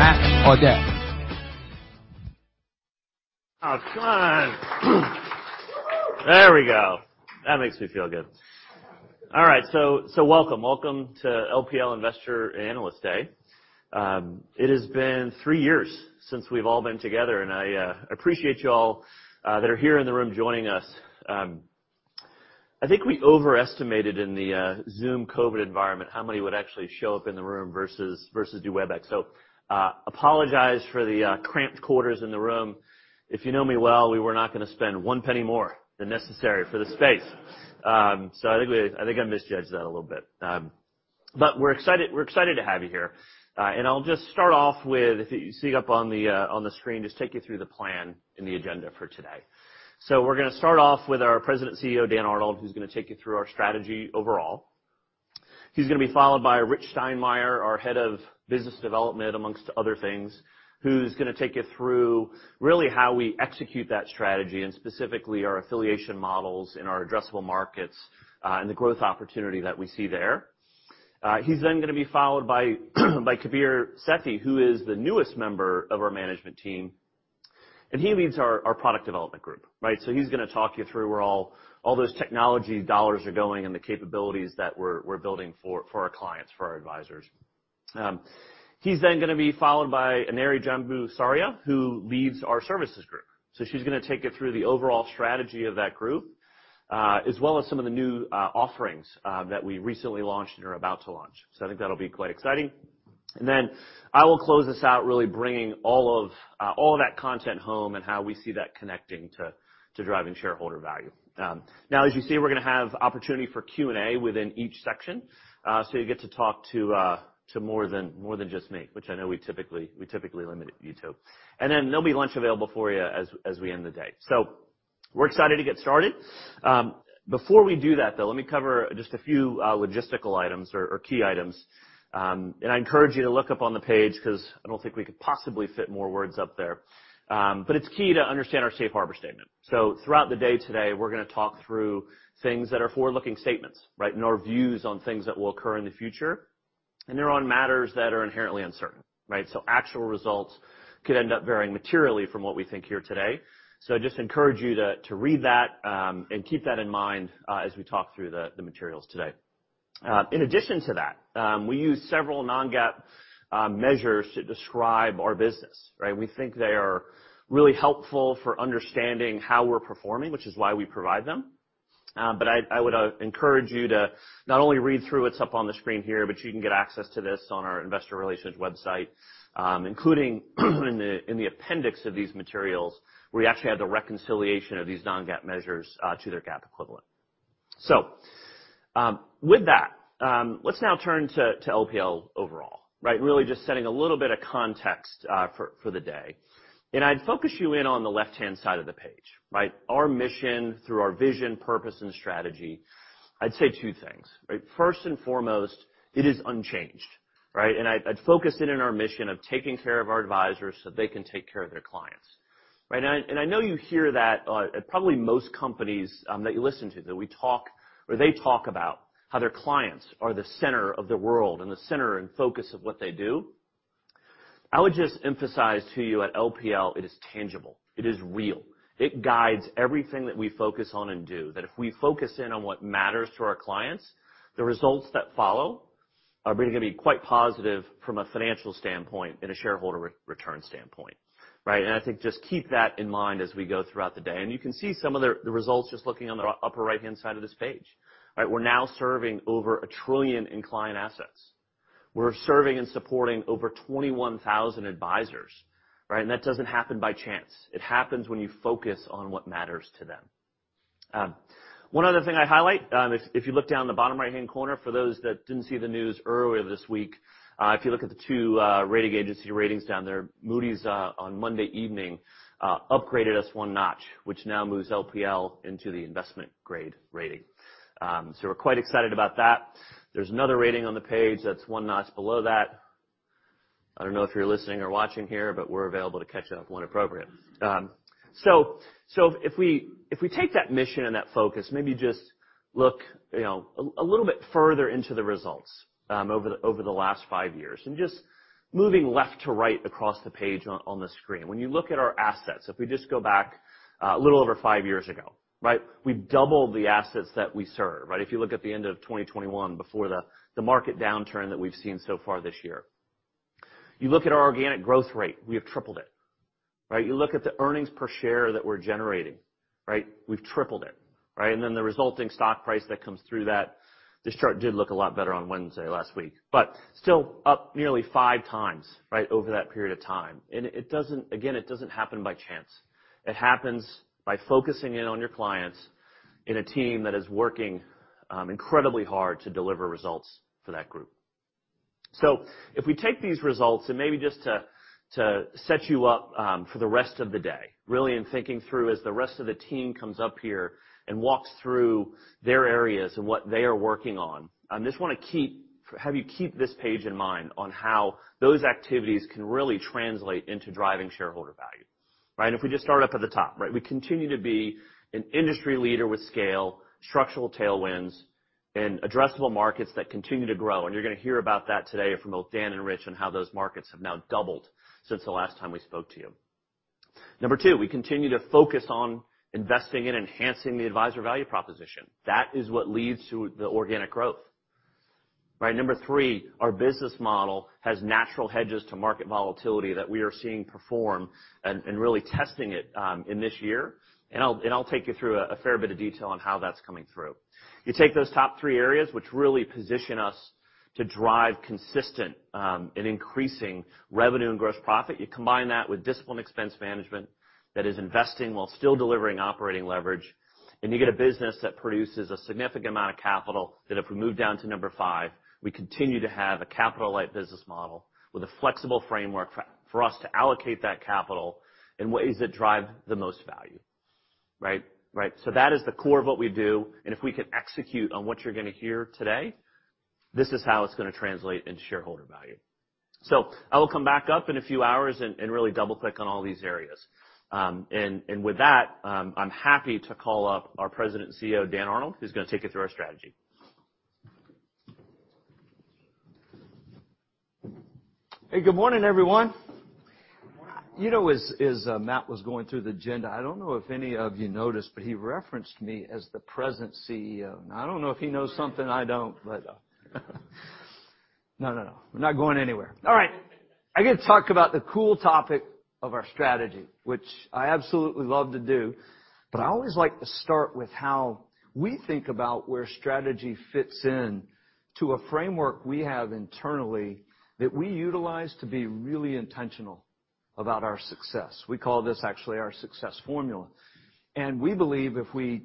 Oh, come on. There we go. That makes me feel good. All right, welcome. Welcome to LPL Investor Analyst Day. It has been three years since we've all been together, and I appreciate you all that are here in the room joining us. I think we overestimated in the Zoom COVID environment how many would actually show up in the room versus do Webex. Apologize for the cramped quarters in the room. If you know me well, we were not gonna spend one penny more than necessary for the space. I think I misjudged that a little bit. We're excited to have you here. I'll just start off with, if you see up on the screen, just take you through the plan and the agenda for today. We're gonna start off with our President and CEO, Dan Arnold, who's gonna take you through our strategy overall. He's gonna be followed by Rich Steinmeier, our Head of Business Development, among other things, who's gonna take you through really how we execute that strategy, and specifically our affiliation models and our addressable markets, and the growth opportunity that we see there. He's then gonna be followed by Kabir Sethi, who is the newest member of our management team, and he leads our product development group, right? He's gonna talk you through where all those technology dollars are going and the capabilities that we're building for our clients, for our advisors. He's then gonna be followed by Aneri Jambusaria, who leads our Services Group. She's gonna take you through the overall strategy of that group, as well as some of the new offerings that we recently launched and are about to launch. I think that'll be quite exciting. I will close this out, really bringing all of that content home and how we see that connecting to driving shareholder value. Now as you see, we're gonna have opportunity for Q&A within each section. You get to talk to more than just me, which I know we typically limit it to two. There'll be lunch available for you as we end the day. We're excited to get started. Before we do that, though, let me cover just a few logistical items or key items. I encourage you to look up on the page 'cause I don't think we could possibly fit more words up there. It's key to understand our safe harbor statement. Throughout the day today, we're gonna talk through things that are forward-looking statements, right, and our views on things that will occur in the future, and they're on matters that are inherently uncertain, right? Actual results could end up varying materially from what we think here today. Just encourage you to read that and keep that in mind as we talk through the materials today. In addition to that, we use several non-GAAP measures to describe our business, right? We think they are really helpful for understanding how we're performing, which is why we provide them. I would encourage you to not only read through what's up on the screen here, but you can get access to this on our investor relations website, including in the appendix of these materials, where we actually have the reconciliation of these non-GAAP measures to their GAAP equivalent. With that, let's now turn to LPL overall, right? Really just setting a little bit of context for the day. I'd focus you in on the left-hand side of the page, right? Our mission through our vision, purpose, and strategy, I'd say two things, right? First and foremost, it is unchanged, right? I'd focus in on our mission of taking care of our advisors so they can take care of their clients, right? I know you hear that at probably most companies that you listen to, that we talk or they talk about how their clients are the center of the world and the center and focus of what they do. I would just emphasize to you at LPL, it is tangible, it is real. It guides everything that we focus on and do, that if we focus in on what matters to our clients, the results that follow are really gonna be quite positive from a financial standpoint and a shareholder return standpoint, right? I think just keep that in mind as we go throughout the day. You can see some of the results just looking on the upper right-hand side of this page. Right? We're now serving over $1 trillion in client assets. We're serving and supporting over 21,000 advisors, right? That doesn't happen by chance. It happens when you focus on what matters to them. One other thing I highlight, if you look down in the bottom right-hand corner, for those that didn't see the news earlier this week, if you look at the two rating agency ratings down there, Moody's on Monday evening upgraded us one notch, which now moves LPL into the investment grade rating. We're quite excited about that. There's another rating on the page that's one notch below that. I don't know if you're listening or watching here, but we're available to catch that up when appropriate. If we take that mission and that focus, maybe just look, you know, a little bit further into the results over the last five years. Just moving left to right across the page on the screen. When you look at our assets, if we just go back a little over five years ago, right? We've doubled the assets that we serve, right? If you look at the end of 2021 before the market downturn that we've seen so far this year. You look at our organic growth rate, we have tripled it, right? You look at the earnings per share that we're generating, right? We've tripled it, right? Then the resulting stock price that comes through that. This chart did look a lot better on Wednesday last week, but still up nearly five times, right, over that period of time. Again, it doesn't happen by chance. It happens by focusing in on your clients in a team that is working incredibly hard to deliver results for that group. If we take these results and maybe just to set you up for the rest of the day, really in thinking through as the rest of the team comes up here and walks through their areas and what they are working on, just wanna have you keep this page in mind on how those activities can really translate into driving shareholder value. Right, if we just start up at the top, right? We continue to be an industry leader with scale, structural tailwinds, and addressable markets that continue to grow. You're gonna hear about that today from both Dan and Rich on how those markets have now doubled since the last time we spoke to you. Number two, we continue to focus on investing and enhancing the advisor value proposition. That is what leads to the organic growth, right? Number three, our business model has natural hedges to market volatility that we are seeing perform and really testing it in this year. I'll take you through a fair bit of detail on how that's coming through. You take those top three areas which really position us to drive consistent and increasing revenue and gross profit. You combine that with disciplined expense management that is investing while still delivering operating leverage, and you get a business that produces a significant amount of capital that if we move down to number five, we continue to have a capital-light business model with a flexible framework for us to allocate that capital in ways that drive the most value, right? Right. That is the core of what we do, and if we can execute on what you're gonna hear today, this is how it's gonna translate into shareholder value. I will come back up in a few hours and really double-click on all these areas. With that, I'm happy to call up our President and CEO, Dan Arnold, who's gonna take you through our strategy. Hey, good morning, everyone. You know, as Matt was going through the agenda, I don't know if any of you noticed, but he referenced me as the President and CEO, and I don't know if he knows something I don't, but. No, no. We're not going anywhere. All right. I get to talk about the cool topic of our strategy, which I absolutely love to do, but I always like to start with how we think about where strategy fits into a framework we have internally that we utilize to be really intentional about our success. We call this actually our success formula. We believe if we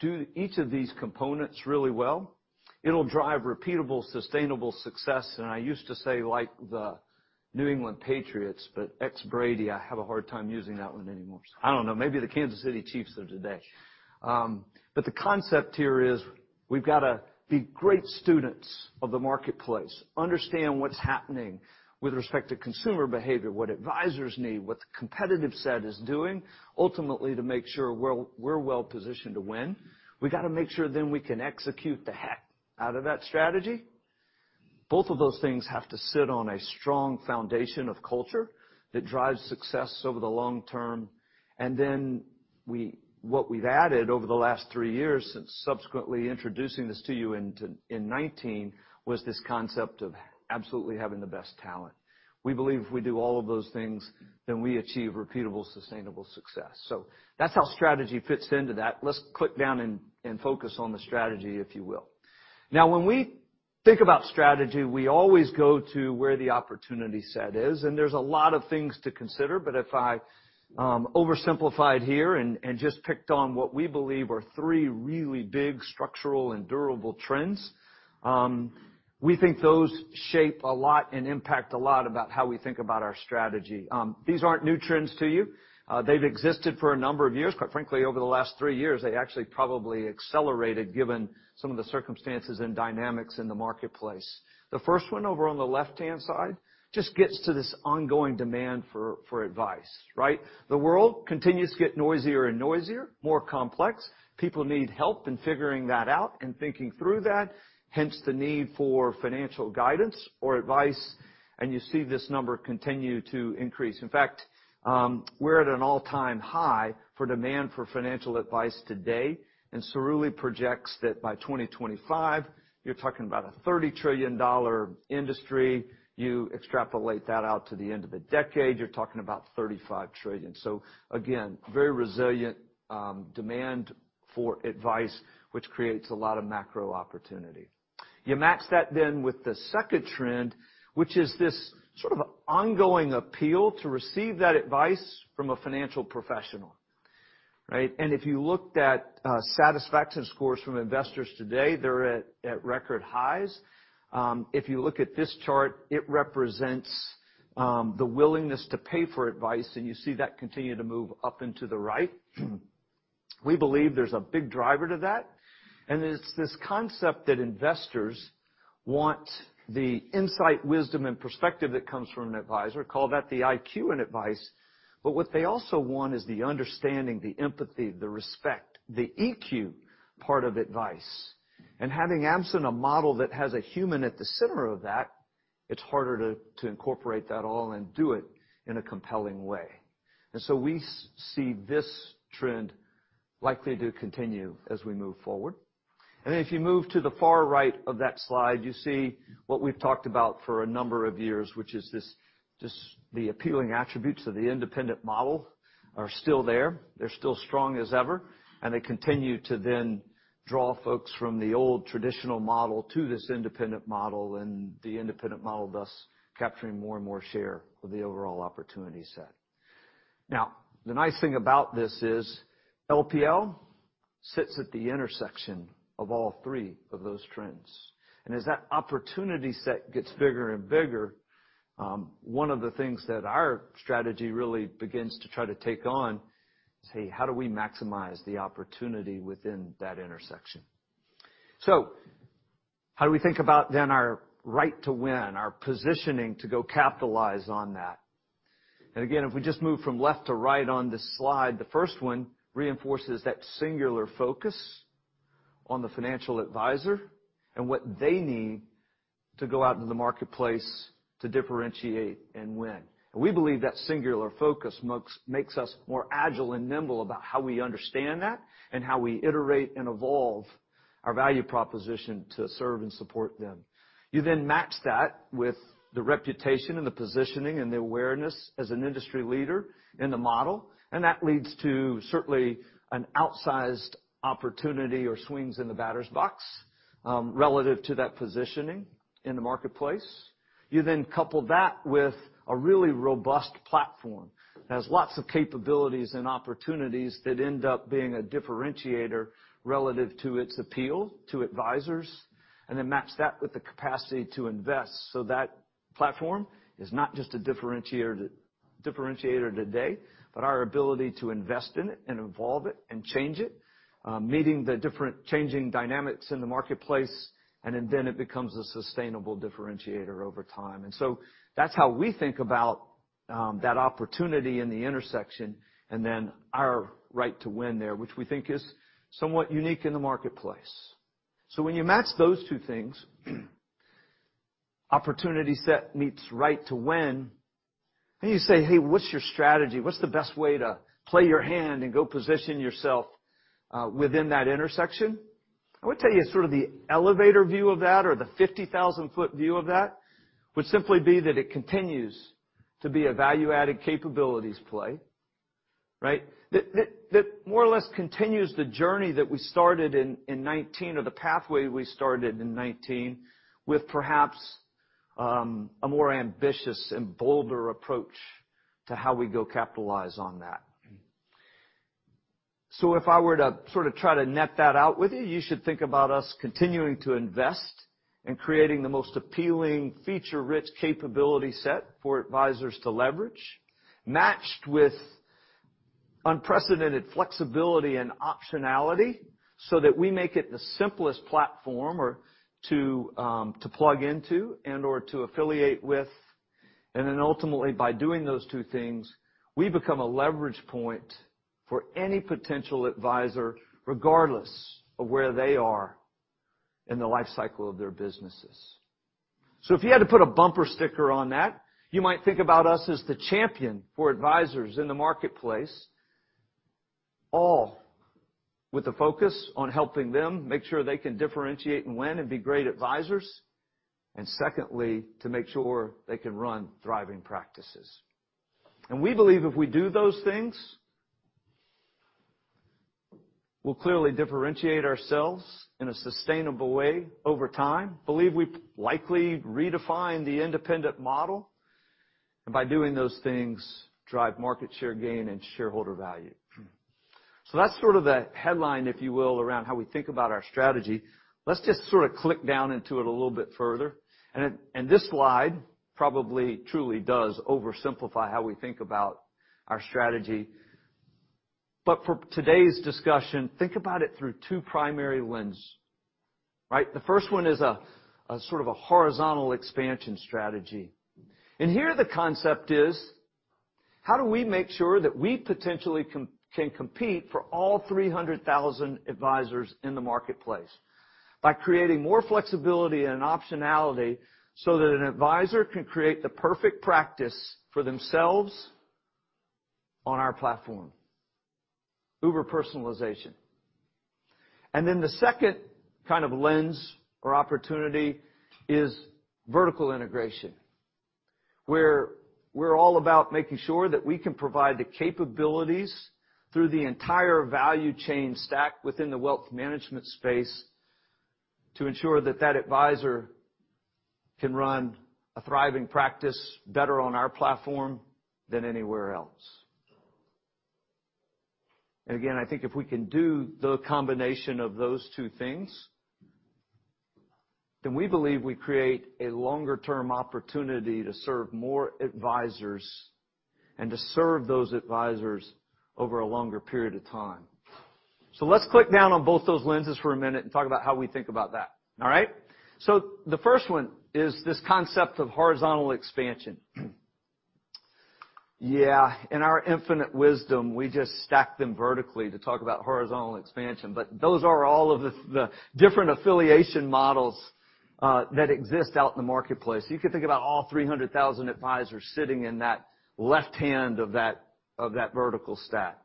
do each of these components really well, it'll drive repeatable, sustainable success. I used to say like the New England Patriots, but ex-Brady, I have a hard time using that one anymore. I don't know, maybe the Kansas City Chiefs of today. But the concept here is, we've gotta be great students of the marketplace, understand what's happening with respect to consumer behavior, what advisors need, what the competitive set is doing, ultimately to make sure we're well positioned to win. We gotta make sure then we can execute the heck out of that strategy. Both of those things have to sit on a strong foundation of culture that drives success over the long term. What we've added over the last three years since subsequently introducing this to you in 2019 was this concept of absolutely having the best talent. We believe if we do all of those things, then we achieve repeatable, sustainable success. That's how strategy fits into that. Let's click down and focus on the strategy, if you will. Now, when we think about strategy, we always go to where the opportunity set is, and there's a lot of things to consider. But if I oversimplify it here and just picked on what we believe are three really big structural and durable trends, we think those shape a lot and impact a lot about how we think about our strategy. These aren't new trends to you. They've existed for a number of years. Quite frankly, over the last three years, they actually probably accelerated given some of the circumstances and dynamics in the marketplace. The first one over on the left-hand side just gets to this ongoing demand for advice, right? The world continues to get noisier and noisier, more complex. People need help in figuring that out and thinking through that, hence the need for financial guidance or advice, and you see this number continue to increase. In fact, we're at an all-time high for demand for financial advice today, and Cerulli projects that by 2025, you're talking about a $30 trillion industry. You extrapolate that out to the end of the decade, you're talking about $35 trillion. So again, very resilient demand for advice, which creates a lot of macro opportunity. You match that then with the second trend, which is this sort of ongoing appeal to receive that advice from a financial professional, right? If you looked at satisfaction scores from investors today, they're at record highs. If you look at this chart, it represents the willingness to pay for advice, and you see that continue to move up and to the right. We believe there's a big driver to that, and it's this concept that investors want the insight, wisdom, and perspective that comes from an advisor, call that the IQ in advice. But what they also want is the understanding, the empathy, the respect, the EQ part of advice. Absent a model that has a human at the center of that, it's harder to incorporate all that and do it in a compelling way. We see this trend likely to continue as we move forward. If you move to the far right of that slide, you see what we've talked about for a number of years, which is this, just the appealing attributes of the independent model are still there. They're still strong as ever, and they continue to then draw folks from the old traditional model to this independent model, and the independent model, thus capturing more and more share of the overall opportunity set. Now, the nice thing about this is LPL sits at the intersection of all three of those trends. As that opportunity set gets bigger and bigger, one of the things that our strategy really begins to try to take on is, hey, how do we maximize the opportunity within that intersection? How do we think about then our right to win, our positioning to go capitalize on that? If we just move from left to right on this slide, the first one reinforces that singular focus on the financial advisor and what they need to go out into the marketplace to differentiate and win. We believe that singular focus makes us more agile and nimble about how we understand that and how we iterate and evolve our value proposition to serve and support them. You then match that with the reputation and the positioning and the awareness as an industry leader in the model, and that leads to certainly an outsized opportunity or swings in the batter's box relative to that positioning in the marketplace. You then couple that with a really robust platform that has lots of capabilities and opportunities that end up being a differentiator relative to its appeal to advisors, and then match that with the capacity to invest. That platform is not just a differentiator today, but our ability to invest in it and evolve it and change it, meeting the different changing dynamics in the marketplace, and then it becomes a sustainable differentiator over time. That's how we think about that opportunity in the intersection and then our right to win there, which we think is somewhat unique in the marketplace. When you match those two things, opportunity set meets right to win, then you say, "Hey, what's your strategy? What's the best way to play your hand and go position yourself within that intersection?" I would tell you sort of the elevator view of that or the fifty-thousand-foot view of that would simply be that it continues to be a value-added capabilities play, right? That more or less continues the journey that we started in 2019 or the pathway we started in 2019 with perhaps a more ambitious and bolder approach to how we go capitalize on that. If I were to sort of try to net that out with you should think about us continuing to invest in creating the most appealing feature-rich capability set for advisors to leverage, matched with unprecedented flexibility and optionality so that we make it the simplest platform to plug into and/or to affiliate with. Ultimately, by doing those two things, we become a leverage point for any potential advisor, regardless of where they are in the life cycle of their businesses. If you had to put a bumper sticker on that, you might think about us as the champion for advisors in the marketplace, all with a focus on helping them make sure they can differentiate and win and be great advisors, and secondly, to make sure they can run thriving practices. We believe if we do those things, we'll clearly differentiate ourselves in a sustainable way over time. Believe we likely redefine the independent model, and by doing those things, drive market share gain and shareholder value. That's sort of the headline, if you will, around how we think about our strategy. Let's just sort of click down into it a little bit further. This slide probably truly does oversimplify how we think about our strategy. For today's discussion, think about it through two primary lens, right? The first one is a sort of horizontal expansion strategy. Here the concept is, how do we make sure that we potentially can compete for all 300,000 advisors in the marketplace? By creating more flexibility and optionality so that an advisor can create the perfect practice for themselves on our platform, uber-personalization. The second kind of lens or opportunity is vertical integration, where we're all about making sure that we can provide the capabilities through the entire value chain stack within the wealth management space to ensure that that advisor can run a thriving practice better on our platform than anywhere else. I think if we can do the combination of those two things, then we believe we create a longer-term opportunity to serve more advisors and to serve those advisors over a longer period of time. Let's click down on both those lenses for a minute and talk about how we think about that. All right? The first one is this concept of horizontal expansion. Yeah, in our infinite wisdom, we just stacked them vertically to talk about horizontal expansion. But those are all of the different affiliation models that exist out in the marketplace. You could think about all 300,000 advisors sitting in that left hand of that vertical stack.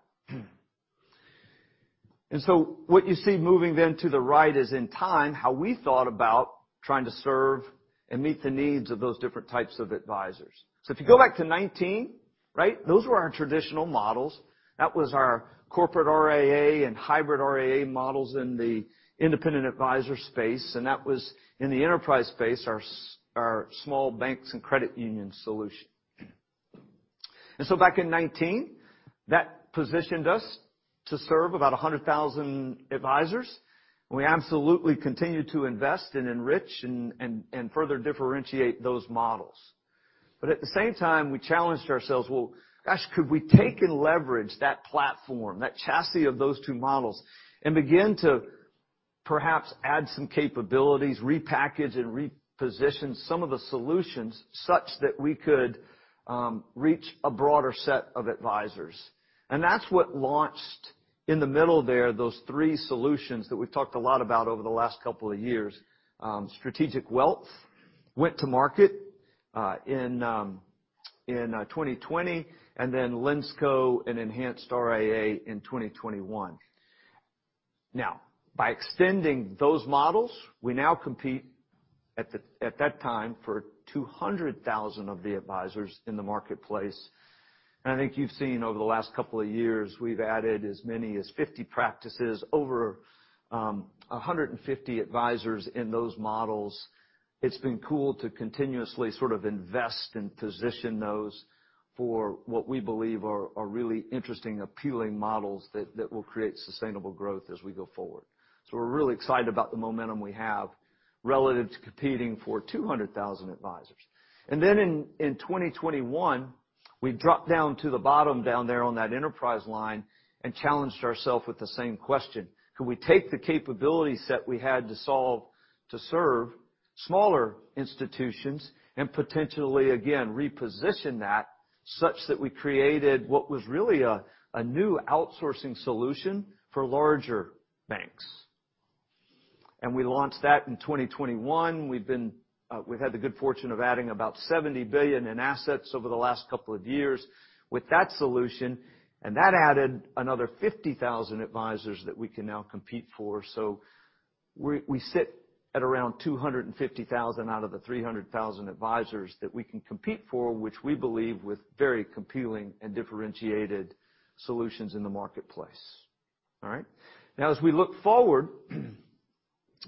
What you see moving then to the right is in time, how we thought about trying to serve and meet the needs of those different types of advisors. If you go back to 2019, right? Those were our traditional models. That was our corporate RAA and hybrid RAA models in the independent advisor space, and that was in the enterprise space, our small banks and credit union solution. Back in 2019, that positioned us to serve about 100,000 advisors, and we absolutely continued to invest and enrich and further differentiate those models. At the same time, we challenged ourselves: "Well, gosh, could we take and leverage that platform, that chassis of those two models, and begin to perhaps add some capabilities, repackage, and reposition some of the solutions such that we could reach a broader set of advisors?" That's what launched in the middle there, those three solutions that we've talked a lot about over the last couple of years. Strategic Wealth went to market in 2020, and then Linsco and Enhanced RIA in 2021. By extending those models, we now compete at that time for 200,000 of the advisors in the marketplace. I think you've seen over the last couple of years, we've added as many as 50 practices over a 150 advisors in those models. It's been cool to continuously sort of invest and position those for what we believe are really interesting, appealing models that will create sustainable growth as we go forward. We're really excited about the momentum we have relative to competing for 200,000 advisors. Then in 2021, we dropped down to the bottom down there on that enterprise line and challenged ourselves with the same question: Could we take the capabilities that we had to solve to serve smaller institutions and potentially, again, reposition that such that we created what was really a new outsourcing solution for larger banks? We launched that in 2021. We've been, we've had the good fortune of adding about $70 billion in assets over the last couple of years with that solution, and that added another 50,000 advisors that we can now compete for. We sit at around 250,000 out of the 300,000 advisors that we can compete for, which we believe with very compelling and differentiated solutions in the marketplace. All right? Now, as we look forward,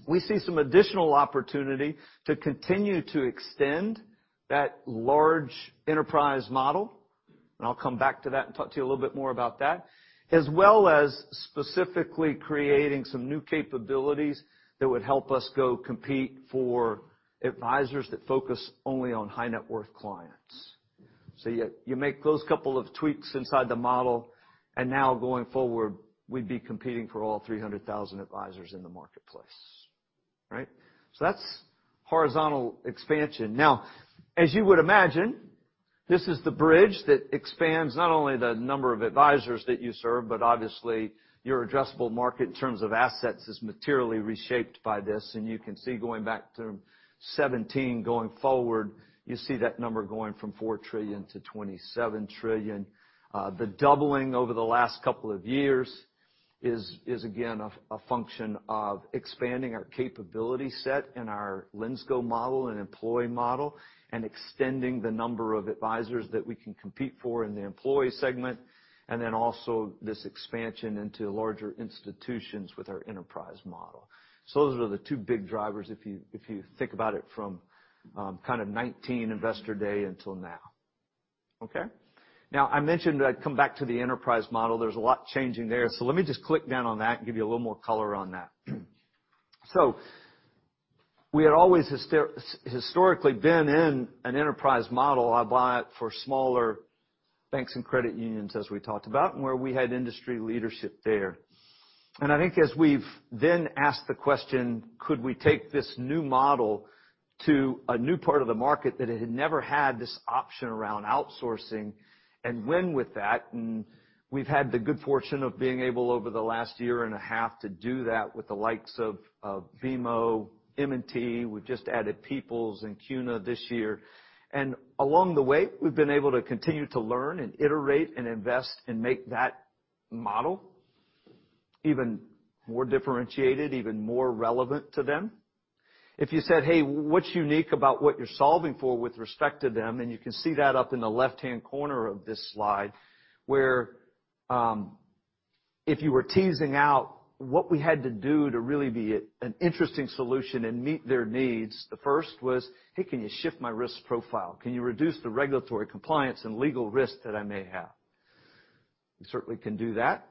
we see some additional opportunity to continue to extend that large enterprise model, and I'll come back to that and talk to you a little bit more about that, as well as specifically creating some new capabilities that would help us go compete for advisors that focus only on high-net-worth clients. You make those couple of tweaks inside the model, and now going forward, we'd be competing for all 300,000 advisors in the marketplace. Right? That's horizontal expansion. Now, as you would imagine, this is the bridge that expands not only the number of advisors that you serve, but obviously your addressable market in terms of assets is materially reshaped by this. You can see going back to 2017 going forward, you see that number going from $4 trillion to $27 trillion. The doubling over the last couple of years is again a function of expanding our capability set in our Linsco model and employee model and extending the number of advisors that we can compete for in the employee segment, and then also this expansion into larger institutions with our enterprise model. Those are the two big drivers if you think about it from kind of 2019 Investor Day until now. Okay. Now, I mentioned I'd come back to the enterprise model. There's a lot changing there, so let me just click down on that and give you a little more color on that. We had always historically been in an enterprise model, albeit for smaller banks and credit unions, as we talked about, and where we had industry leadership there. I think as we've then asked the question, could we take this new model to a new part of the market that had never had this option around outsourcing and win with that? We've had the good fortune of being able, over the last year and a half, to do that with the likes of BMO, M&T. We've just added People's and CUNA this year. Along the way, we've been able to continue to learn and iterate and invest and make that model even more differentiated, even more relevant to them. If you said, "Hey, what's unique about what you're solving for with respect to them?" You can see that up in the left-hand corner of this slide, where, if you were teasing out what we had to do to really be an interesting solution and meet their needs, the first was, "Hey, can you shift my risk profile? Can you reduce the regulatory compliance and legal risk that I may have?" We certainly can do that.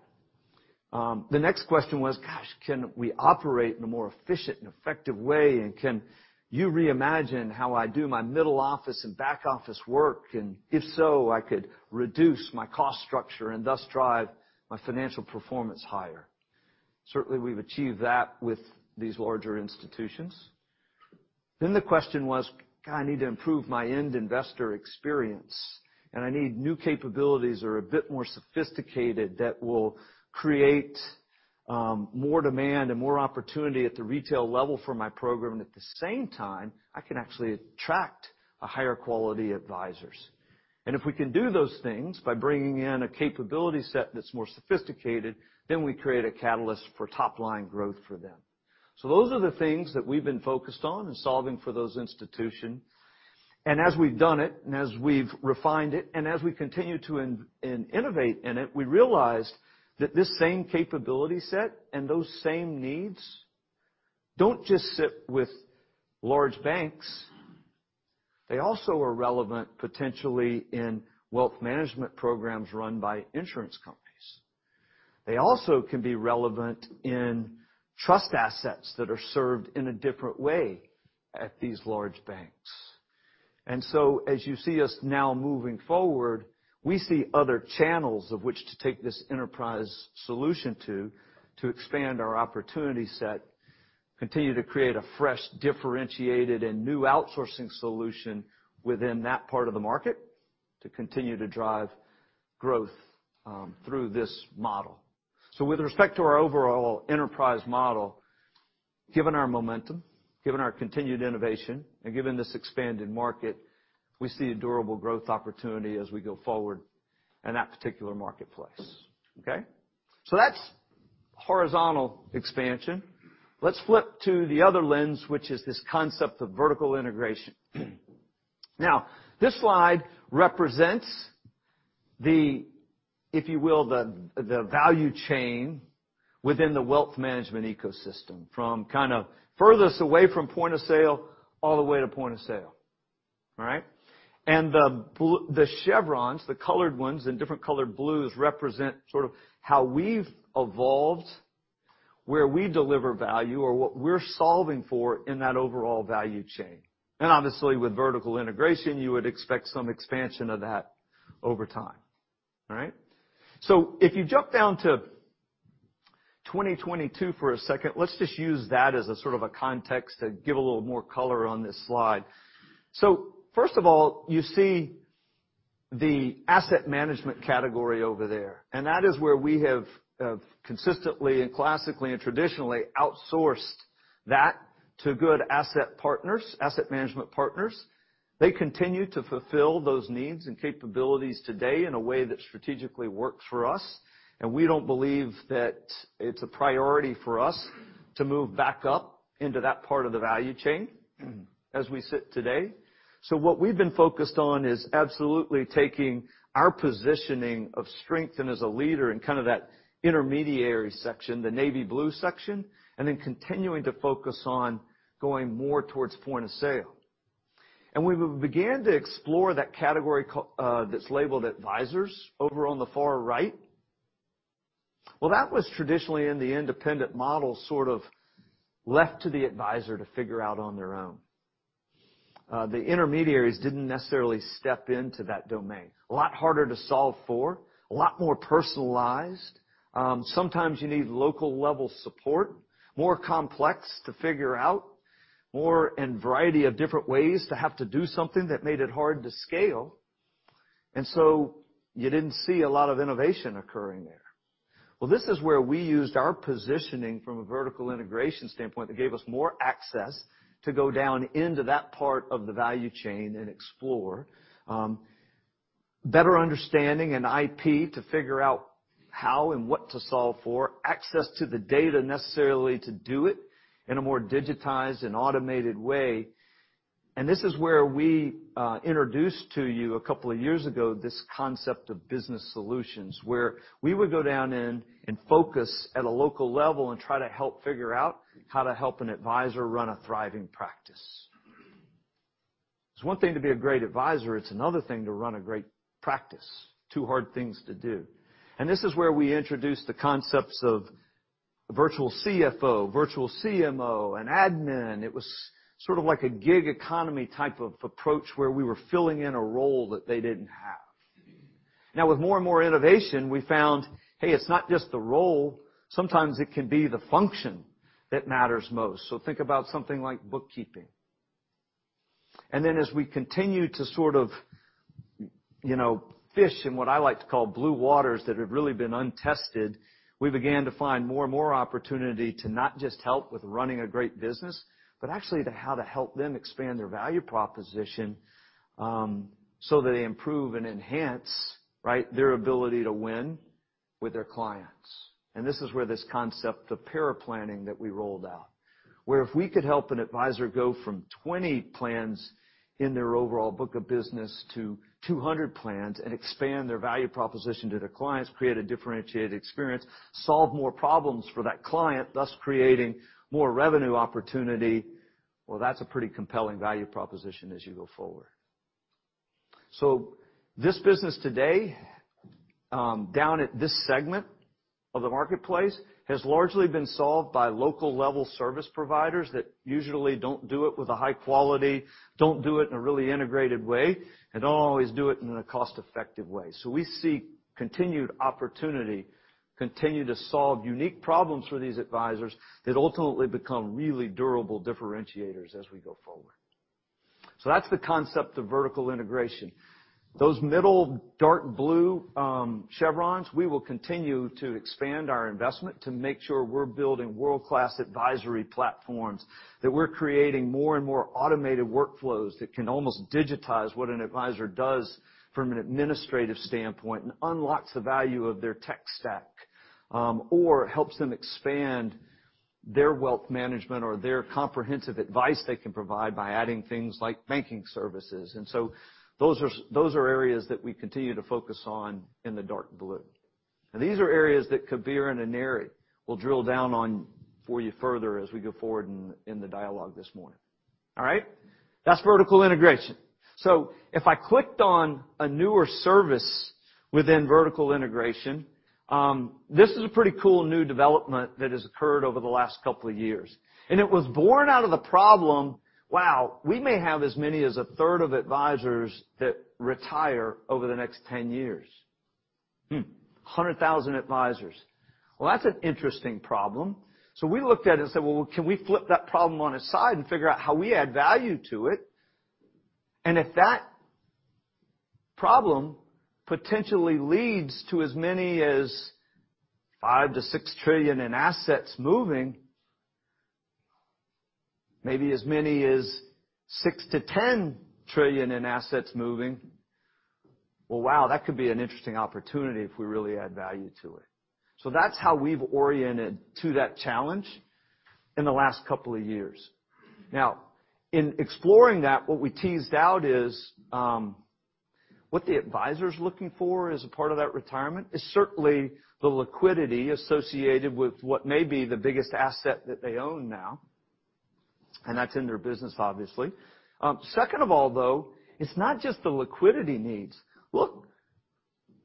The next question was, "Gosh, can we operate in a more efficient and effective way, and can you reimagine how I do my middle office and back-office work? And if so, I could reduce my cost structure and thus drive my financial performance higher." Certainly, we've achieved that with these larger institutions. The question was, "God, I need to improve my end investor experience, and I need new capabilities that are a bit more sophisticated that will create more demand and more opportunity at the retail level for my program. At the same time, I can actually attract a higher quality advisors." If we can do those things by bringing in a capability set that's more sophisticated, then we create a catalyst for top-line growth for them. Those are the things that we've been focused on and solving for those institution. As we've done it, and as we've refined it, and as we continue to innovate in it, we realized that this same capability set and those same needs don't just sit with large banks. They also are relevant potentially in wealth management programs run by insurance companies. They also can be relevant in trust assets that are served in a different way at these large banks. As you see us now moving forward, we see other channels of which to take this enterprise solution to expand our opportunity set, continue to create a fresh, differentiated, and new outsourcing solution within that part of the market to continue to drive growth through this model. With respect to our overall enterprise model, given our momentum, given our continued innovation, and given this expanded market, we see a durable growth opportunity as we go forward in that particular marketplace. Okay? That's horizontal expansion. Let's flip to the other lens, which is this concept of vertical integration. Now, this slide represents, if you will, the value chain within the wealth management ecosystem from kind of furthest away from point of sale all the way to point of sale. All right? The chevrons, the colored ones in different colored blues represent sort of how we've evolved, where we deliver value or what we're solving for in that overall value chain. Obviously with vertical integration, you would expect some expansion of that over time. All right? If you jump down to 2022 for a second, let's just use that as a sort of a context to give a little more color on this slide. First of all, you see the asset management category over there, and that is where we have consistently and classically and traditionally outsourced that to good asset partners, asset management partners. They continue to fulfill those needs and capabilities today in a way that strategically works for us, and we don't believe that it's a priority for us to move back up into that part of the value chain as we sit today. What we've been focused on is absolutely taking our positioning of strength and as a leader in kind of that intermediary section, the navy blue section, and then continuing to focus on going more towards point of sale. When we began to explore that category, that's labeled Advisors over on the far right, well, that was traditionally in the independent model sort of left to the advisor to figure out on their own. The intermediaries didn't necessarily step into that domain. A lot harder to solve for, a lot more personalized, sometimes you need local-level support, more complex to figure out, more of a variety of different ways to have to do something that made it hard to scale. You didn't see a lot of innovation occurring there. Well, this is where we used our positioning from a vertical integration standpoint that gave us more access to go down into that part of the value chain and explore, better understanding and IP to figure out how and what to solve for, access to the data necessary to do it in a more digitized and automated way. This is where we introduced to you a couple of years ago, this concept of Business Solutions, where we would go down in and focus at a local level and try to help figure out how to help an advisor run a thriving practice. It's one thing to be a great advisor, it's another thing to run a great practice. Two hard things to do. This is where we introduced the concepts of virtual CFO, virtual CMO, and admin. It was sort of like a gig economy type of approach where we were filling in a role that they didn't have. Now, with more and more innovation, we found, hey, it's not just the role, sometimes it can be the function that matters most. Think about something like bookkeeping. Then as we continue to sort of, you know, fish in what I like to call blue ocean that have really been untested, we began to find more and more opportunity to not just help with running a great business, but actually to how to help them expand their value proposition, so that they improve and enhance, right, their ability to win with their clients. This is where this concept, the Paraplanning that we rolled out, where if we could help an advisor go from 20 plans in their overall book of business to 200 plans and expand their value proposition to their clients, create a differentiated experience, solve more problems for that client, thus creating more revenue opportunity, well, that's a pretty compelling value proposition as you go forward. This business today, down at this segment of the marketplace, has largely been solved by local-level service providers that usually don't do it with a high quality, don't do it in a really integrated way, and don't always do it in a cost-effective way. We see continued opportunity continue to solve unique problems for these advisors that ultimately become really durable differentiators as we go forward. That's the concept of vertical integration. Those middle dark blue chevrons, we will continue to expand our investment to make sure we're building world-class advisory platforms, that we're creating more and more automated workflows that can almost digitize what an advisor does from an administrative standpoint and unlocks the value of their tech stack, or helps them expand their wealth management or their comprehensive advice they can provide by adding things like banking services. Those are areas that we continue to focus on in the dark blue. These are areas that Kabir and Aneri will drill down on for you further as we go forward in the dialogue this morning. All right. That's vertical integration. If I clicked on a newer service within vertical integration, this is a pretty cool new development that has occurred over the last couple of years. It was born out of the problem, we may have as many as a third of advisors that retire over the next 10 years. 100,000 advisors. That's an interesting problem. We looked at it and said, "Well, can we flip that problem on its side and figure out how we add value to it?" If that problem potentially leads to as many as $5-6 trillion in assets moving, maybe as many as $6-10 trillion in assets moving, well, wow, that could be an interesting opportunity if we really add value to it. That's how we've oriented to that challenge in the last couple of years. Now, in exploring that, what we teased out is, what the advisor's looking for as a part of that retirement is certainly the liquidity associated with what may be the biggest asset that they own now, and that's in their business, obviously. Second of all, though, it's not just the liquidity needs. Look,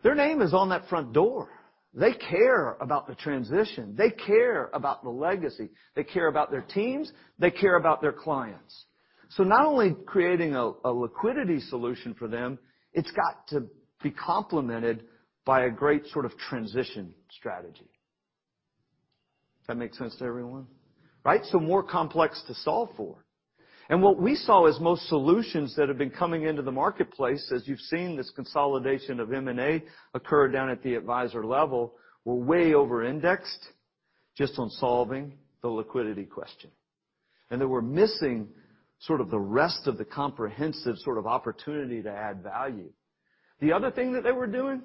their name is on that front door. They care about the transition. They care about the legacy. They care about their teams. They care about their clients. Not only creating a liquidity solution for them, it's got to be complemented by a great sort of transition strategy. That make sense to everyone? Right, more complex to solve for. What we saw is most solutions that have been coming into the marketplace, as you've seen this consolidation of M&A occur down at the advisor level, were way over-indexed just on solving the liquidity question. They were missing sort of the rest of the comprehensive sort of opportunity to add value. The other thing that they were doing,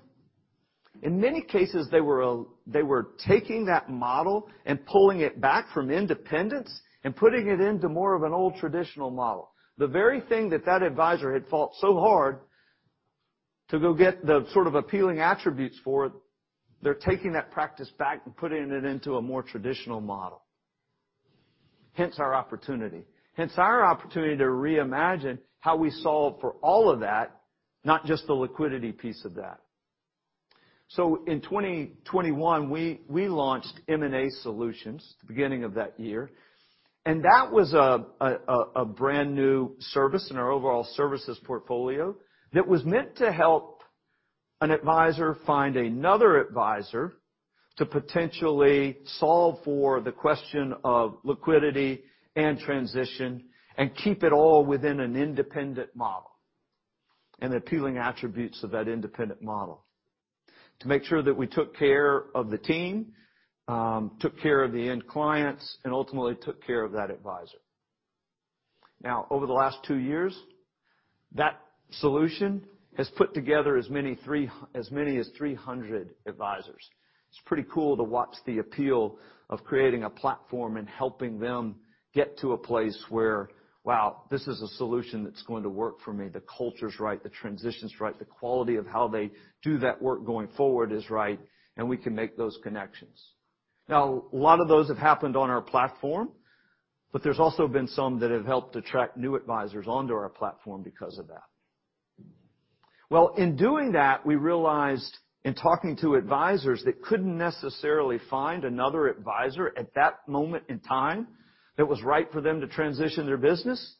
in many cases, they were taking that model and pulling it back from independence and putting it into more of an old traditional model. The very thing that advisor had fought so hard to go get the sort of appealing attributes for it, they're taking that practice back and putting it into a more traditional model. Hence, our opportunity. Hence, our opportunity to reimagine how we solve for all of that, not just the liquidity piece of that. In 2021, we launched M&A Solutions the beginning of that year, and that was a brand-new service in our overall services portfolio that was meant to help an advisor find another advisor to potentially solve for the question of liquidity and transition and keep it all within an independent model and appealing attributes of that independent model, to make sure that we took care of the team, took care of the end clients, and ultimately took care of that advisor. Now, over the last two years, that solution has put together as many as 300 advisors. It's pretty cool to watch the appeal of creating a platform and helping them get to a place where, wow, this is a solution that's going to work for me. The culture's right. The transition's right. The quality of how they do that work going forward is right, and we can make those connections. Now, a lot of those have happened on our platform, but there's also been some that have helped attract new advisors onto our platform because of that. Well, in doing that, we realized in talking to advisors that couldn't necessarily find another advisor at that moment in time that was right for them to transition their business,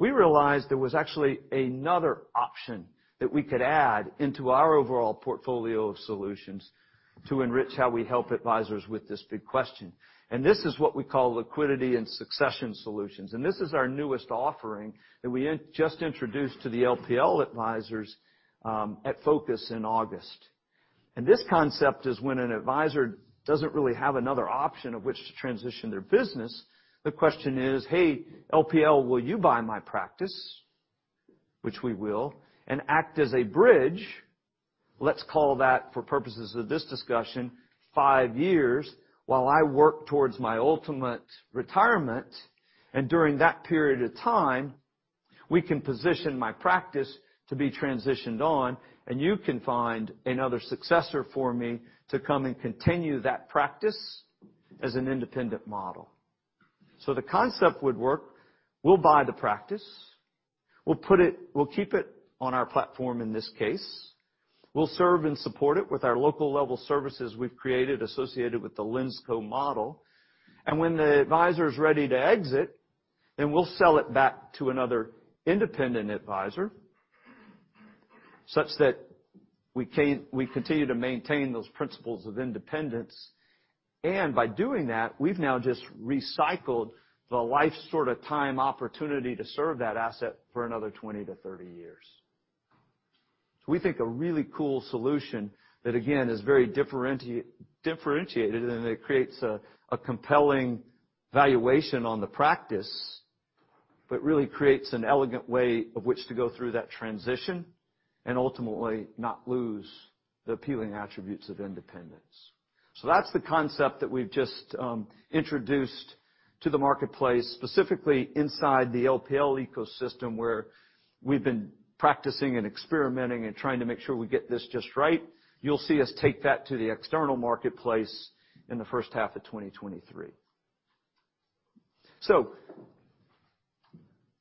we realized there was actually another option that we could add into our overall portfolio of solutions to enrich how we help advisors with this big question. This is what we call Liquidity & Succession solutions, and this is our newest offering that we just introduced to the LPL advisors at Focus in August. This concept is when an advisor doesn't really have another option of which to transition their business, the question is, "Hey, LPL, will you buy my practice?" Which we will, and act as a bridge, let's call that for purposes of this discussion, five years while I work towards my ultimate retirement. During that period of time, we can position my practice to be transitioned on, and you can find another successor for me to come and continue that practice as an independent model. The concept would work. We'll buy the practice. We'll keep it on our platform in this case. We'll serve and support it with our local level services we've created associated with the Linsco model. When the advisor's ready to exit, then we'll sell it back to another independent advisor such that we continue to maintain those principles of independence. By doing that, we've now just recycled the lifetime opportunity to serve that asset for another 20-30 years. We think a really cool solution that, again, is very differentiated, and it creates a compelling valuation on the practice, but really creates an elegant way of which to go through that transition and ultimately not lose the appealing attributes of independence. That's the concept that we've just introduced to the marketplace, specifically inside the LPL ecosystem, where we've been practicing and experimenting and trying to make sure we get this just right. You'll see us take that to the external marketplace in the first half of 2023.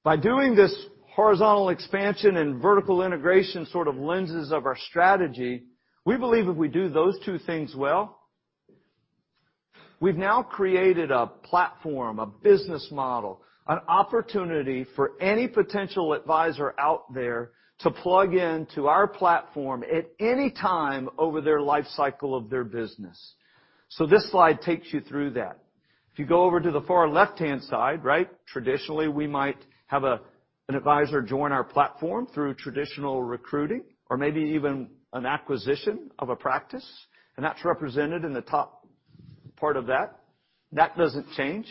By doing this horizontal expansion and vertical integration sort of lenses of our strategy, we believe if we do those two things well, we've now created a platform, a business model, an opportunity for any potential advisor out there to plug into our platform at any time over their life cycle of their business. This slide takes you through that. If you go over to the far left-hand side, right, traditionally, we might have an advisor join our platform through traditional recruiting or maybe even an acquisition of a practice, and that's represented in the top part of that. That doesn't change.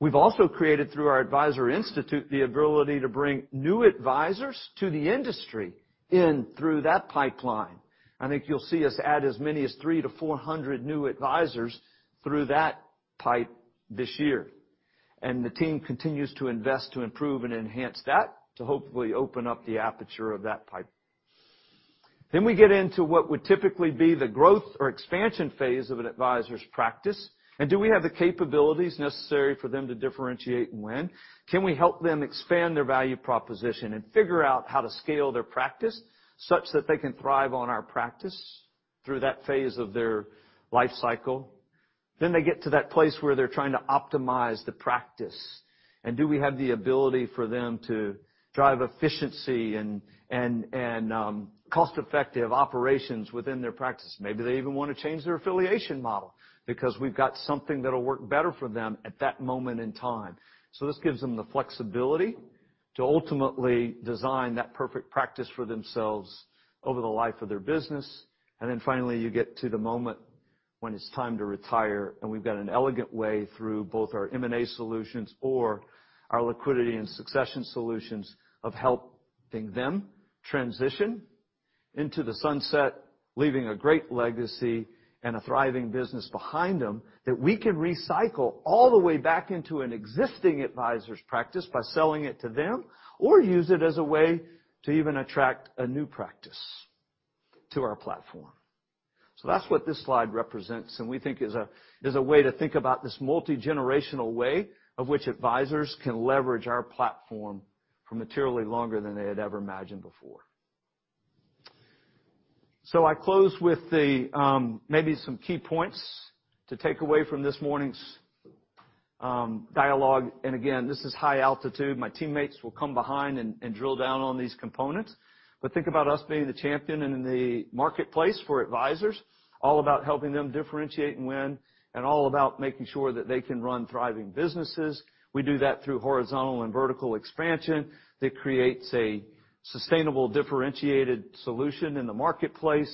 We've also created through our Advisor Institute the ability to bring new advisors to the industry into through that pipeline. I think you'll see us add as many as 300-400 new advisors through that pipe this year. The team continues to invest to improve and enhance that to hopefully open up the aperture of that pipe. We get into what would typically be the growth or expansion phase of an advisor's practice. Do we have the capabilities necessary for them to differentiate and win? Can we help them expand their value proposition and figure out how to scale their practice such that they can thrive on our practice through that phase of their life cycle? They get to that place where they're trying to optimize the practice, and do we have the ability for them to drive efficiency and cost-effective operations within their practice? Maybe they even want to change their affiliation model because we've got something that'll work better for them at that moment in time. This gives them the flexibility to ultimately design that perfect practice for themselves over the life of their business. Finally, you get to the moment when it's time to retire, and we've got an elegant way through both our M&A Solutions or our Liquidity and Succession solutions of helping them transition into the sunset, leaving a great legacy and a thriving business behind them that we can recycle all the way back into an existing advisor's practice by selling it to them or use it as a way to even attract a new practice to our platform. That's what this slide represents and we think is a way to think about this multigenerational way of which advisors can leverage our platform for materially longer than they had ever imagined before. I close with the, maybe some key points to take away from this morning's, dialogue. Again, this is high altitude. My teammates will come behind and drill down on these components. Think about us being the champion and in the marketplace for advisors, all about helping them differentiate and win and all about making sure that they can run thriving businesses. We do that through horizontal and vertical expansion that creates a sustainable, differentiated solution in the marketplace.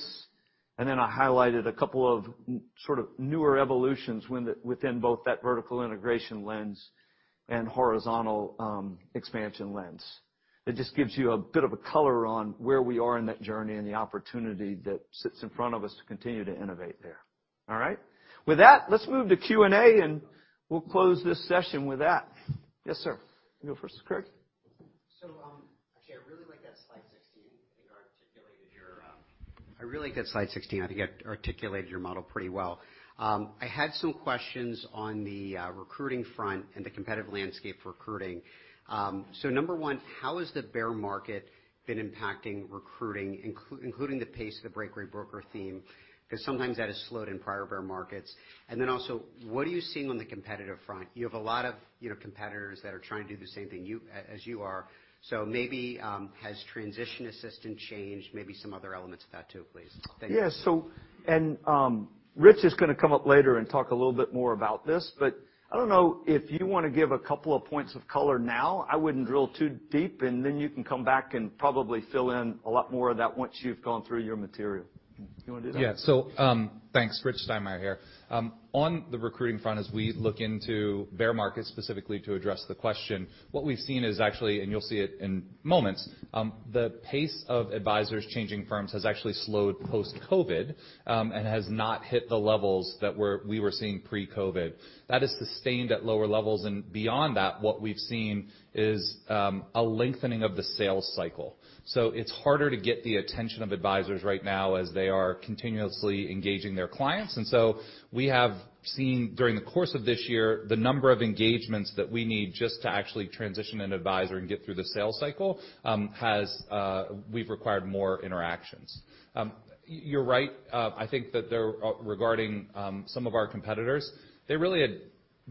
Then I highlighted a couple of sort of newer evolutions within both that vertical integration lens and horizontal expansion lens. That just gives you a bit of a color on where we are in that journey and the opportunity that sits in front of us to continue to innovate there. All right? With that, let's move to Q&A, and we'll close this session with that. Yes, sir. You go first, Craig. Actually I really like that slide 16. I think it articulated your model pretty well. I had some questions on the recruiting front and the competitive landscape for recruiting. Number one, how has the bear market been impacting recruiting, including the pace of the breakaway broker theme? 'Cause sometimes that has slowed in prior bear markets. Then also, what are you seeing on the competitive front? You have a lot of, you know, competitors that are trying to do the same thing you, as you are. Maybe, has Transition Assist changed, maybe some other elements of that too, please? Thank you. Rich Steinmeier is gonna come up later and talk a little bit more about this, but I don't know if you wanna give a couple of points of color now. I wouldn't drill too deep, and then you can come back and probably fill in a lot more of that once you've gone through your material. You wanna do that? Yeah. Thanks. Rich Steinmeier here. On the recruiting front, as we look into bear markets specifically to address the question, what we've seen is actually, and you'll see it in moments, the pace of advisors changing firms has actually slowed post-COVID, and has not hit the levels that we were seeing pre-COVID. That has sustained at lower levels, and beyond that, what we've seen is a lengthening of the sales cycle. It's harder to get the attention of advisors right now as they are continuously engaging their clients. We have seen during the course of this year, the number of engagements that we need just to actually transition an advisor and get through the sales cycle, has, we've required more interactions. You're right, I think that regarding some of our competitors, they really had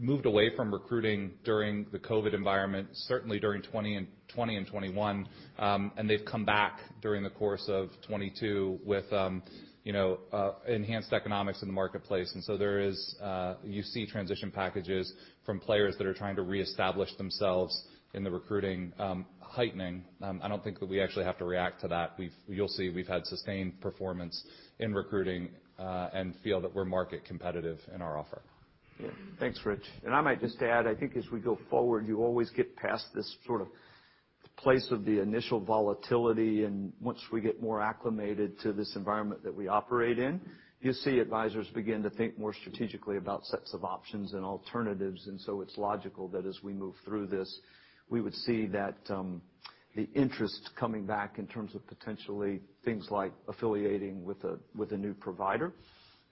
moved away from recruiting during the COVID environment, certainly during 2020 and 2021, and they've come back during the course of 2022 with, you know, enhanced economics in the marketplace. There is, you see, transition packages from players that are trying to reestablish themselves in the recruiting heightening. I don't think that we actually have to react to that. You'll see we've had sustained performance in recruiting, and feel that we're market competitive in our offer. Yeah. Thanks, Rich. I might just add, I think as we go forward, you always get past this sort of place of the initial volatility, and once we get more acclimated to this environment that we operate in, you'll see advisors begin to think more strategically about sets of options and alternatives. It's logical that as we move through this, we would see that, the interest coming back in terms of potentially things like affiliating with a, with a new provider.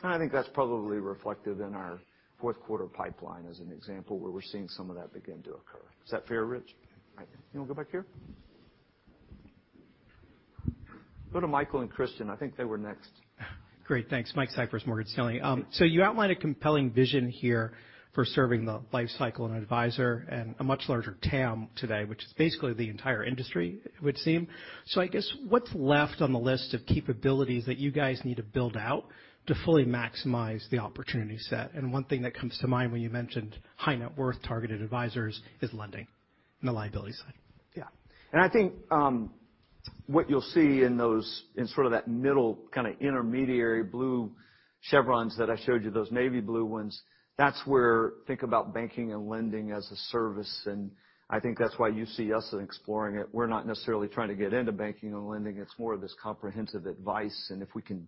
I think that's probably reflected in our fourth quarter pipeline as an example where we're seeing some of that begin to occur. Is that fair, Rich? You wanna go back here? Go to Michael and Christian. I think they were next. Great. Thanks. Michael Cyprys, Morgan Stanley. You outlined a compelling vision here for serving the lifecycle of an advisor and a much larger TAM today, which is basically the entire industry, it would seem. I guess, what's left on the list of capabilities that you guys need to build out to fully maximize the opportunity set? One thing that comes to mind when you mentioned high net worth targeted advisors is lending and the liability side. Yeah. I think what you'll see in those in sort of that middle kinda intermediary blue chevrons that I showed you, those navy blue ones, that's where we think about banking and lending as a service. I think that's why you see us exploring it. We're not necessarily trying to get into banking and lending. It's more of this comprehensive advice. If we can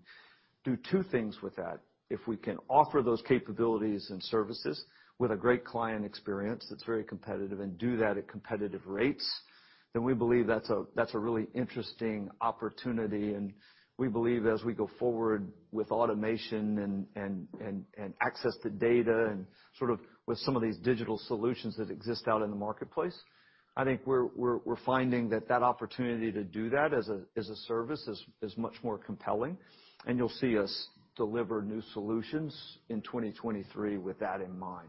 do two things with that, if we can offer those capabilities and services with a great client experience that's very competitive and do that at competitive rates, then we believe that's a really interesting opportunity. We believe as we go forward with automation and access to data and sort of with some of these digital solutions that exist out in the marketplace, I think we're finding that opportunity to do that as a service is much more compelling. You'll see us deliver new solutions in 2023 with that in mind.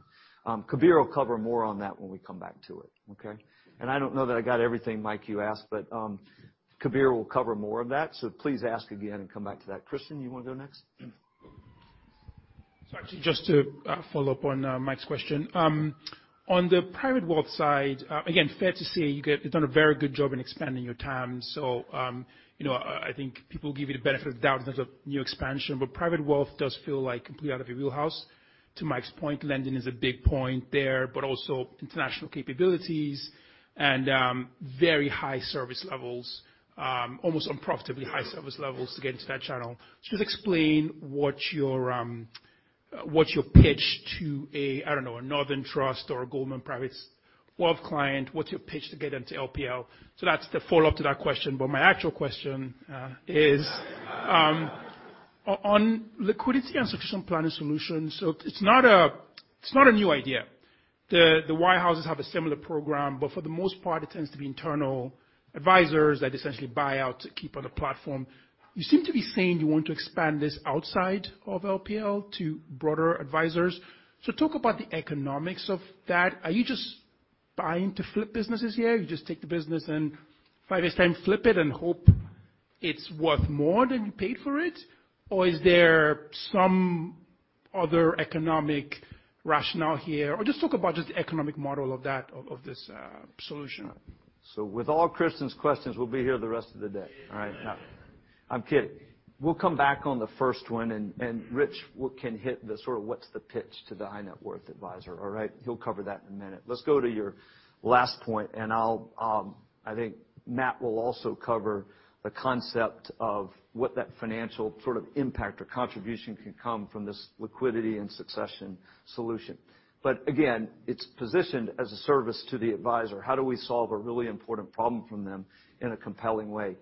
Kabir will cover more on that when we come back to it, okay? I don't know that I got everything, Mike, you asked, but Kabir will cover more of that, so please ask again and come back to that. Christian, you wanna go next? Sorry. Just to follow up on Mike's question. On the private wealth side, again, fair to say, you've done a very good job in expanding your TAM. You know, I think people give you the benefit of the doubt in terms of new expansion, but private wealth does feel like completely out of your wheelhouse. To Mike's point, lending is a big point there, but also international capabilities and very high service levels, almost unprofitably high service levels to get into that channel. Just explain what's your pitch to a, I don't know, a Northern Trust or a Goldman Private Wealth client. What's your pitch to get them to LPL? That's the follow-up to that question. My actual question is on liquidity and succession planning solutions. It's not a new idea. The wirehouses have a similar program, but for the most part, it tends to be internal advisors that essentially buy out to keep on the platform. You seem to be saying you want to expand this outside of LPL to broader advisors. Talk about the economics of that. Are you just buying to flip businesses here? You just take the business and five years time, flip it and hope it's worth more than you paid for it? Or is there some other economic rationale here? Just talk about the economic model of that, of this solution. With all Christian's questions, we'll be here the rest of the day. All right. I'm kidding. We'll come back on the first one, and Rich can hit the sort of what's the pitch to the high net worth advisor. All right. He'll cover that in a minute. Let's go to your last point, and I'll, I think Matt will also cover the concept of what that financial sort of impact or contribution can come from this Liquidity & Succession solution. Again, it's positioned as a service to the advisor. How do we solve a really important problem from them in a compelling way?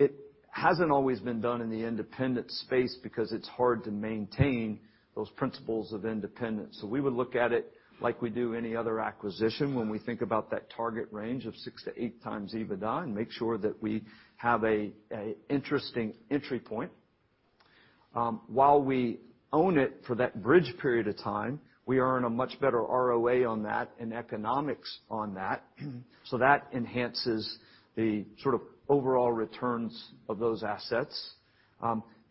It hasn't always been done in the independent space because it's hard to maintain those principles of independence. We would look at it like we do any other acquisition when we think about that target range of 6x-8x EBITDA and make sure that we have an interesting entry point. While we own it for that bridge period of time, we earn a much better ROA on that and economics on that. That enhances the sort of overall returns of those assets.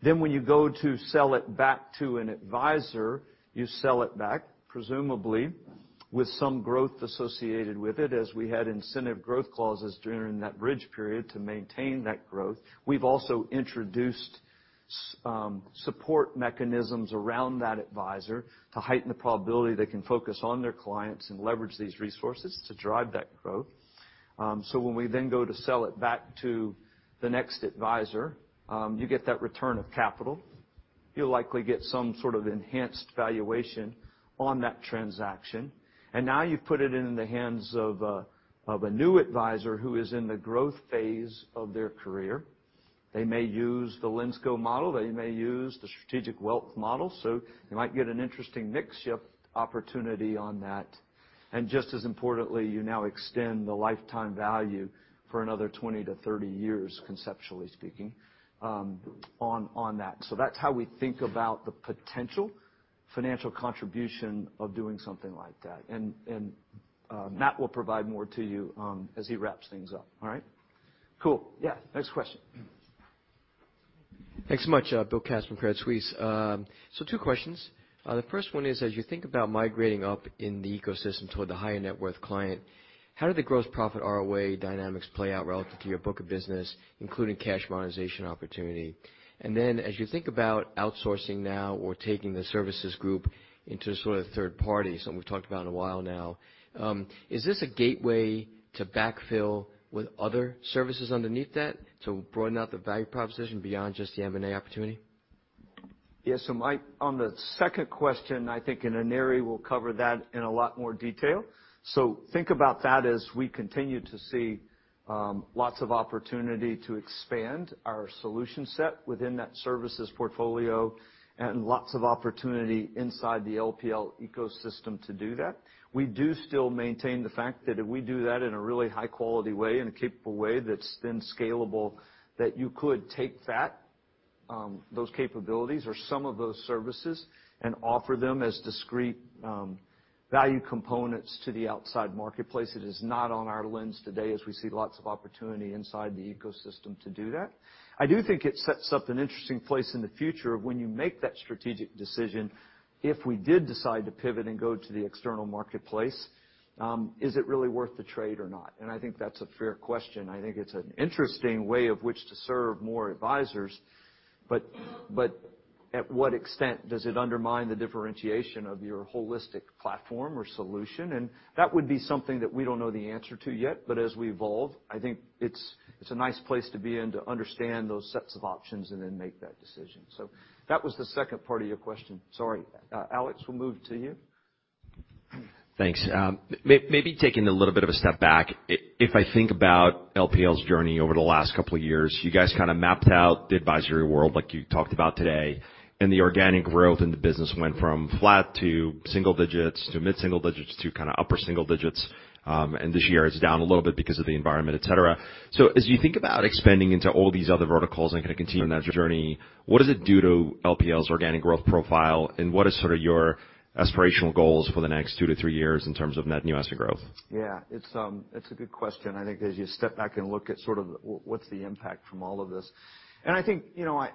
When you go to sell it back to an advisor, you sell it back, presumably, with some growth associated with it, as we had incentive growth clauses during that bridge period to maintain that growth. We've also introduced support mechanisms around that advisor to heighten the probability they can focus on their clients and leverage these resources to drive that growth. When we then go to sell it back to the next advisor, you get that return of capital. You'll likely get some sort of enhanced valuation on that transaction. Now you've put it in the hands of a new advisor who is in the growth phase of their career. They may use the Linsco model. They may use the Strategic Wealth model. You might get an interesting mix shift opportunity on that. Just as importantly, you now extend the lifetime value for another 20-30 years, conceptually speaking, on that. That's how we think about the potential financial contribution of doing something like that. Matt will provide more to you, as he wraps things up. All right. Cool. Yeah. Next question. Thanks so much. Bill Katz from Credit Suisse. Two questions. The first one is, as you think about migrating up in the ecosystem toward the higher net worth client, how did the gross profit ROA dynamics play out relative to your book of business, including cash monetization opportunity? As you think about outsourcing now or taking the services group into sort of third-party, something we've talked about for a while now, is this a gateway to backfill with other services underneath that to broaden out the value proposition beyond just the M&A opportunity? Yes, on the second question, I think and Aneri will cover that in a lot more detail. Think about that as we continue to see lots of opportunity to expand our solution set within that services portfolio and lots of opportunity inside the LPL ecosystem to do that. We do still maintain the fact that if we do that in a really high-quality way, in a capable way that's then scalable, that you could take that, those capabilities or some of those services and offer them as discrete value components to the outside marketplace. It is not on our lens today as we see lots of opportunity inside the ecosystem to do that. I do think it sets up an interesting place in the future of when you make that strategic decision, if we did decide to pivot and go to the external marketplace, is it really worth the trade or not? I think that's a fair question. I think it's an interesting way in which to serve more advisors, but at what extent does it undermine the differentiation of your holistic platform or solution? That would be something that we don't know the answer to yet, but as we evolve, I think it's a nice place to be in to understand those sets of options and then make that decision. That was the second part of your question. Sorry. Alex, we'll move to you. Thanks. Maybe taking a little bit of a step back, if I think about LPL's journey over the last couple of years, you guys kinda mapped out the advisory world like you talked about today, and the organic growth in the business went from flat to single digits to mid-single digits to kinda upper single digits. This year it's down a little bit because of the environment, et cetera. As you think about expanding into all these other verticals and kinda continuing that journey, what does it do to LPL's organic growth profile, and what is sort of your aspirational goals for the next two to three years in terms of net new asset growth? Yeah. It's a good question. I think as you step back and look at sort of what's the impact from all of this. I think, you know, I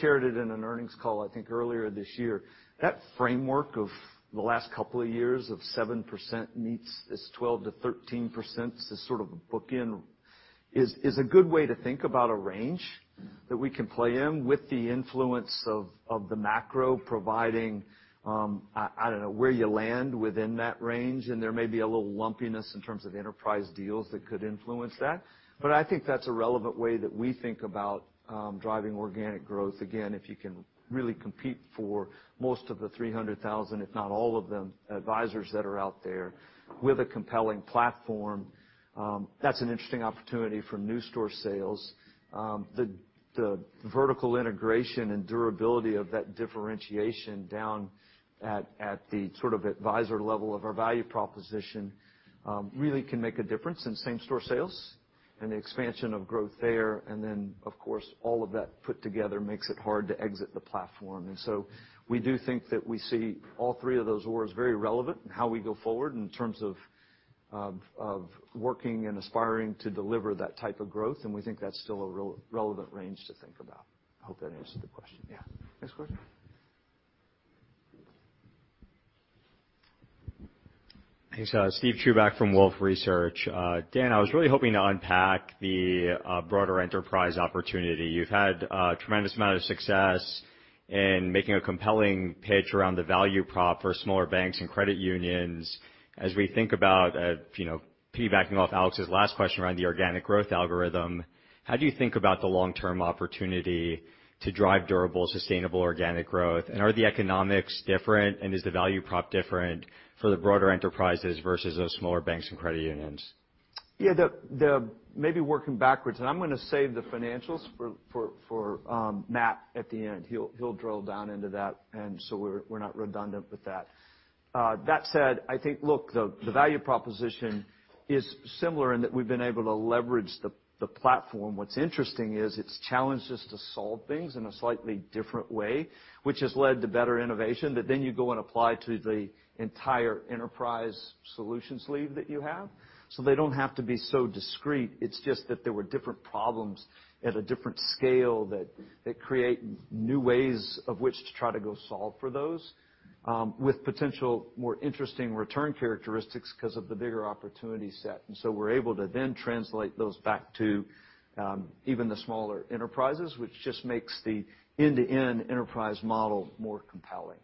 shared it in an earnings call, I think, earlier this year. That framework of the last couple of years of 7% meets this 12%-13%, this sort of book in, is a good way to think about a range that we can play in with the influence of the macro providing, I don't know, where you land within that range, and there may be a little lumpiness in terms of enterprise deals that could influence that. I think that's a relevant way that we think about driving organic growth. Again, if you can really compete for most of the 300,000, if not all of them, advisors that are out there with a compelling platform, that's an interesting opportunity for new store sales. The vertical integration and durability of that differentiation down at the sort of advisor level of our value proposition really can make a difference in same-store sales and the expansion of growth there. Then, of course, all of that put together makes it hard to exit the platform. We do think that we see all three of those areas very relevant in how we go forward in terms of working and aspiring to deliver that type of growth, and we think that's still a relevant range to think about. I hope that answers the question. Yeah. Next question. Thanks. Steve Chubak from Wolfe Research. Dan, I was really hoping to unpack the broader enterprise opportunity. You've had a tremendous amount of success in making a compelling pitch around the value prop for smaller banks and credit unions. As we think about you know, piggybacking off Alex's last question around the organic growth algorithm, how do you think about the long-term opportunity to drive durable, sustainable organic growth? And are the economics different, and is the value prop different for the broader enterprises versus those smaller banks and credit unions? Yeah. Maybe working backwards, I'm gonna save the financials for Matt at the end. He'll drill down into that, so we're not redundant with that. That said, I think, look, the value proposition is similar in that we've been able to leverage the platform. What's interesting is it's challenged us to solve things in a slightly different way, which has led to better innovation that then you go and apply to the entire enterprise solution sleeve that you have. They don't have to be so discreet. It's just that there were different problems at a different scale that they create new ways of which to try to go solve for those, with potential more interesting return characteristics because of the bigger opportunity set. We're able to then translate those back to even the smaller enterprises, which just makes the end-to-end enterprise model more compelling.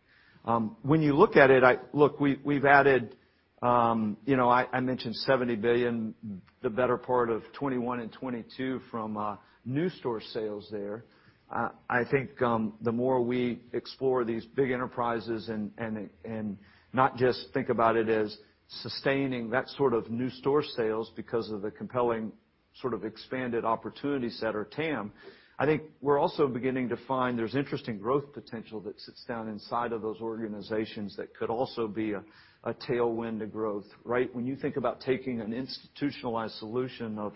When you look at it, look, we've added, you know, I mentioned $70 billion, the better part of 2021 and 2022 from new store sales there. I think the more we explore these big enterprises and not just think about it as sustaining that sort of new store sales because of the compelling sort of expanded opportunity set or TAM, I think we're also beginning to find there's interesting growth potential that sits down inside of those organizations that could also be a tailwind to growth, right? When you think about taking an institutionalized solution of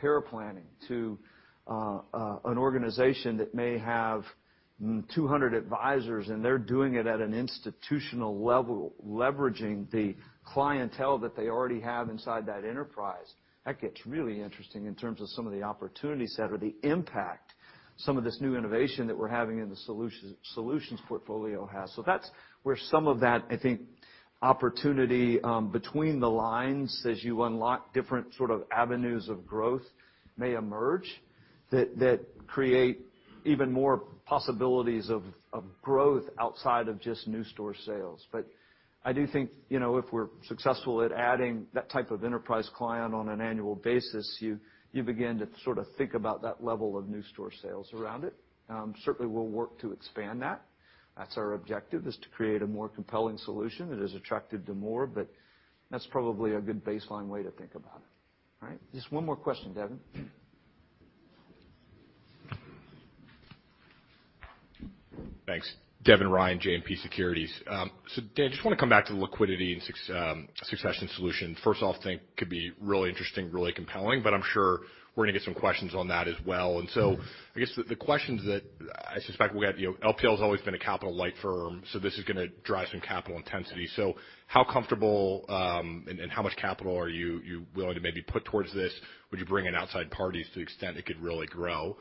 paraplanning to an organization that may have 200 advisors and they're doing it at an institutional level, leveraging the clientele that they already have inside that enterprise, that gets really interesting in terms of some of the opportunity set or the impact some of this new innovation that we're having in the solutions portfolio has. That's where some of that, I think, opportunity between the lines as you unlock different sort of avenues of growth may emerge. That creates even more possibilities of growth outside of just new store sales. I do think, you know, if we're successful at adding that type of enterprise client on an annual basis, you begin to sort of think about that level of new store sales around it. Certainly we'll work to expand that. That's our objective, is to create a more compelling solution that is attractive to more, but that's probably a good baseline way to think about it. All right, just one more question, Devin. Thanks. Devin Ryan, JMP Securities. Dan, just wanna come back to the liquidity and succession solution. First off, think could be really interesting, really compelling, but I'm sure we're gonna get some questions on that as well. I guess the questions that I suspect we have, you know, LPL has always been a capital light firm, so this is gonna drive some capital intensity. How comfortable and how much capital are you willing to maybe put towards this? Would you bring in outside parties to the extent it could really grow?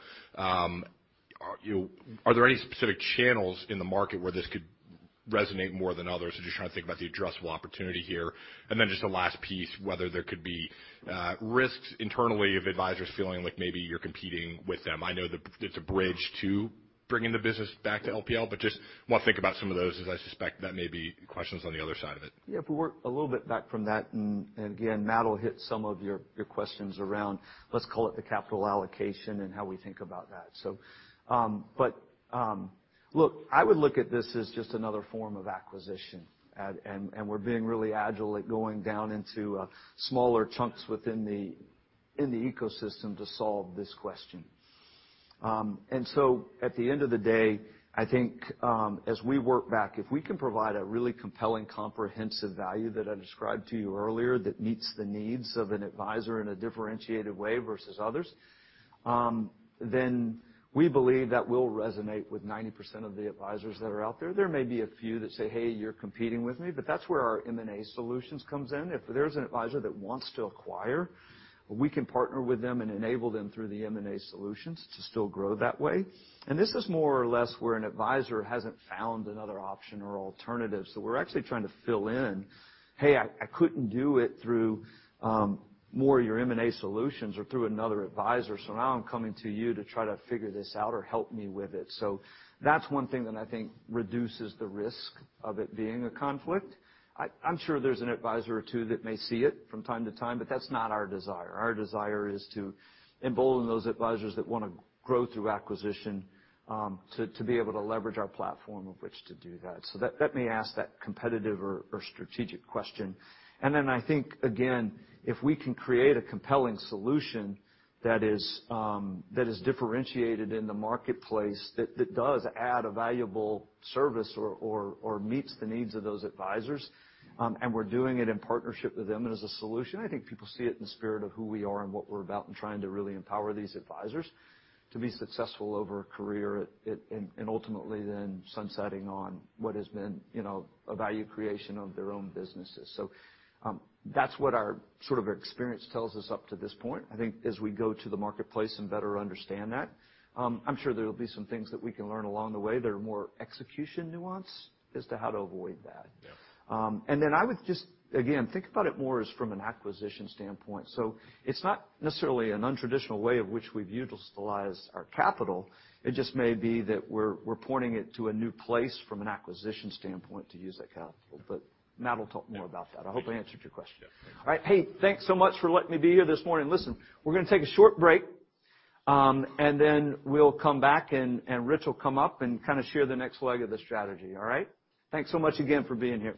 Are there any specific channels in the market where this could resonate more than others? Just trying to think about the addressable opportunity here. Just the last piece, whether there could be risks internally of advisors feeling like maybe you're competing with them. I know that it's a bridge to bringing the business back to LPL, but just wanna think about some of those, as I suspect that may be questions on the other side of it. Yeah. If we work a little bit back from that, and again, Matt will hit some of your questions around, let's call it the capital allocation and how we think about that. Look, I would look at this as just another form of acquisition. We're being really agile at going down into smaller chunks within the ecosystem to solve this question. At the end of the day, I think, as we work back, if we can provide a really compelling, comprehensive value that I described to you earlier that meets the needs of an advisor in a differentiated way versus others, then we believe that we'll resonate with 90% of the advisors that are out there. There may be a few that say, "Hey, you're competing with me," but that's where our M&A Solutions comes in. If there's an advisor that wants to acquire, we can partner with them and enable them through the M&A Solutions to still grow that way. This is more or less where an advisor hasn't found another option or alternative. We're actually trying to fill in, "Hey, I couldn't do it through more of your M&A Solutions or through another advisor, so now I'm coming to you to try to figure this out or help me with it." That's one thing that I think reduces the risk of it being a conflict. I'm sure there's an advisor or two that may see it from time to time, but that's not our desire. Our desire is to embolden those advisors that wanna grow through acquisition, to be able to leverage our platform of which to do that. Let me ask that competitive or strategic question. Then I think, again, if we can create a compelling solution that is differentiated in the marketplace, that does add a valuable service or meets the needs of those advisors, and we're doing it in partnership with them and as a solution, I think people see it in the spirit of who we are and what we're about in trying to really empower these advisors to be successful over a career at and ultimately then sunsetting on what has been, you know, a value creation of their own businesses. That's what our sort of experience tells us up to this point. I think as we go to the marketplace and better understand that, I'm sure there'll be some things that we can learn along the way that are more execution nuance as to how to avoid that. Yeah. I would just, again, think about it more as from an acquisition standpoint. It's not necessarily an untraditional way of which we've utilized our capital. It just may be that we're pointing it to a new place from an acquisition standpoint to use that capital. Matt will talk more about that. I hope I answered your question. Yes. Thank you. All right. Hey, thanks so much for letting me be here this morning. Listen, we're gonna take a short break, and then we'll come back and Rich will come up and kinda share the next leg of the strategy, all right? Thanks so much again for being here.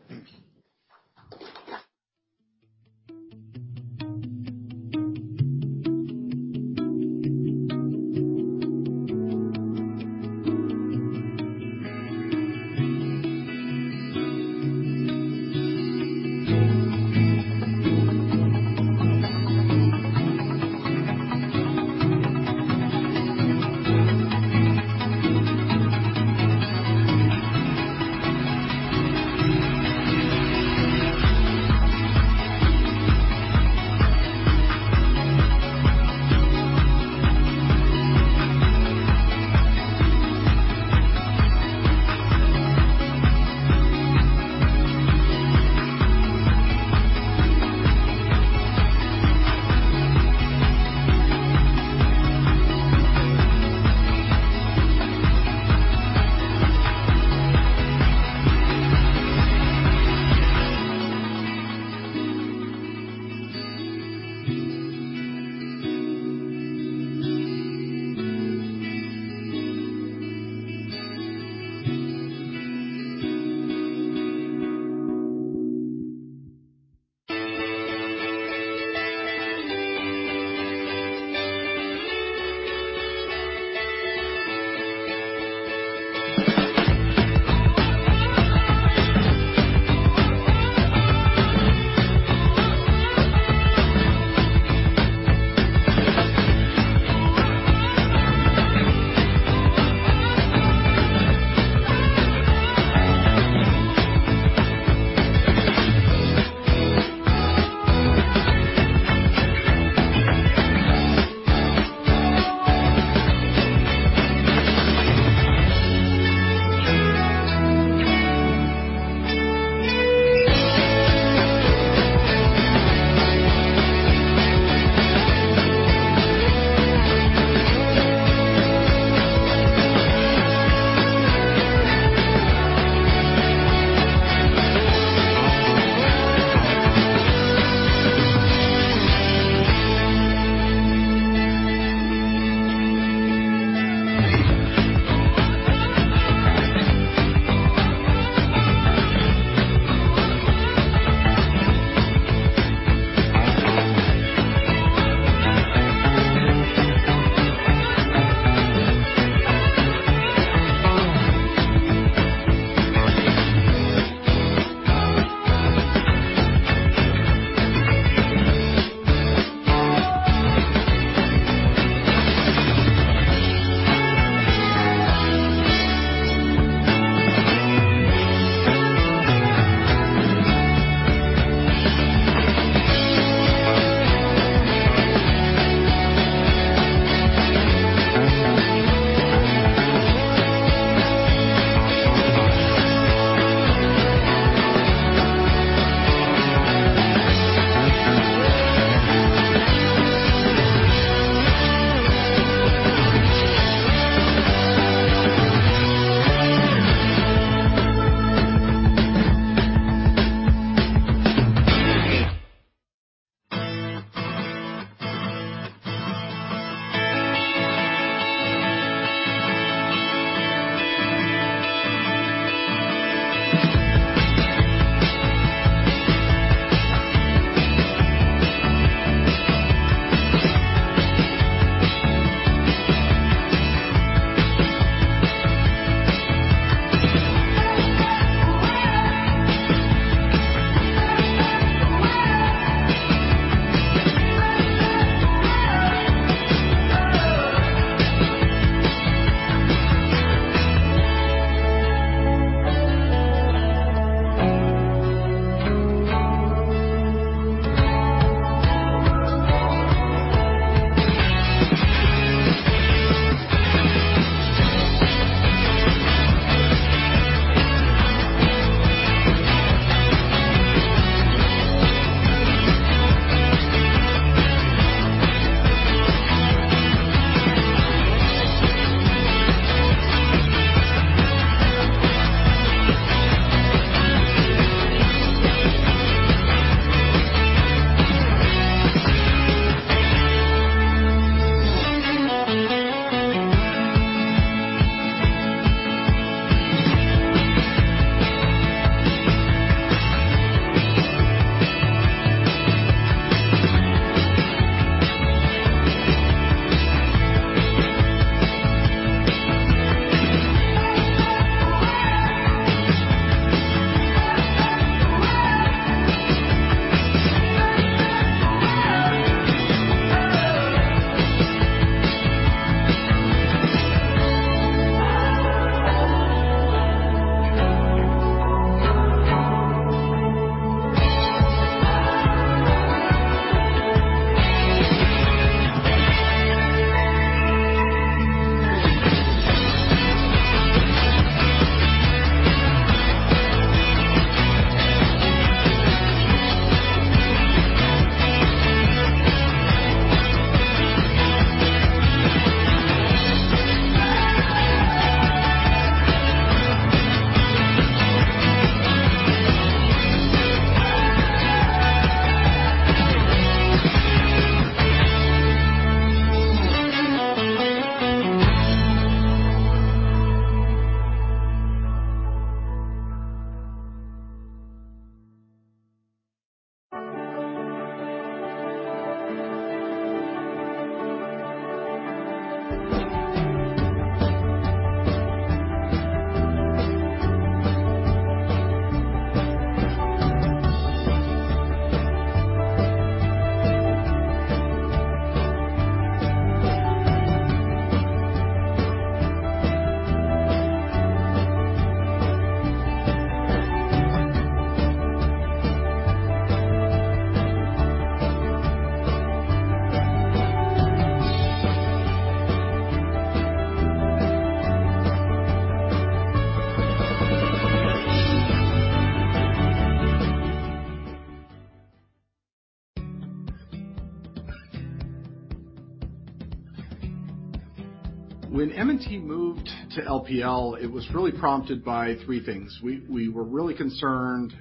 When M&T moved to LPL, it was really prompted by three things. We were really concerned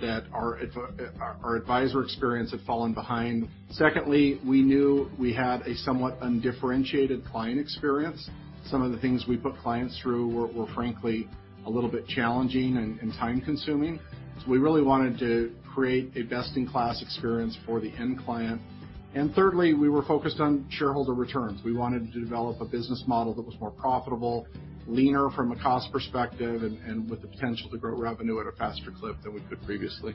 that our advisor experience had fallen behind. Secondly, we knew we had a somewhat undifferentiated client experience. Some of the things we put clients through were frankly a little bit challenging and time-consuming, so we really wanted to create a best-in-class experience for the end client. Thirdly, we were focused on shareholder returns. We wanted to develop a business model that was more profitable, leaner from a cost perspective, and with the potential to grow revenue at a faster clip than we could previously.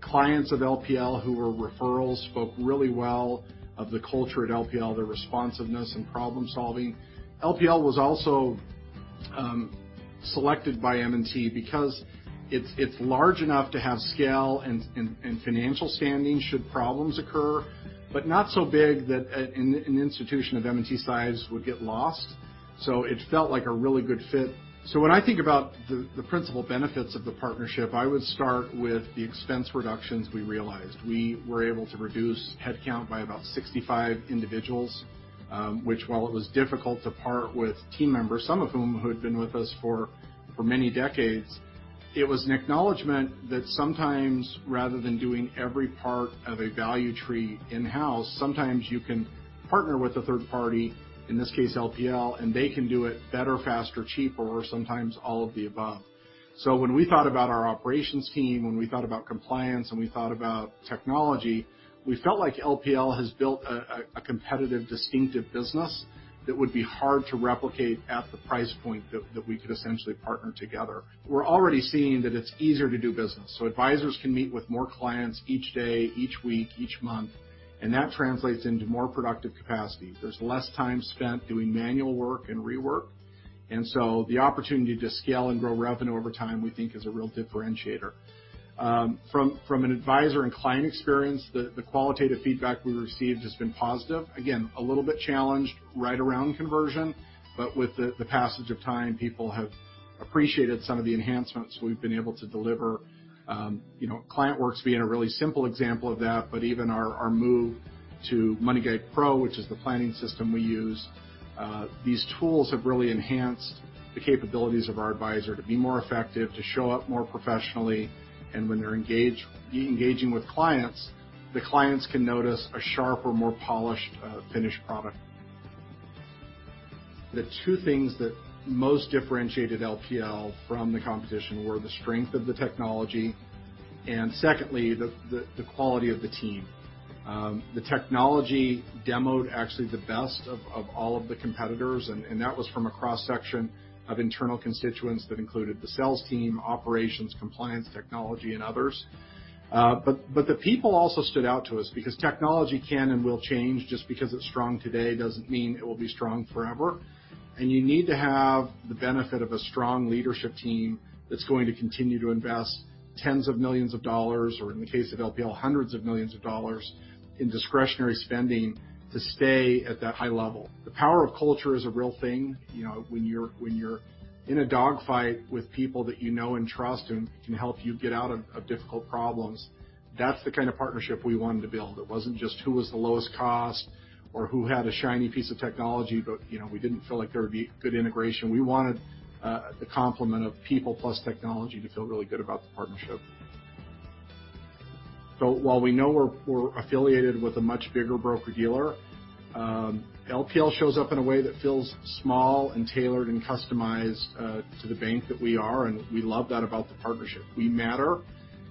Clients of LPL who were referrals spoke really well of the culture at LPL, their responsiveness, and problem-solving. LPL was also selected by M&T because it's large enough to have scale and financial standing should problems occur, but not so big that an institution of M&T size would get lost. It felt like a really good fit. When I think about the principal benefits of the partnership, I would start with the expense reductions we realized. We were able to reduce headcount by about 65 individuals, which while it was difficult to part with team members, some of whom had been with us for many decades, it was an acknowledgement that sometimes rather than doing every part of a value tree in-house, sometimes you can partner with a third party, in this case, LPL, and they can do it better, faster, cheaper, or sometimes all of the above. When we thought about our operations team, when we thought about compliance, and we thought about technology, we felt like LPL has built a competitive, distinctive business that would be hard to replicate at the price point that we could essentially partner together. We're already seeing that it's easier to do business. Advisors can meet with more clients each day, each week, each month, and that translates into more productive capacity. There's less time spent doing manual work and rework. The opportunity to scale and grow revenue over time, we think, is a real differentiator. From an advisor and client experience, the qualitative feedback we've received has been positive. Again, a little bit challenged right around conversion, but with the passage of time, people have appreciated some of the enhancements we've been able to deliver. You know, ClientWorks being a really simple example of that, but even our move to MoneyGuidePro, which is the planning system we use, these tools have really enhanced the capabilities of our advisor to be more effective, to show up more professionally, and when they're engaging with clients, the clients can notice a sharper, more polished, finished product. The two things that most differentiated LPL from the competition were the strength of the technology and secondly, the quality of the team. The technology demoed actually the best of all of the competitors, and that was from a cross-section of internal constituents that included the sales team, operations, compliance, technology, and others. The people also stood out to us because technology can and will change. Just because it's strong today doesn't mean it will be strong forever. You need to have the benefit of a strong leadership team that's going to continue to invest tens of millions of dollars, or in the case of LPL, hundreds of millions of dollars in discretionary spending to stay at that high level. The power of culture is a real thing, you know, when you're in a dogfight with people that you know and trust and can help you get out of difficult problems, that's the kind of partnership we wanted to build. It wasn't just who was the lowest cost or who had a shiny piece of technology, but, you know, we didn't feel like there would be good integration. We wanted the complement of people plus technology to feel really good about the partnership. While we know we're affiliated with a much bigger broker-dealer, LPL shows up in a way that feels small and tailored and customized to the bank that we are, and we love that about the partnership. We matter,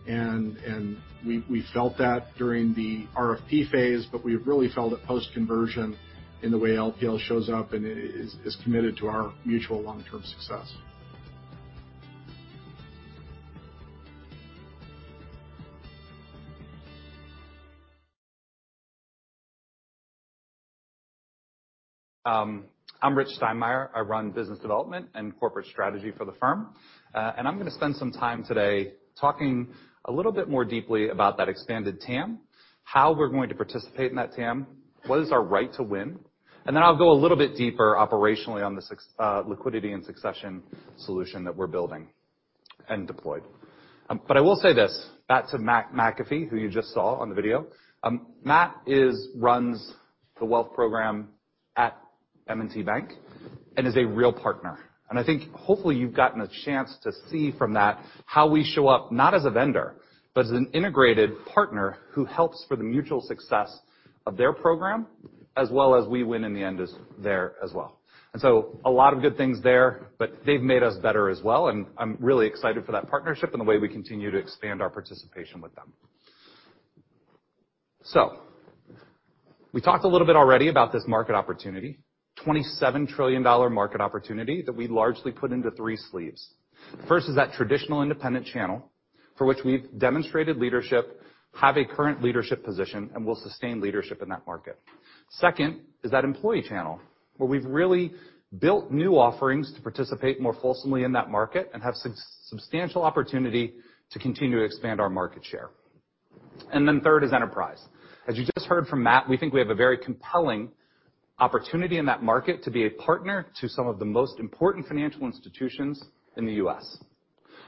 and we felt that during the RFP phase, but we've really felt it post-conversion in the way LPL shows up and is committed to our mutual long-term success. I'm Rich Steinmeier. I run business development and corporate strategy for the firm. I'm gonna spend some time today talking a little bit more deeply about that expanded TAM, how we're going to participate in that TAM, what is our right to win, and then I'll go a little bit deeper operationally on the Liquidity and Succession solution that we're building and deployed. But I will say this, back to Matt McAfee, who you just saw on the video. Matt runs the wealth program at M&T Bank and is a real partner. I think hopefully you've gotten a chance to see from that how we show up not as a vendor, but as an integrated partner who helps for the mutual success of their program, as well as we win in the end as there as well. A lot of good things there, but they've made us better as well, and I'm really excited for that partnership and the way we continue to expand our participation with them. We talked a little bit already about this market opportunity, $27 trillion market opportunity that we largely put into three sleeves. First is that traditional independent channel, for which we've demonstrated leadership, have a current leadership position, and will sustain leadership in that market. Second is that employee channel, where we've really built new offerings to participate more fulsomely in that market and have substantial opportunity to continue to expand our market share. Then third is enterprise. As you just heard from Matt, we think we have a very compelling opportunity in that market to be a partner to some of the most important financial institutions in the U.S.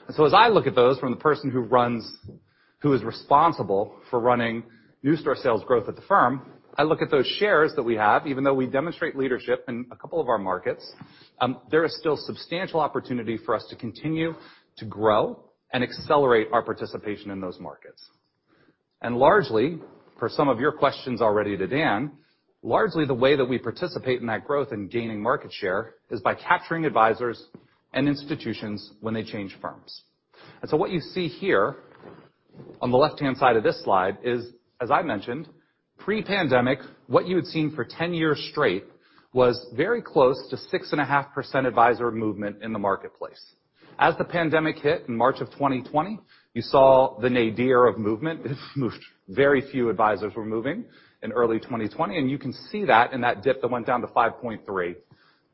As I look at those from the person who is responsible for running new store sales growth at the firm, I look at those shares that we have. Even though we demonstrate leadership in a couple of our markets, there is still substantial opportunity for us to continue to grow and accelerate our participation in those markets. Largely, per some of your questions already to Dan, the way that we participate in that growth in gaining market share is by capturing advisors and institutions when they change firms. What you see here on the left-hand side of this slide is, as I mentioned, pre-pandemic, what you had seen for 10 years straight was very close to 6.5% advisor movement in the marketplace. As the pandemic hit in March 2020, you saw the nadir of movement. Very few advisors were moving in early 2020, and you can see that in that dip that went down to 5.3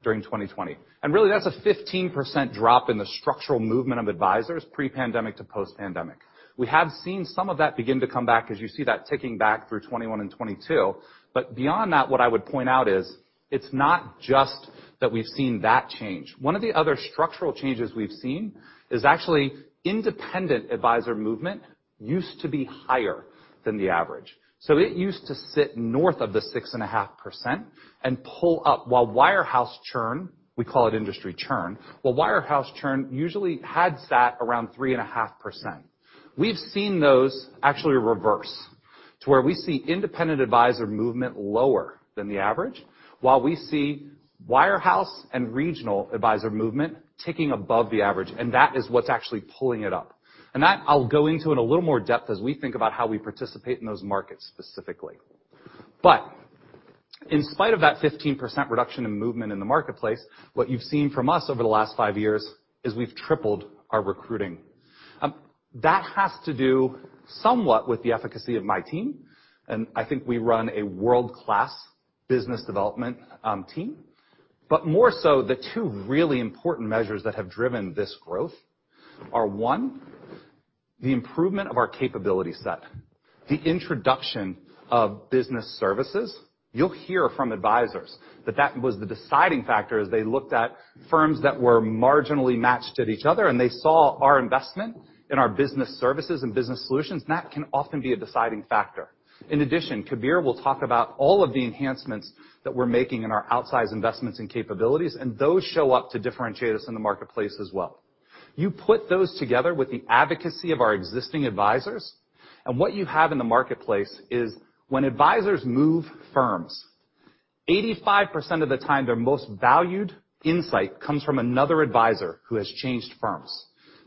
during 2020. Really, that's a 15% drop in the structural movement of advisors pre-pandemic to post-pandemic. We have seen some of that begin to come back as you see that ticking back through 2021 and 2022. Beyond that, what I would point out is it's not just that we've seen that change. One of the other structural changes we've seen is actually independent advisor movement used to be higher than the average. It used to sit north of the 6.5% and pull up, while wirehouse churn, we call it industry churn, well, wirehouse churn usually had sat around 3.5%. We've seen those actually reverse to where we see independent advisor movement lower than the average, while we see wirehouse and regional advisor movement ticking above the average, and that is what's actually pulling it up. That I'll go into in a little more depth as we think about how we participate in those markets specifically. In spite of that 15% reduction in movement in the marketplace, what you've seen from us over the last five years is we've tripled our recruiting. That has to do somewhat with the efficacy of my team, and I think we run a world-class business development team. More so, the two really important measures that have driven this growth are, one, the improvement of our capability set. The introduction of business services. You'll hear from advisors that was the deciding factor as they looked at firms that were marginally matched at each other, and they saw our investment in our Business Services and Business Solutions, and that can often be a deciding factor. In addition, Kabir will talk about all of the enhancements that we're making in our outsize investments and capabilities, and those show up to differentiate us in the marketplace as well. You put those together with the advocacy of our existing advisors, and what you have in the marketplace is when advisors move firms, 85% of the time, their most valued insight comes from another advisor who has changed firms.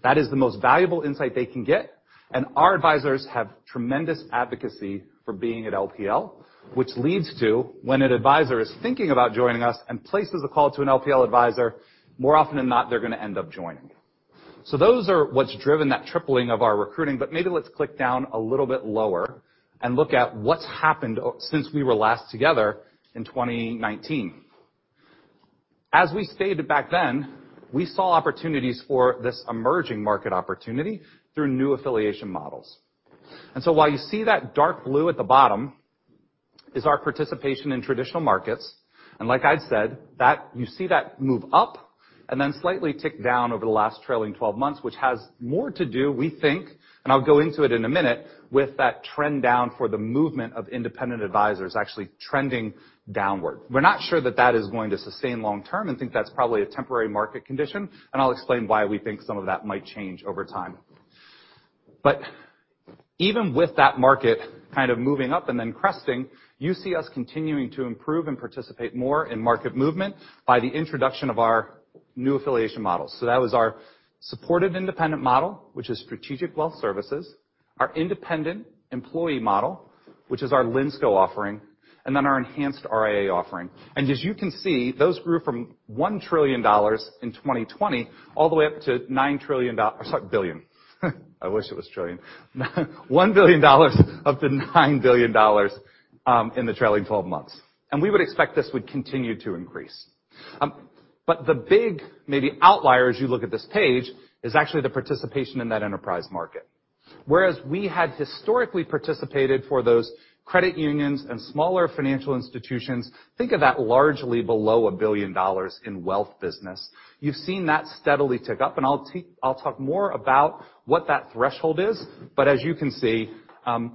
That is the most valuable insight they can get, and our advisors have tremendous advocacy for being at LPL, which leads to when an advisor is thinking about joining us and places a call to an LPL advisor, more often than not, they're gonna end up joining. So those are what's driven that tripling of our recruiting, but maybe let's click down a little bit lower and look at what's happened since we were last together in 2019. As we stated back then, we saw opportunities for this emerging market opportunity through new affiliation models. While you see that dark blue at the bottom is our participation in traditional markets, and like I'd said, that, you see that move up and then slightly tick down over the last trailing twelve months, which has more to do, we think, and I'll go into it in a minute, with that trend down for the movement of independent advisors actually trending downward. We're not sure that is going to sustain long term and think that's probably a temporary market condition, and I'll explain why we think some of that might change over time. Even with that market kind of moving up and then cresting, you see us continuing to improve and participate more in market movement by the introduction of our new affiliation models. That was our supported independence model, which is Strategic Wealth Services, our independent employee model, which is our Linsco offering, and then our Enhanced RIA offering. As you can see, those grew from $1 trillion in 2020 all the way up to nine trillion doll-- or sorry, billion. I wish it was trillion. $1 billion up to $9 billion in the trailing twelve months. We would expect this would continue to increase. The big maybe outlier, as you look at this page, is actually the participation in that enterprise market. Whereas we had historically participated for those credit unions and smaller financial institutions, think of that largely below $1 billion in wealth business. You've seen that steadily tick up, and I'll talk more about what that threshold is, but as you can see, big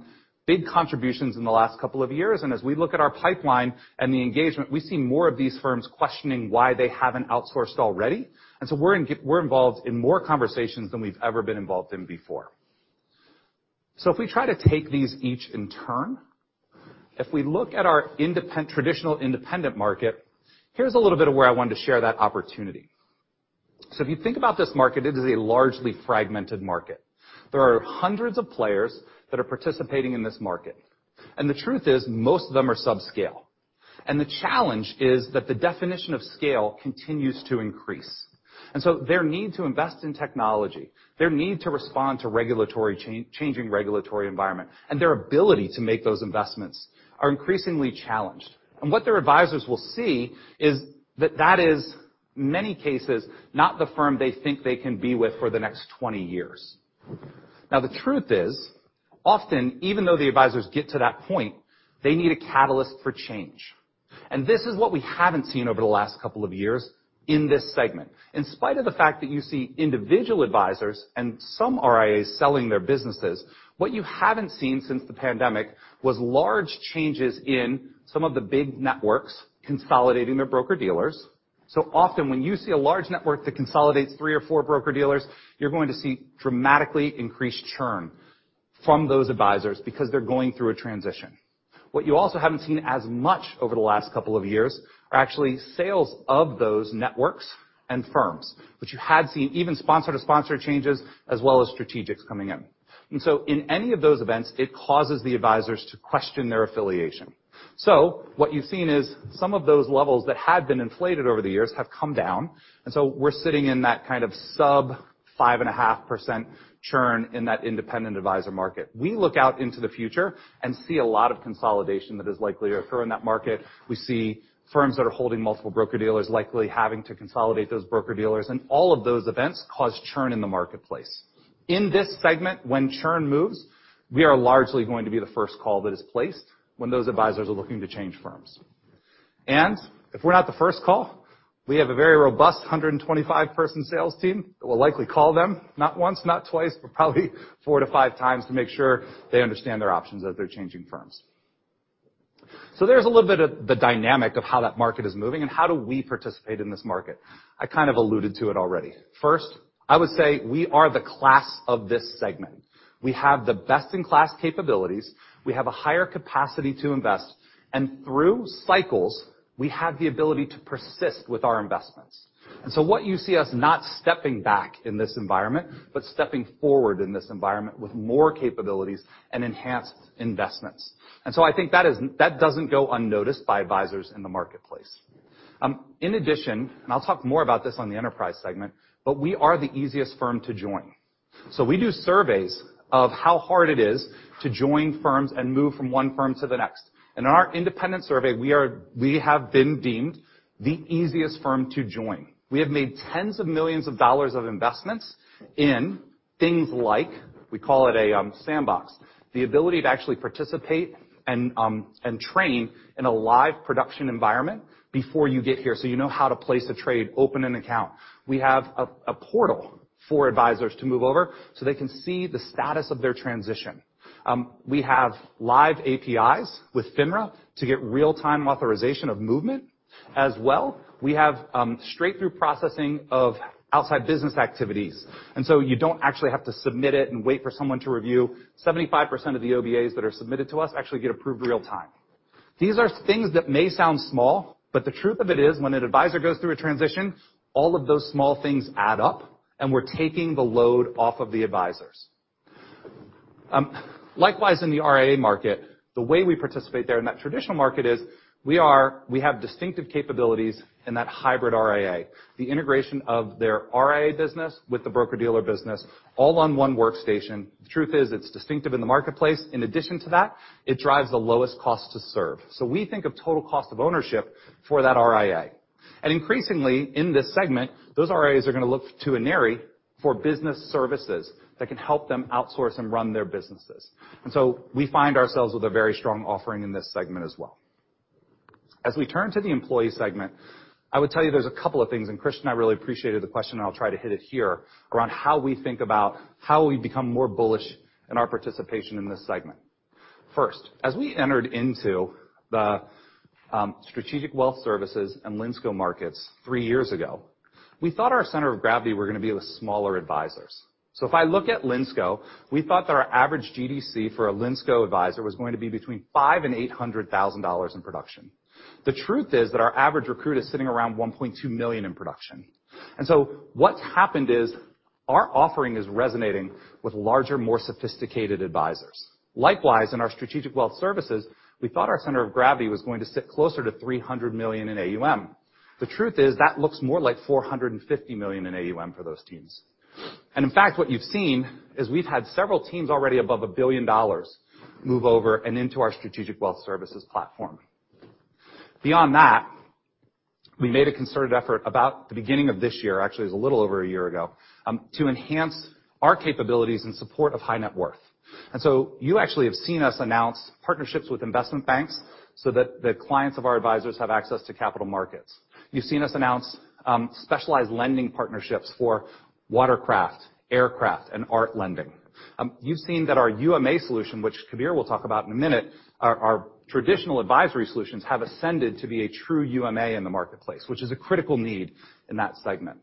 contributions in the last couple of years. As we look at our pipeline and the engagement, we see more of these firms questioning why they haven't outsourced already. We're involved in more conversations than we've ever been involved in before. If we try to take these each in turn, if we look at our traditional independent market, here's a little bit of where I wanted to share that opportunity. If you think about this market, it is a largely fragmented market. There are hundreds of players that are participating in this market. The truth is, most of them are sub-scale. The challenge is that the definition of scale continues to increase. Their need to invest in technology, their need to respond to regulatory changing regulatory environment, and their ability to make those investments are increasingly challenged. What their advisors will see is that that is, in many cases, not the firm they think they can be with for the next 20 years. Now, the truth is, often, even though the advisors get to that point, they need a catalyst for change. This is what we haven't seen over the last couple of years in this segment. In spite of the fact that you see individual advisors and some RIAs selling their businesses, what you haven't seen since the pandemic was large changes in some of the big networks consolidating their broker-dealers. Often, when you see a large network that consolidates three or four broker-dealers, you're going to see dramatically increased churn from those advisors because they're going through a transition. What you also haven't seen as much over the last couple of years are actually sales of those networks and firms, which you had seen even sponsor-to-sponsor changes as well as strategics coming in. In any of those events, it causes the advisors to question their affiliation. What you've seen is some of those levels that had been inflated over the years have come down, and we're sitting in that kind of sub-5.5% churn in that independent advisor market. We look out into the future and see a lot of consolidation that is likely to occur in that market. We see firms that are holding multiple broker-dealers likely having to consolidate those broker-dealers, and all of those events cause churn in the marketplace. In this segment, when churn moves, we are largely going to be the first call that is placed when those advisors are looking to change firms. If we're not the first call, we have a very robust 125-person sales team that will likely call them not once, not twice, but probably 4-5 times to make sure they understand their options as they're changing firms. There's a little bit of the dynamic of how that market is moving and how do we participate in this market. I kind of alluded to it already. First, I would say we are the class of this segment. We have the best-in-class capabilities. We have a higher capacity to invest, and through cycles, we have the ability to persist with our investments. What you see us not stepping back in this environment, but stepping forward in this environment with more capabilities and enhanced investments. I think that doesn't go unnoticed by advisors in the marketplace. In addition, I'll talk more about this on the enterprise segment, but we are the easiest firm to join. We do surveys of how hard it is to join firms and move from one firm to the next. In our independent survey, we have been deemed the easiest firm to join. We have made tens of millions of dollars of investments in things like, we call it sandbox, the ability to actually participate and train in a live production environment before you get here, so you know how to place a trade, open an account. We have a portal for advisors to move over so they can see the status of their transition. We have live APIs with FINRA to get real-time authorization of movement. As well, we have straight-through processing of outside business activities, and so you don't actually have to submit it and wait for someone to review. 75% of the OBAs that are submitted to us actually get approved real-time. These are things that may sound small, but the truth of it is, when an advisor goes through a transition, all of those small things add up, and we're taking the load off of the advisors. Likewise, in the RIA market, the way we participate there in that traditional market is we have distinctive capabilities in that hybrid RIA. The integration of their RIA business with the broker-dealer business all on one workstation. The truth is, it's distinctive in the marketplace. In addition to that, it drives the lowest cost to serve. So we think of total cost of ownership for that RIA. Increasingly, in this segment, those RIAs are gonna look to Aneri for business services that can help them outsource and run their businesses. We find ourselves with a very strong offering in this segment as well. As we turn to the employee segment, I would tell you there's a couple of things, and Christian, I really appreciated the question, and I'll try to hit it here, around how we think about how we become more bullish in our participation in this segment. First, as we entered into the Strategic Wealth Services and Linsco markets three years ago, we thought our center of gravity were gonna be with smaller advisors. If I look at Linsco, we thought that our average GDC for a Linsco advisor was going to be between $500,000 and $800,000 in production. The truth is that our average recruit is sitting around $1.2 million in production. What's happened is our offering is resonating with larger, more sophisticated advisors. Likewise, in our Strategic Wealth Services, we thought our center of gravity was going to sit closer to $300 million in AUM. The truth is that looks more like $450 million in AUM for those teams. In fact, what you've seen is we've had several teams already above $1 billion move over and into our Strategic Wealth Services platform. Beyond that, we made a concerted effort about the beginning of this year, actually, it was a little over a year ago, to enhance our capabilities in support of high net worth. You actually have seen us announce partnerships with investment banks so that the clients of our advisors have access to capital markets. You've seen us announce specialized lending partnerships for watercraft, aircraft, and art lending. You've seen that our UMA solution, which Kabir will talk about in a minute, our traditional advisory solutions have ascended to be a true UMA in the marketplace, which is a critical need in that segment.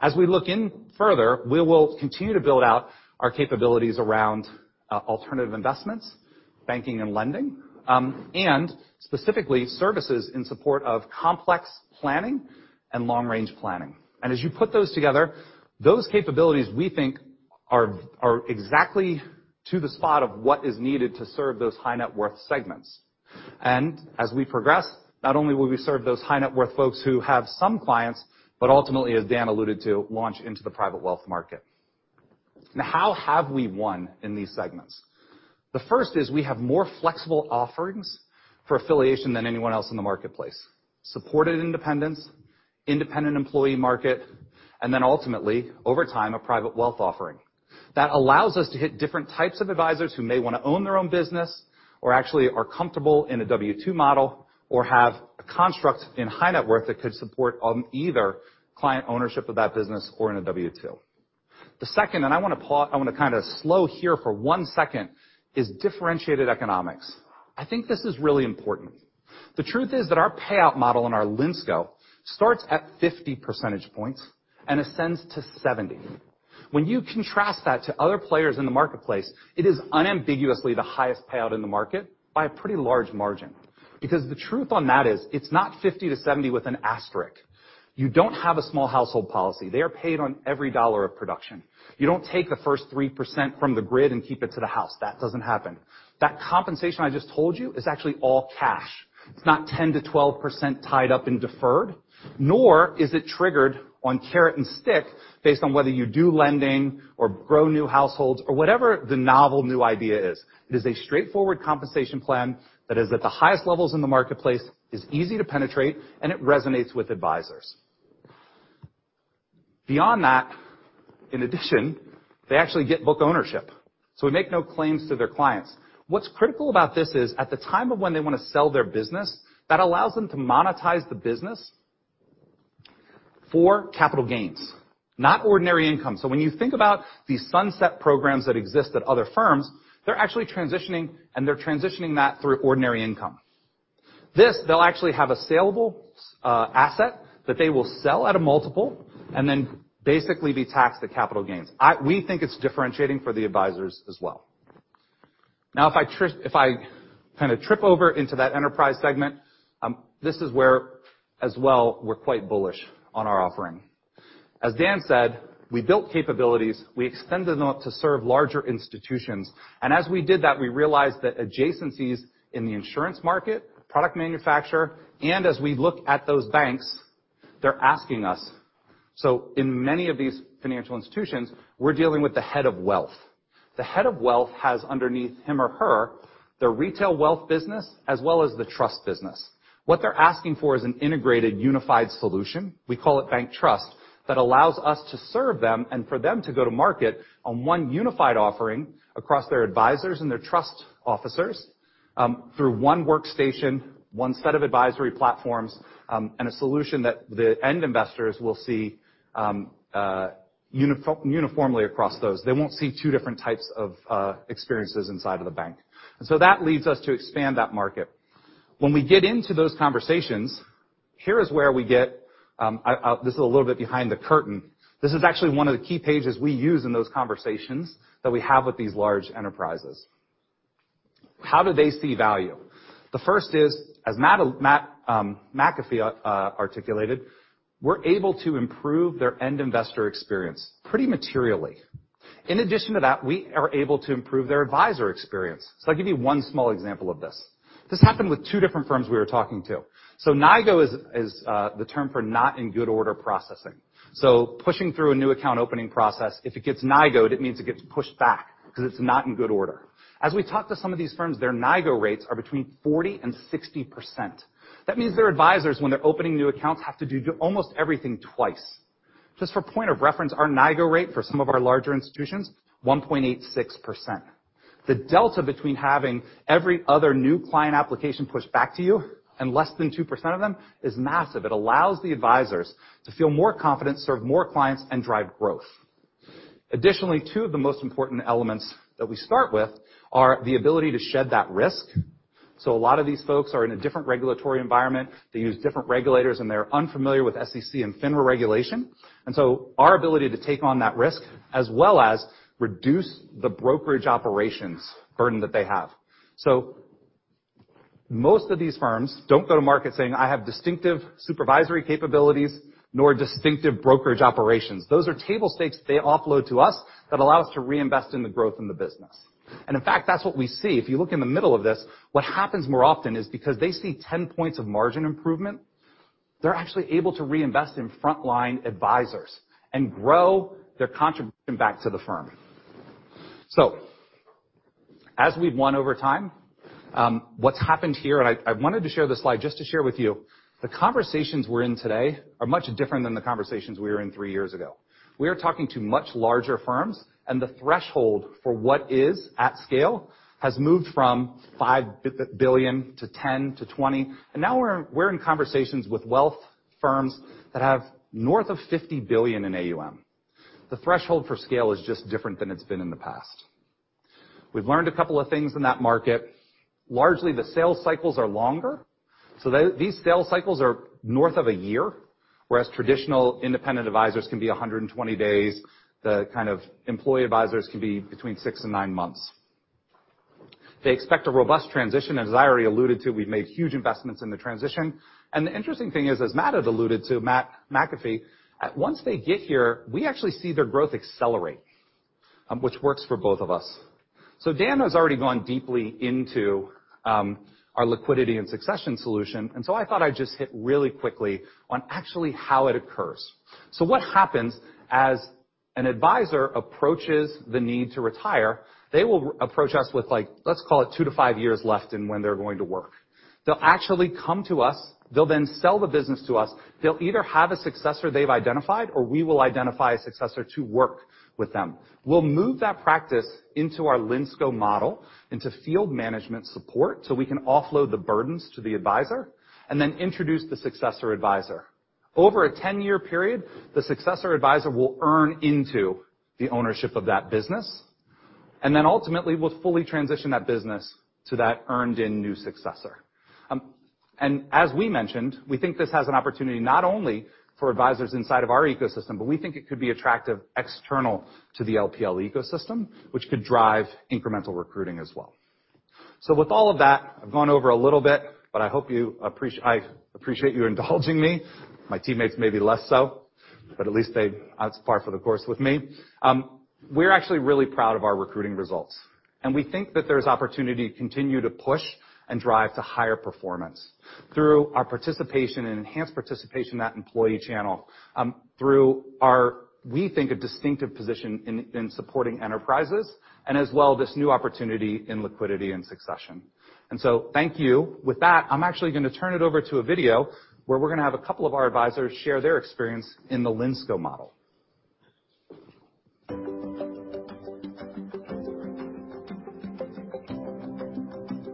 As we look in further, we will continue to build out our capabilities around alternative investments, banking and lending, and specifically services in support of complex planning and long-range planning. As you put those together, those capabilities we think are exactly to the spot of what is needed to serve those high net worth segments. As we progress, not only will we serve those high net worth folks who have some clients, but ultimately, as Dan alluded to, launch into the private wealth market. Now, how have we won in these segments? The first is we have more flexible offerings for affiliation than anyone else in the marketplace. Supported independence, independent employee market, and then ultimately, over time, a private wealth offering. That allows us to hit different types of advisors who may wanna own their own business or actually are comfortable in a W-2 model or have a construct in high net worth that could support on either client ownership of that business or in a W-2. The second, and I wanna kinda slow here for one second, is differentiated economics. I think this is really important. The truth is that our payout model in our Linsco starts at 50 percentage points and ascends to 70. When you contrast that to other players in the marketplace, it is unambiguously the highest payout in the market by a pretty large margin. Because the truth on that is, it's not 50%-70% with an asterisk. You don't have a small household policy. They are paid on every dollar of production. You don't take the first 3% from the grid and keep it to the house. That doesn't happen. That compensation I just told you is actually all cash. It's not 10%-12% tied up and deferred, nor is it triggered on carrot and stick based on whether you do lending or grow new households or whatever the novel new idea is. It is a straightforward compensation plan that is at the highest levels in the marketplace, is easy to penetrate, and it resonates with advisors. Beyond that, in addition, they actually get book ownership, so we make no claims to their clients. What's critical about this is, at the time of when they wanna sell their business, that allows them to monetize the business for capital gains, not ordinary income. When you think about the sunset programs that exist at other firms, they're actually transitioning, and they're transitioning that through ordinary income. This, they'll actually have a sellable asset that they will sell at a multiple and then basically be taxed to capital gains. We think it's differentiating for the advisors as well. Now if I kinda trip over into that enterprise segment, this is where, as well, we're quite bullish on our offering. As Dan said, we built capabilities, we extended them to serve larger institutions, and as we did that, we realized that adjacencies in the insurance market, product manufacturer, and as we look at those banks, they're asking us. In many of these financial institutions, we're dealing with the head of wealth. The head of wealth has underneath him or her the retail wealth business as well as the trust business. What they're asking for is an integrated, unified solution, we call it bank trust, that allows us to serve them and for them to go to market on one unified offering across their advisors and their trust officers, through one workstation, one set of advisory platforms, and a solution that the end investors will see, uniformly across those. They won't see two different types of experiences inside of the bank. That leads us to expand that market. When we get into those conversations, here is where we get, this is a little bit behind the curtain. This is actually one of the key pages we use in those conversations that we have with these large enterprises. How do they see value? The first is, as Matt McAfee articulated, we're able to improve their end investor experience pretty materially. In addition to that, we are able to improve their advisor experience. I'll give you one small example of this. This happened with two different firms we were talking to. NIGO is the term for not in good order processing. Pushing through a new account opening process, if it gets NIGOed, it means it gets pushed back 'cause it's not in good order. As we talk to some of these firms, their NIGO rates are between 40% and 60%. That means their advisors, when they're opening new accounts, have to do almost everything twice. Just for point of reference, our NIGO rate for some of our larger institutions, 1.86%. The delta between having every other new client application pushed back to you and less than 2% of them is massive. It allows the advisors to feel more confident, serve more clients, and drive growth. Additionally, two of the most important elements that we start with are the ability to shed that risk. So a lot of these folks are in a different regulatory environment. They use different regulators, and they're unfamiliar with SEC and FINRA regulation. Our ability to take on that risk as well as reduce the brokerage operations burden that they have. Most of these firms don't go to market saying, "I have distinctive supervisory capabilities nor distinctive brokerage operations." Those are table stakes they offload to us that allow us to reinvest in the growth in the business. In fact, that's what we see. If you look in the middle of this, what happens more often is because they see 10 points of margin improvement, they're actually able to reinvest in frontline advisors and grow their contribution back to the firm. As we've grown over time, what's happened here. I wanted to share this slide just to share with you the conversations we're in today are much different than the conversations we were in three years ago. We are talking to much larger firms and the threshold for what is at scale has moved from $5 billion to $10 billion to $20 billion, and now we're in conversations with wealth firms that have north of $50 billion in AUM. The threshold for scale is just different than it's been in the past. We've learned a couple of things in that market. Largely, the sales cycles are longer. These sales cycles are north of a year, whereas traditional independent advisors can be 120 days, the kind of employee advisors can be between 6 and 9 months. They expect a robust transition. As I already alluded to, we've made huge investments in the transition. The interesting thing is, as Matt had alluded to, Matt McAfee, once they get here, we actually see their growth accelerate, which works for both of us. Dan has already gone deeply into our liquidity and succession solution. I thought I'd just hit really quickly on actually how it occurs. What happens as an advisor approaches the need to retire, they will approach us with like, let's call it 2-5 years left in when they're going to work. They'll actually come to us. They'll then sell the business to us. They'll either have a successor they've identified, or we will identify a successor to work with them. We'll move that practice into our Linsco model, into field management support, so we can offload the burdens to the advisor and then introduce the successor advisor. Over a 10-year period, the successor advisor will earn into the ownership of that business. Ultimately, we'll fully transition that business to that earned in new successor. As we mentioned, we think this has an opportunity not only for advisors inside of our ecosystem, but we think it could be attractive external to the LPL ecosystem, which could drive incremental recruiting as well. With all of that, I've gone over a little bit, but I hope you appreciate. I appreciate you indulging me. My teammates may be less so, but at least that's par for the course with me. We're actually really proud of our recruiting results, and we think that there's opportunity to continue to push and drive to higher performance through our participation and enhanced participation in that employee channel, through our, we think, a distinctive position in supporting enterprises and as well, this new opportunity in liquidity and succession. Thank you. With that, I'm actually gonna turn it over to a video where we're gonna have a couple of our advisors share their experience in the Linsco model.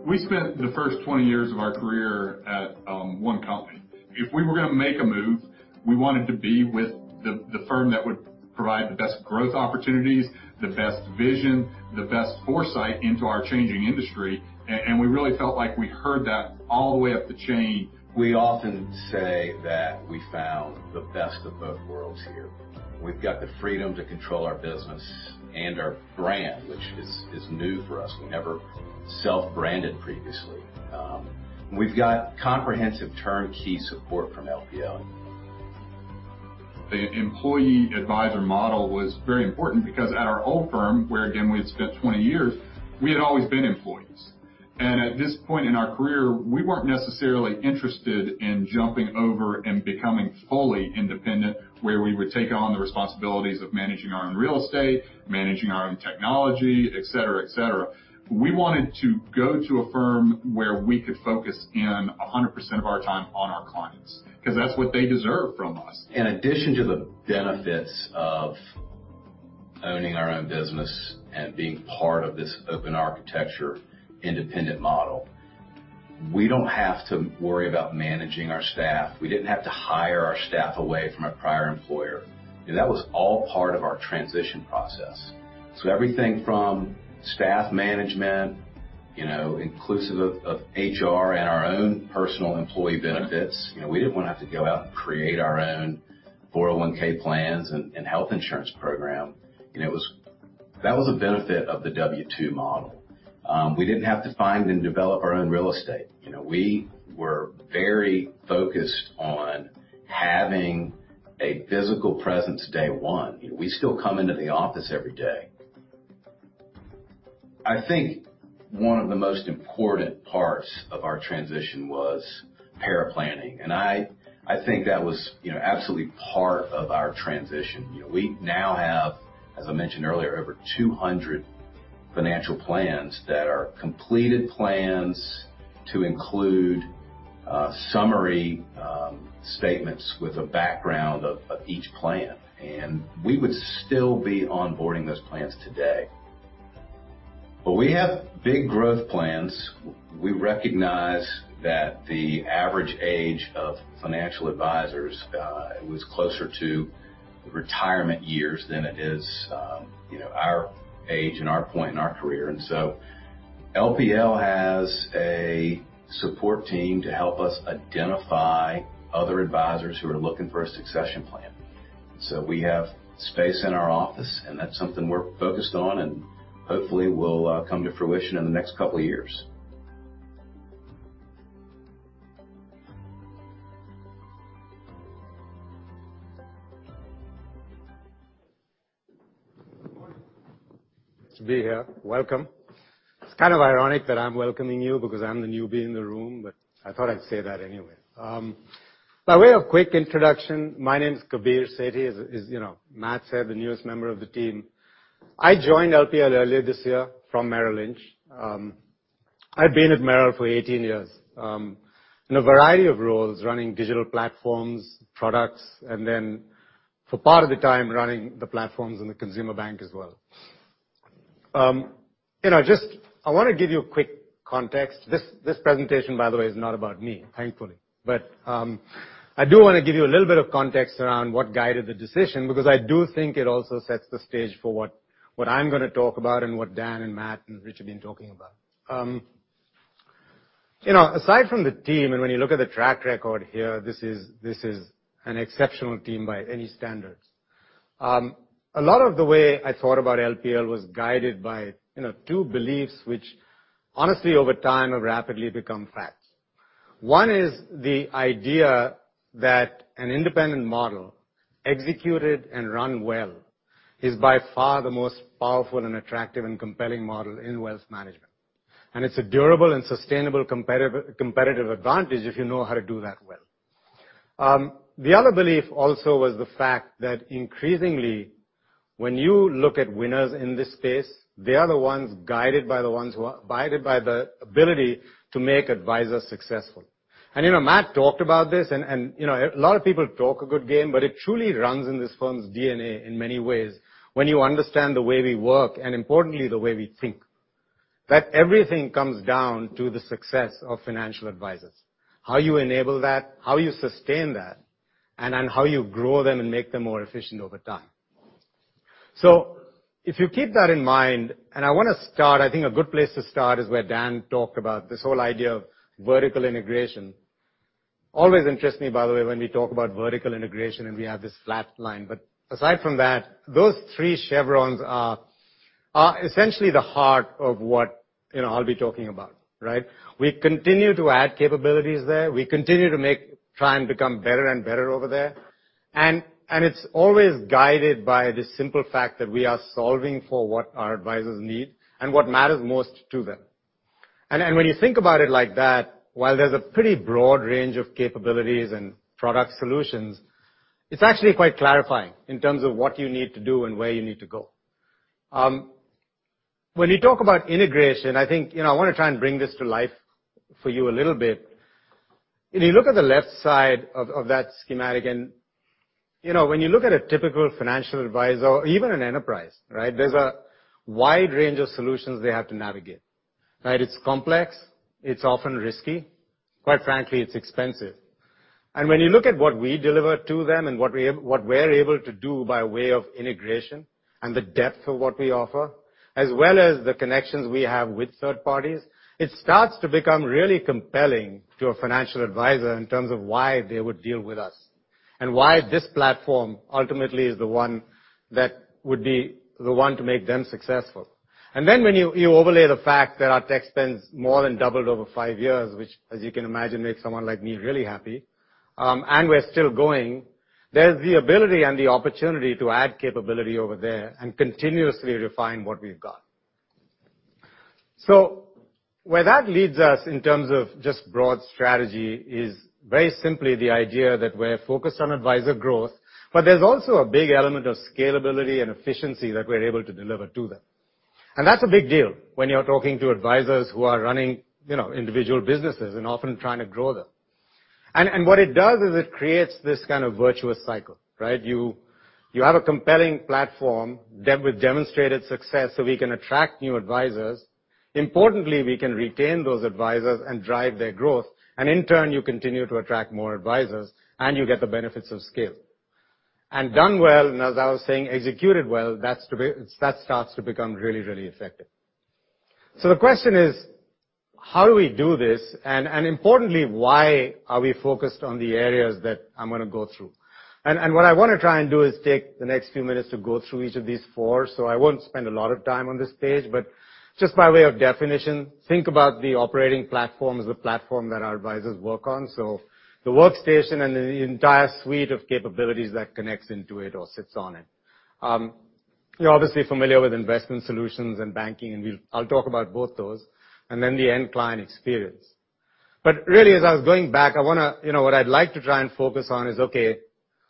We spent the first 20 years of our career at one company. If we were gonna make a move, we wanted to be with the firm that would provide the best growth opportunities, the best vision, the best foresight into our changing industry. We really felt like we heard that all the way up the chain. We often say that we found the best of both worlds here. We've got the freedom to control our business and our brand, which is new for us. We never self-branded previously. We've got comprehensive turnkey support from LPL. The employee advisor model was very important because at our old firm, where again, we had spent 20 years, we had always been employees. At this point in our career, we weren't necessarily interested in jumping over and becoming fully independent, where we would take on the responsibilities of managing our own real estate, managing our own technology, et cetera, et cetera. We wanted to go to a firm where we could focus 100% of our time on our clients, 'cause that's what they deserve from us. In addition to the benefits of owning our own business and being part of this open architecture independent model, we don't have to worry about managing our staff. We didn't have to hire our staff away from a prior employer. That was all part of our transition process. Everything from staff management, you know, inclusive of HR and our own personal employee benefits. You know, we didn't wanna have to go out and create our own 401 plans and health insurance program. You know, it was. That was a benefit of the W-2 model. We didn't have to find and develop our own real estate. You know, we were very focused on having a physical presence day one. We still come into the office every day. I think one of the most important parts of our transition was paraplanning. I think that was, you know, absolutely part of our transition. You know, we now have, as I mentioned earlier, over 200 financial plans that are completed plans to include summary statements with a background of each plan. We would still be onboarding those plans today. We have big growth plans. We recognize that the average age of financial advisors was closer to retirement years than it is our age and our point in our career. LPL has a support team to help us identify other advisors who are looking for a succession plan. We have space in our office, and that's something we're focused on, and hopefully will come to fruition in the next couple of years. Good morning. It's good to be here. Welcome. It's kind of ironic that I'm welcoming you because I'm the newbie in the room, but I thought I'd say that anyway. By way of quick introduction, my name is Kabir Sethi, as you know, Matt said, the newest member of the team. I joined LPL earlier this year from Merrill Lynch. I'd been at Merrill for 18 years, in a variety of roles, running digital platforms, products, and then for part of the time running the platforms in the consumer bank as well. You know, I want to give you a quick context. This presentation, by the way, is not about me, thankfully. I do wanna give you a little bit of context around what guided the decision, because I do think it also sets the stage for what I'm gonna talk about and what Dan and Matt and Rich have been talking about. You know, aside from the team, and when you look at the track record here, this is an exceptional team by any standards. A lot of the way I thought about LPL was guided by, you know, two beliefs which honestly, over time, have rapidly become facts. One is the idea that an independent model, executed and run well, is by far the most powerful and attractive and compelling model in wealth management. It's a durable and sustainable competitive advantage if you know how to do that well. The other belief also was the fact that increasingly, when you look at winners in this space, they are the ones guided by the ones who are defined by the ability to make advisors successful. You know, Matt talked about this and, you know, a lot of people talk a good game, but it truly runs in this firm's DNA in many ways when you understand the way we work, and importantly, the way we think. That everything comes down to the success of financial advisors. How you enable that, how you sustain that, and then how you grow them and make them more efficient over time. If you keep that in mind, and I wanna start, I think a good place to start is where Dan talked about this whole idea of vertical integration. Always interests me, by the way, when we talk about vertical integration, and we have this flat line. Aside from that, those three chevrons are essentially the heart of what, you know, I'll be talking about, right? We continue to add capabilities there. We continue to try and become better and better over there. It's always guided by the simple fact that we are solving for what our advisors need and what matters most to them. Then when you think about it like that, while there's a pretty broad range of capabilities and product solutions, it's actually quite clarifying in terms of what you need to do and where you need to go. When you talk about integration, I think, you know, I wanna try and bring this to life for you a little bit. If you look at the left side of that schematic, you know, when you look at a typical financial advisor or even an enterprise, right? There's a wide range of solutions they have to navigate. Right? It's complex, it's often risky. Quite frankly, it's expensive. When you look at what we deliver to them and what we're what we're able to do by way of integration and the depth of what we offer, as well as the connections we have with third parties, it starts to become really compelling to a financial advisor in terms of why they would deal with us and why this platform ultimately is the one that would be the one to make them successful. Then when you overlay the fact that our tech spend's more than doubled over five years, which as you can imagine, makes someone like me really happy, and we're still going, there's the ability and the opportunity to add capability over there and continuously refine what we've got. Where that leads us in terms of just broad strategy is very simply the idea that we're focused on advisor growth, but there's also a big element of scalability and efficiency that we're able to deliver to them. That's a big deal when you're talking to advisors who are running, you know, individual businesses and often trying to grow them. What it does is it creates this kind of virtuous cycle, right? You have a compelling platform with demonstrated success so we can attract new advisors. Importantly, we can retain those advisors and drive their growth, and in turn, you continue to attract more advisors, and you get the benefits of scale. Done well, and as I was saying, executed well, that starts to become really effective. The question is, how do we do this? Importantly, why are we focused on the areas that I'm gonna go through? What I wanna try and do is take the next few minutes to go through each of these four, so I won't spend a lot of time on this page. Just by way of definition, think about the operating platform as the platform that our advisors work on. The workstation and the entire suite of capabilities that connects into it or sits on it. You're obviously familiar with investment solutions and banking, and I'll talk about both those, and then the end client experience. Really, as I was going back, I wanna, you know, what I'd like to try and focus on is, okay,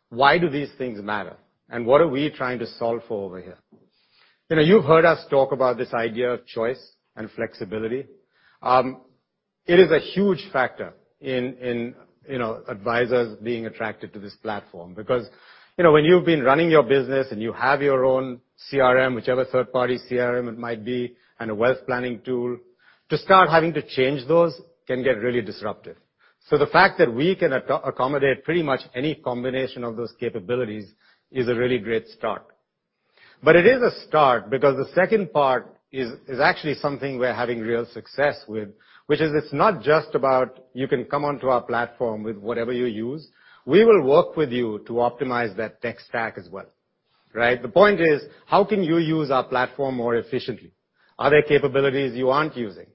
why do these things matter, and what are we trying to solve for over here? You know, you've heard us talk about this idea of choice and flexibility. It is a huge factor in, you know, advisors being attracted to this platform because, you know, when you've been running your business and you have your own CRM, whichever third-party CRM it might be, and a wealth planning tool, to start having to change those can get really disruptive. The fact that we can accommodate pretty much any combination of those capabilities is a really great start. It is a start because the second part is actually something we're having real success with, which is it's not just about you can come onto our platform with whatever you use. We will work with you to optimize that tech stack as well, right? The point is, how can you use our platform more efficiently? Are there capabilities you aren't using?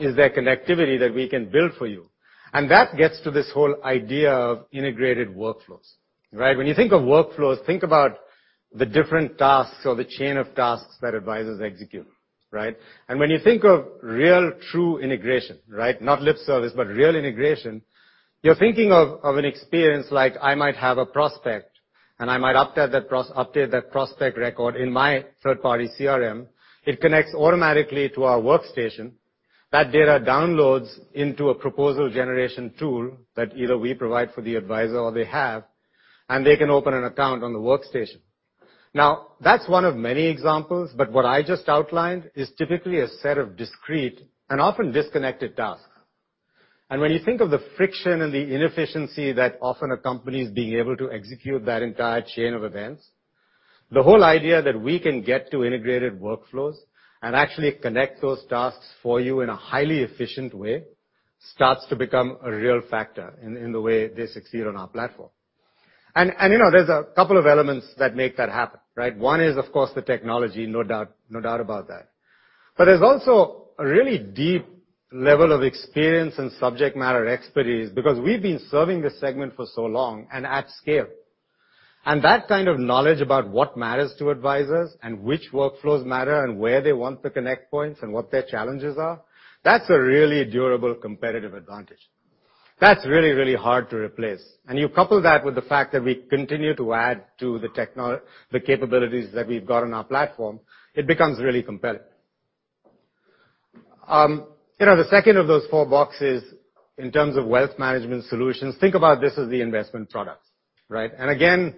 Is there connectivity that we can build for you? That gets to this whole idea of integrated workflows, right? When you think of workflows, think about the different tasks or the chain of tasks that advisors execute, right? When you think of real true integration, right? Not lip service, but real integration, you're thinking of an experience like I might have a prospect, and I might update that prospect record in my third-party CRM. It connects automatically to our workstation. That data downloads into a proposal generation tool that either we provide for the advisor or they have, and they can open an account on the workstation. Now, that's one of many examples, but what I just outlined is typically a set of discrete and often disconnected tasks. When you think of the friction and the inefficiency that often accompanies being able to execute that entire chain of events, the whole idea that we can get to integrated workflows and actually connect those tasks for you in a highly efficient way starts to become a real factor in the way they succeed on our platform. You know, there's a couple of elements that make that happen, right? One is, of course, the technology, no doubt about that. There's also a really deep level of experience and subject matter expertise because we've been serving this segment for so long and at scale. That kind of knowledge about what matters to advisors and which workflows matter and where they want the connect points and what their challenges are, that's a really durable competitive advantage. That's really, really hard to replace. You couple that with the fact that we continue to add to the capabilities that we've got on our platform, it becomes really compelling. You know, the second of those four boxes in terms of wealth management solutions, think about this as the investment products, right? Again,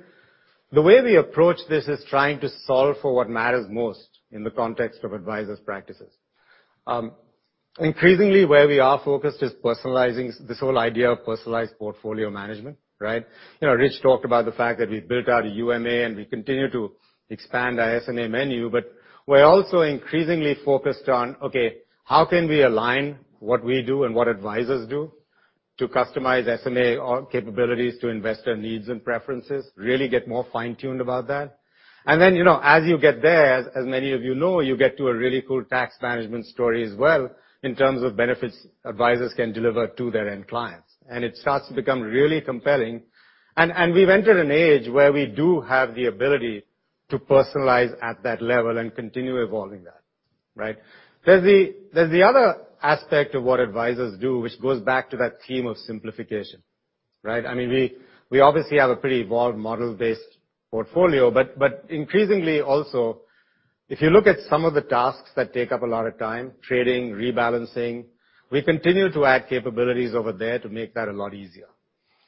the way we approach this is trying to solve for what matters most in the context of advisors' practices. Increasingly, where we are focused is personalizing this whole idea of personalized portfolio management, right? You know, Rich talked about the fact that we've built out a UMA and we continue to expand our SMA menu, but we're also increasingly focused on, okay, how can we align what we do and what advisors do to customize SMA or capabilities to investor needs and preferences, really get more fine-tuned about that. Then, you know, as you get there, as many of you know, you get to a really cool tax management story as well in terms of benefits advisors can deliver to their end clients. It starts to become really compelling. We've entered an age where we do have the ability to personalize at that level and continue evolving that, right? There's the other aspect of what advisors do, which goes back to that theme of simplification, right? I mean, we obviously have a pretty evolved model-based portfolio, but increasingly also, if you look at some of the tasks that take up a lot of time, trading, rebalancing, we continue to add capabilities over there to make that a lot easier.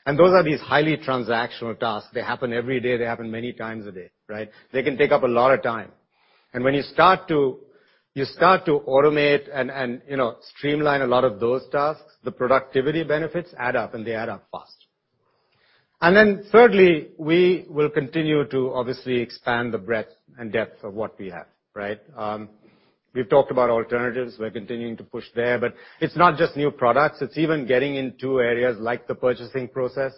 Those are these highly transactional tasks. They happen every day. They happen many times a day, right? They can take up a lot of time. When you start to automate and, you know, streamline a lot of those tasks, the productivity benefits add up, and they add up fast. Then thirdly, we will continue to obviously expand the breadth and depth of what we have, right? We've talked about alternatives. We're continuing to push there. But it's not just new products, it's even getting into areas like the purchasing process.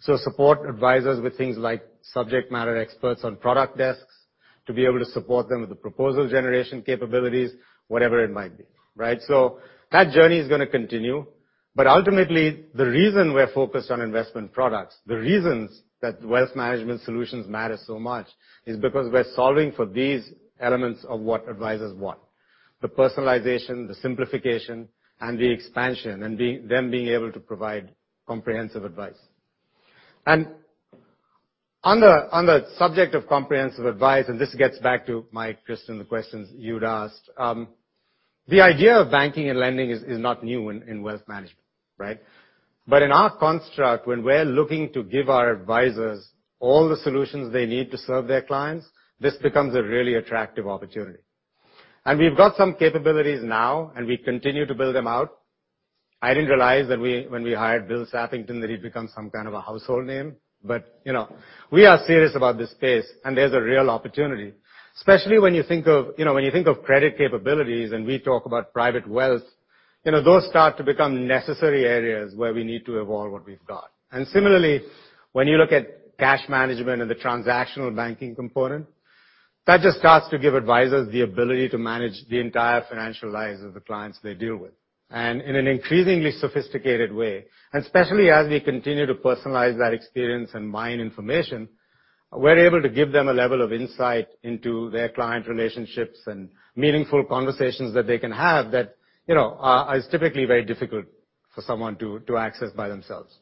Support advisors with things like subject matter experts on product desks to be able to support them with the proposal generation capabilities, whatever it might be, right? That journey is gonna continue. Ultimately, the reason we're focused on investment products, the reasons that wealth management solutions matter so much is because we're solving for these elements of what advisors want. The personalization, the simplification, and the expansion and them being able to provide comprehensive advice. On the subject of comprehensive advice, this gets back to Mike, Kristen, the questions you'd asked, the idea of banking and lending is not new in wealth management, right? In our construct, when we're looking to give our advisors all the solutions they need to serve their clients, this becomes a really attractive opportunity. We've got some capabilities now, and we continue to build them out. I didn't realize that when we hired Bill Sappington that he'd become some kind of a household name, but, you know, we are serious about this space, and there's a real opportunity. Especially when you think of, you know, when you think of credit capabilities and we talk about private wealth, you know, those start to become necessary areas where we need to evolve what we've got. Similarly, when you look at cash management and the transactional banking component, that just starts to give advisors the ability to manage the entire financial lives of the clients they deal with. In an increasingly sophisticated way, and especially as we continue to personalize that experience and mine information, we're able to give them a level of insight into their client relationships and meaningful conversations that they can have that, you know, is typically very difficult for someone to access by themselves.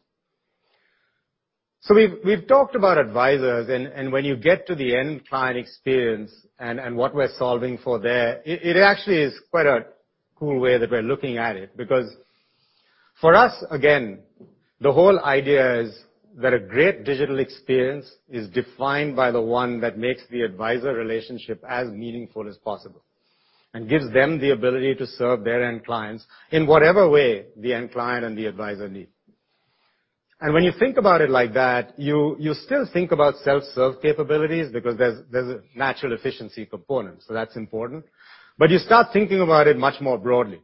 We've talked about advisors and when you get to the end client experience and what we're solving for there, it actually is quite a cool way that we're looking at it. Because for us, again, the whole idea is that a great digital experience is defined by the one that makes the advisor relationship as meaningful as possible and gives them the ability to serve their end clients in whatever way the end client and the advisor need. When you think about it like that, you still think about self-serve capabilities because there's a natural efficiency component, so that's important. You start thinking about it much more broadly,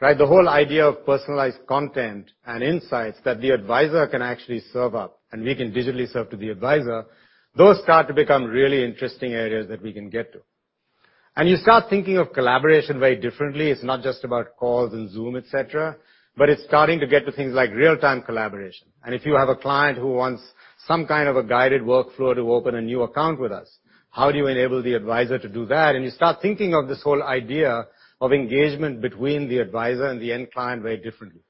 right? The whole idea of personalized content and insights that the advisor can actually serve up, and we can digitally serve to the advisor, those start to become really interesting areas that we can get to. You start thinking of collaboration very differently. It's not just about calls and Zoom, et cetera, but it's starting to get to things like real-time collaboration. If you have a client who wants some kind of a guided workflow to open a new account with us, how do you enable the advisor to do that? You start thinking of this whole idea of engagement between the advisor and the end client very differently.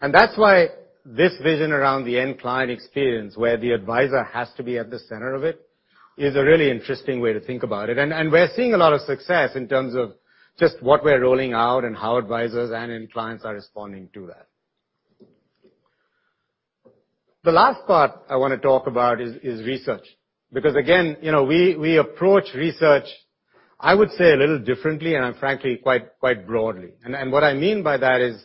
That's why this vision around the end client experience, where the advisor has to be at the center of it, is a really interesting way to think about it. We're seeing a lot of success in terms of just what we're rolling out and how advisors and end clients are responding to that. The last part I wanna talk about is research. Because again, you know, we approach research, I would say a little differently, and frankly, quite broadly. What I mean by that is,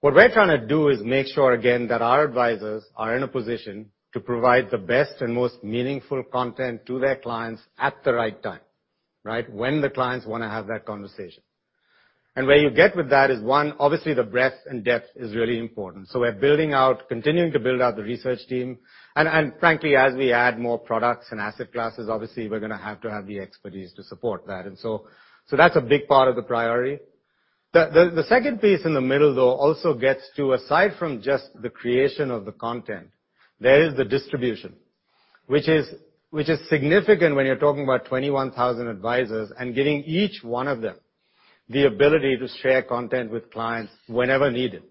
what we're trying to do is make sure again that our advisors are in a position to provide the best and most meaningful content to their clients at the right time, right? When the clients wanna have that conversation. Where you get with that is, one, obviously the breadth and depth is really important. We're building out, continuing to build out the research team. And frankly, as we add more products and asset classes, obviously, we're gonna have to have the expertise to support that. That's a big part of the priority. The second piece in the middle, though, also gets to aside from just the creation of the content, there is the distribution, which is significant when you're talking about 21,000 advisors and getting each one of them the ability to share content with clients whenever needed.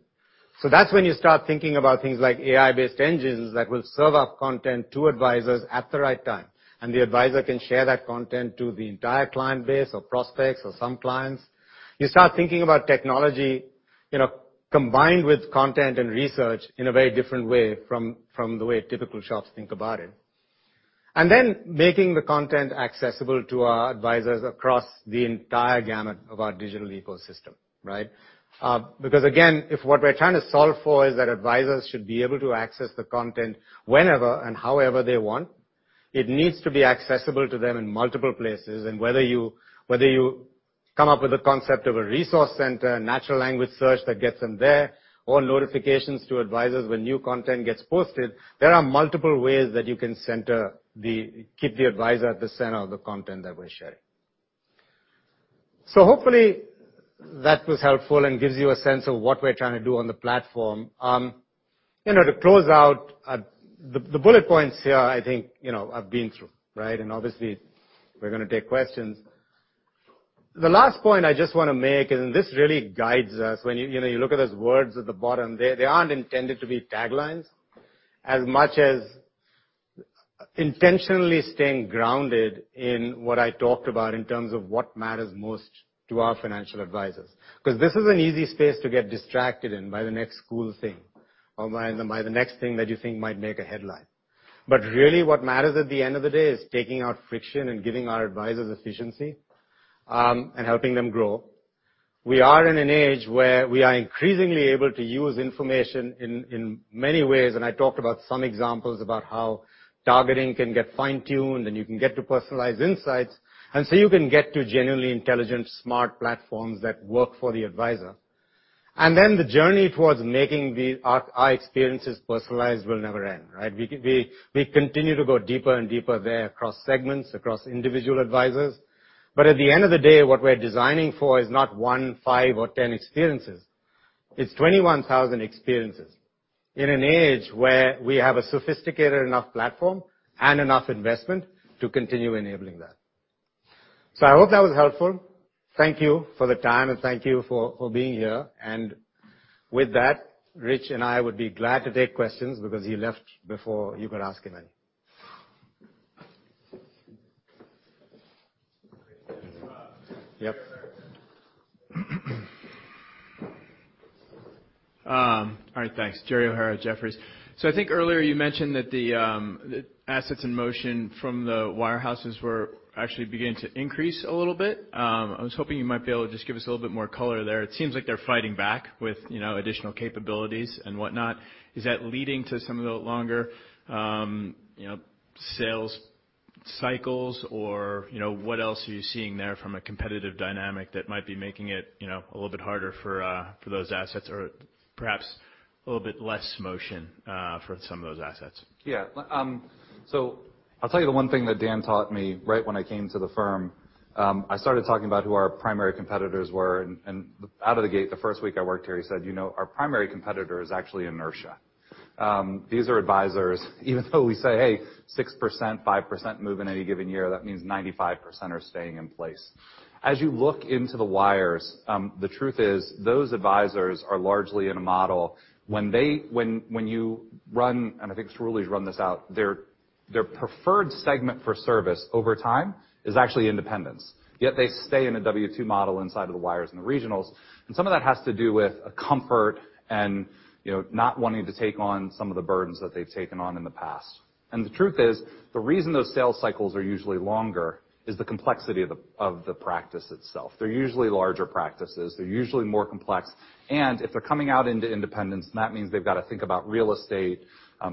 That's when you start thinking about things like AI-based engines that will serve up content to advisors at the right time, and the advisor can share that content to the entire client base or prospects or some clients. You start thinking about technology, you know, combined with content and research in a very different way from the way typical shops think about it. Making the content accessible to our advisors across the entire gamut of our digital ecosystem, right? Because again, if what we're trying to solve for is that advisors should be able to access the content whenever and however they want, it needs to be accessible to them in multiple places. Whether you come up with a concept of a resource center, natural language search that gets them there, or notifications to advisors when new content gets posted, there are multiple ways that you can center keep the advisor at the center of the content that we're sharing. Hopefully that was helpful and gives you a sense of what we're trying to do on the platform. You know, to close out, the bullet points here, I think, you know, I've been through, right? Obviously we're gonna take questions. The last point I just wanna make, and this really guides us when you know, you look at those words at the bottom there, they aren't intended to be taglines as much as intentionally staying grounded in what I talked about in terms of what matters most to our financial advisors. 'Cause this is an easy space to get distracted in by the next cool thing or by the next thing that you think might make a headline. Really what matters at the end of the day is taking out friction and giving our advisors efficiency, and helping them grow. We are in an age where we are increasingly able to use information in many ways, and I talked about some examples about how targeting can get fine-tuned, and you can get to personalized insights. You can get to genuinely intelligent, smart platforms that work for the advisor. The journey towards making our experiences personalized will never end, right? We continue to go deeper and deeper there across segments, across individual advisors. At the end of the day, what we're designing for is not one, five or ten experiences. It's 21,000 experiences in an age where we have a sophisticated enough platform and enough investment to continue enabling that. I hope that was helpful. Thank you for the time, and thank you for being here. With that, Rich and I would be glad to take questions because he left before you could ask him any. All right, thanks. Gerald O'Hara, Jefferies. I think earlier you mentioned that the assets in motion from the wirehouses were actually beginning to increase a little bit. I was hoping you might be able to just give us a little bit more color there. It seems like they're fighting back with, you know, additional capabilities and whatnot. Is that leading to some of the longer sales cycles or what else are you seeing there from a competitive dynamic that might be making it a little bit harder for those assets or perhaps a little bit less motion for some of those assets? Yeah. I'll tell you the one thing that Dan taught me right when I came to the firm. I started talking about who our primary competitors were, and out of the gate, the first week I worked here, he said, "You know, our primary competitor is actually inertia." These are advisors, even though we say, hey, 6%, 5% move in any given year, that means 95% are staying in place. As you look into the wirehouses, the truth is, those advisors are largely in a model, and I think Cerulli's run this out, their preferred segment for service over time is actually independence. Yet they stay in a W-2 model inside of the wires in the regionals, and some of that has to do with a comfort and, you know, not wanting to take on some of the burdens that they've taken on in the past. The truth is, the reason those sales cycles are usually longer is the complexity of the practice itself. They're usually larger practices. They're usually more complex. If they're coming out into independence, then that means they've got to think about real estate,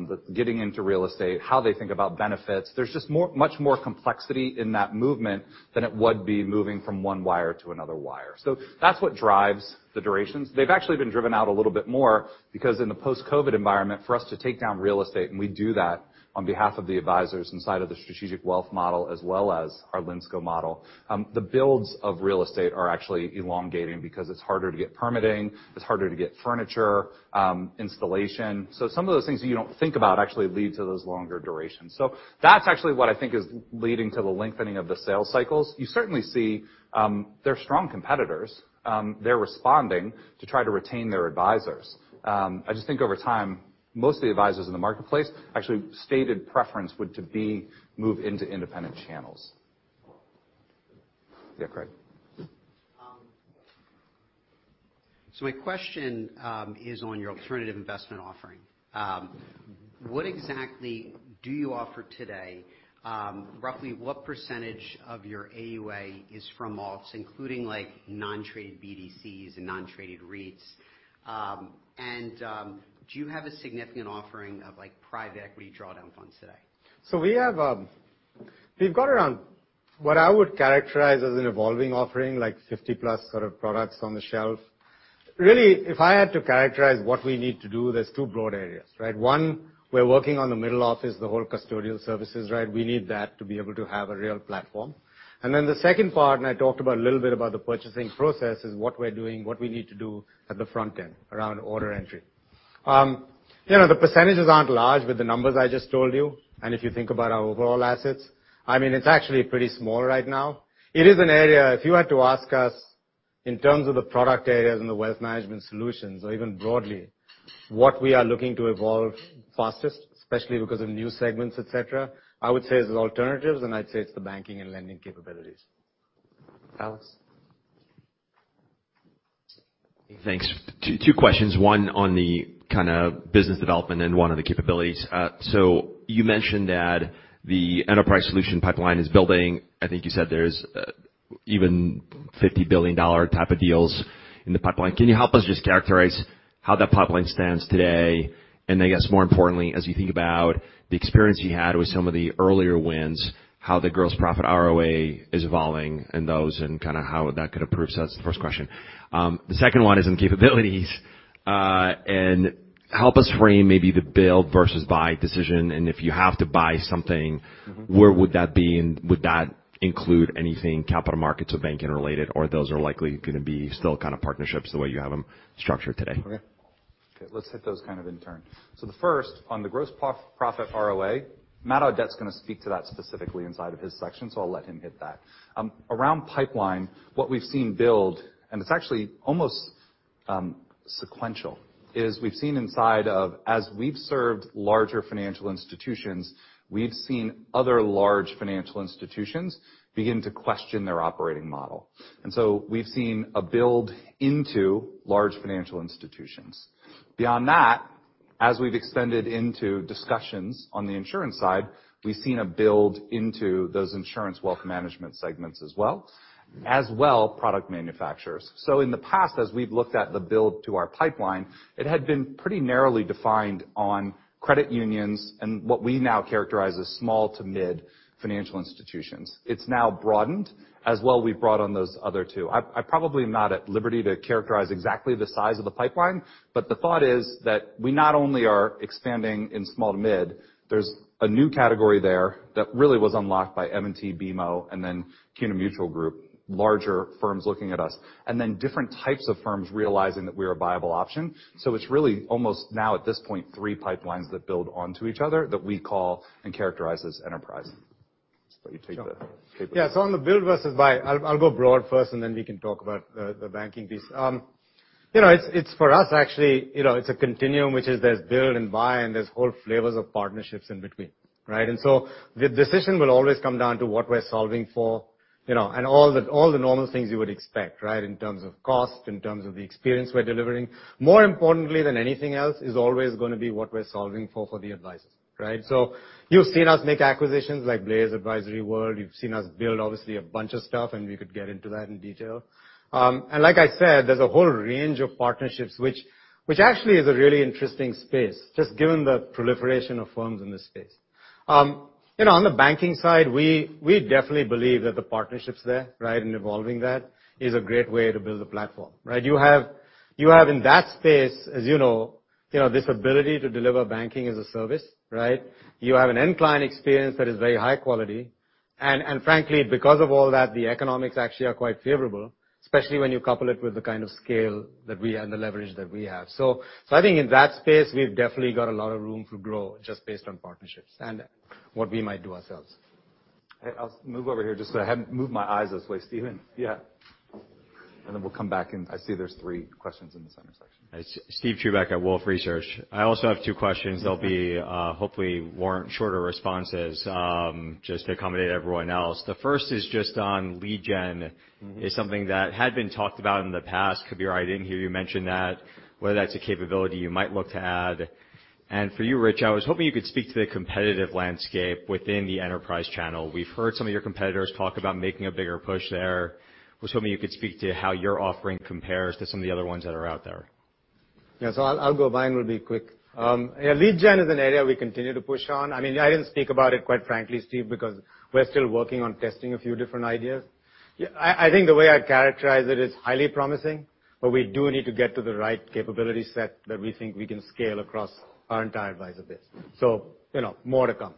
the getting into real estate, how they think about benefits. There's just much more complexity in that movement than it would be moving from one wire to another wire. That's what drives the durations. They've actually been driven out a little bit more because in the post-COVID environment, for us to take down real estate, and we do that on behalf of the advisors inside of the Strategic Wealth model as well as our Linsco model, the builds of real estate are actually elongating because it's harder to get permitting, it's harder to get furniture, installation. So some of those things that you don't think about actually lead to those longer durations. So that's actually what I think is leading to the lengthening of the sales cycles. You certainly see, they're strong competitors. They're responding to try to retain their advisors. I just think over time, most of the advisors in the marketplace actually stated preference would be to move into independent channels. Yeah, Craig. My question is on your alternative investment offering. What exactly do you offer today? Roughly what percentage of your AUA is from alts, including like non-traded BDCs and non-traded REITs? Do you have a significant offering of like private equity drawdown funds today? We have, we've got around what I would characterize as an evolving offering, like 50-plus sort of products on the shelf. Really, if I had to characterize what we need to do, there's two broad areas, right? One, we're working on the middle office, the whole custodial services, right? We need that to be able to have a real platform. The second part, and I talked about a little bit about the purchasing process, is what we're doing, what we need to do at the front end around order entry. You know, the percentages aren't large with the numbers I just told you, and if you think about our overall assets, I mean, it's actually pretty small right now. It is an area, if you had to ask us, in terms of the product areas and the wealth management solutions or even broadly, what we are looking to evolve fastest, especially because of new segments, et cetera, I would say it's the alternatives, and I'd say it's the banking and lending capabilities. Alex? Thanks. Two questions, one on the kinda business development and one on the capabilities. So you mentioned that the enterprise solution pipeline is building. I think you said there's even $50 billion type of deals in the pipeline. Can you help us just characterize how that pipeline stands today? I guess more importantly, as you think about the experience you had with some of the earlier wins, how the gross profit ROA is evolving in those, and kinda how that could improve. That's the first question. The second one is on capabilities. Help us frame maybe the build versus buy decision, and if you have to buy something. Where would that be, and would that include anything capital markets or banking related, or those are likely gonna be still kind of partnerships the way you have them structured today? Okay. Okay, let's hit those kind of in turn. The first, on the gross profit ROA, Matt Audette's gonna speak to that specifically inside of his section, so I'll let him hit that. Around pipeline, what we've seen build, and it's actually almost sequential, is we've seen inside of, as we've served larger financial institutions, we've seen other large financial institutions begin to question their operating model. We've seen a build into large financial institutions. Beyond that, as we've extended into discussions on the insurance side, we've seen a build into those insurance wealth management segments as well, as well product manufacturers. In the past, as we've looked at the build to our pipeline, it had been pretty narrowly defined on credit unions and what we now characterize as small to mid-financial institutions. It's now broadened, as well we've brought on those other two. I probably am not at liberty to characterize exactly the size of the pipeline, but the thought is that we not only are expanding in small to mid, there's a new category there that really was unlocked by M&T, BMO, and then CUNA Mutual Group, larger firms looking at us, and then different types of firms realizing that we're a viable option. It's really almost now at this point, three pipelines that build onto each other that we call and characterize as enterprise. You take the Yeah. On the build versus buy, I'll go broad first, and then we can talk about the banking piece. You know, it's for us actually, you know, it's a continuum, which is there's build and buy, and there's whole flavors of partnerships in between, right? The decision will always come down to what we're solving for, you know, and all the normal things you would expect, right, in terms of cost, in terms of the experience we're delivering. More importantly than anything else is always gonna be what we're solving for the advisors, right? You've seen us make acquisitions like Blaze Portfolio. You've seen us build obviously a bunch of stuff, and we could get into that in detail. Like I said, there's a whole range of partnerships, which actually is a really interesting space, just given the proliferation of firms in this space. You know, on the banking side, we definitely believe that the partnerships there, right, and evolving that is a great way to build a platform, right? You have in that space, as you know, you know, this ability to deliver banking as a service, right? You have an end client experience that is very high quality. And frankly, because of all that, the economics actually are quite favorable, especially when you couple it with the kind of scale that we have and the leverage that we have. So I think in that space, we've definitely got a lot of room to grow just based on partnerships and what we might do ourselves. I'll move over here just so I haven't moved my eyes this way. Steven? Yeah. We'll come back, and I see there's three questions in the center section. Steven Chubak at Wolfe Research. I also have two questions. Okay. They'll be hopefully warrant shorter responses, just to accommodate everyone else. The first is just on lead gen, this is something that had been talked about in the past. Kabir, I didn't hear you mention that, whether that's a capability you might look to add. For you, Rich, I was hoping you could speak to the competitive landscape within the enterprise channel. We've heard some of your competitors talk about making a bigger push there. I was hoping you could speak to how your offering compares to some of the other ones that are out there. Yeah. I'll go, mine will be quick. Yeah, lead gen is an area we continue to push on. I mean, I didn't speak about it quite frankly, Steve, because we're still working on testing a few different ideas. I think the way I'd characterize it is highly promising, but we do need to get to the right capability set that we think we can scale across our entire advisor base. You know, more to come.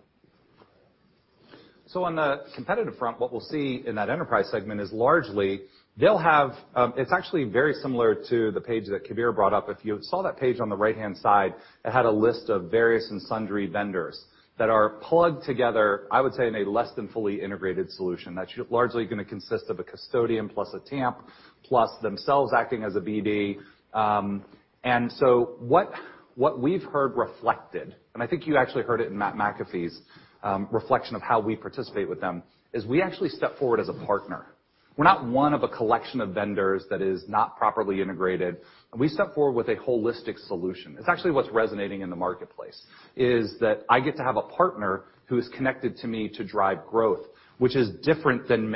On the competitive front, what we'll see in that enterprise segment is largely they'll have. It's actually very similar to the page that Kabir brought up. If you saw that page on the right-hand side, it had a list of various and sundry vendors that are plugged together, I would say, in a less than fully integrated solution. That's largely gonna consist of a custodian plus a TAMP plus themselves acting as a BD. And so what we've heard reflected, and I think you actually heard it in Matt McAfee's reflection of how we participate with them, is we actually step forward as a partner. We're not one of a collection of vendors that is not properly integrated. We step forward with a holistic solution. It's actually what's resonating in the marketplace, is that I get to have a partner who is connected to me to drive growth, which is different than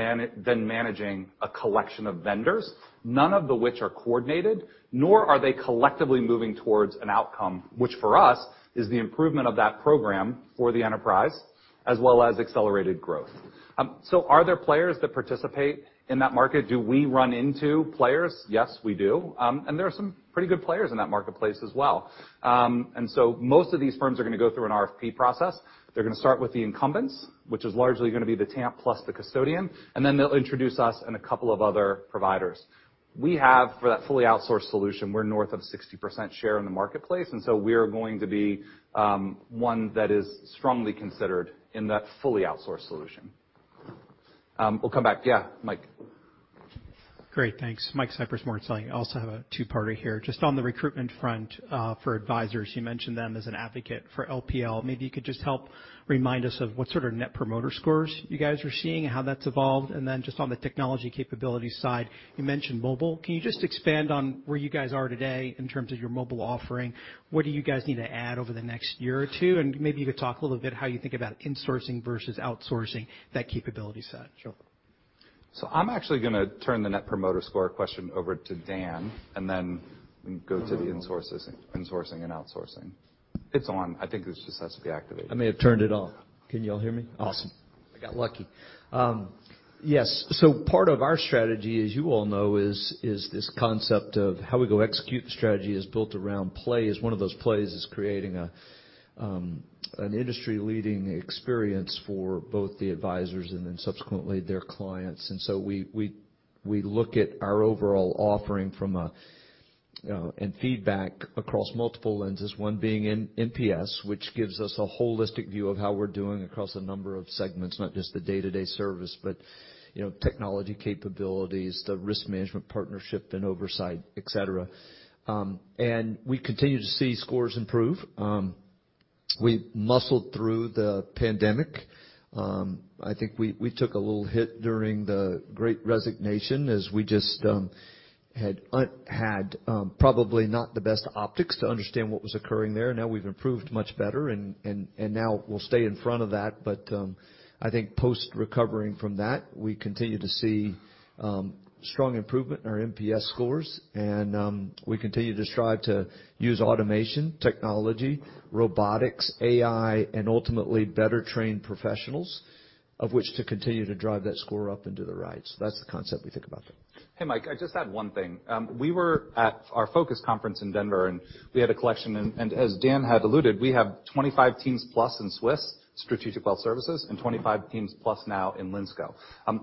managing a collection of vendors, none of which are coordinated, nor are they collectively moving towards an outcome, which for us is the improvement of that program for the enterprise as well as accelerated growth. Are there players that participate in that market? Do we run into players? Yes, we do. There are some pretty good players in that marketplace as well. Most of these firms are gonna go through an RFP process. They're gonna start with the incumbents, which is largely gonna be the TAMP plus the custodian, and then they'll introduce us and a couple of other providers. We have, for that fully outsourced solution, we're north of 60% share in the marketplace, and so we're going to be one that is strongly considered in that fully outsourced solution. We'll come back. Yeah, Mike. Great. Thanks. Michael Cyprys, Morgan Stanley. I also have a two-parter here. Just on the recruitment front, for advisors, you mentioned them as an advocate for LPL. Maybe you could just help remind us of what sort of net promoter scores you guys are seeing, how that's evolved. And then just on the technology capability side, you mentioned mobile. Can you just expand on where you guys are today in terms of your mobile offering? What do you guys need to add over the next year or two? And maybe you could talk a little bit how you think about insourcing versus outsourcing that capability side. Sure. I'm actually gonna turn the net promoter score question over to Dan, and then go to the insourcing and outsourcing. It's on. I think it just has to be activated. I may have turned it off. Can you all hear me? Awesome. I got lucky. Yes. Part of our strategy, as you all know, is this concept of how we go execute the strategy is built around plays. As one of those plays is creating an industry-leading experience for both the advisors and then subsequently their clients. We look at our overall offering across multiple lenses, one being NPS, which gives us a holistic view of how we're doing across a number of segments, not just the day-to-day service, but you know, technology capabilities, the risk management, partnership and oversight, et cetera. We continue to see scores improve. We muscled through the pandemic. I think we took a little hit during the Great Resignation as we just had probably not the best optics to understand what was occurring there. Now we've improved much better and now we'll stay in front of that. I think post recovering from that, we continue to see strong improvement in our NPS scores. We continue to strive to use automation, technology, robotics, AI, and ultimately better trained professionals of which to continue to drive that score up and to the right. That's the concept we think about there. Hey, Mike, I just had one thing. We were at our Focus conference in Denver, and we had a collection. As Dan had alluded, we have 25 teams plus in Strategic Wealth Services and 25 teams plus now in Linsco.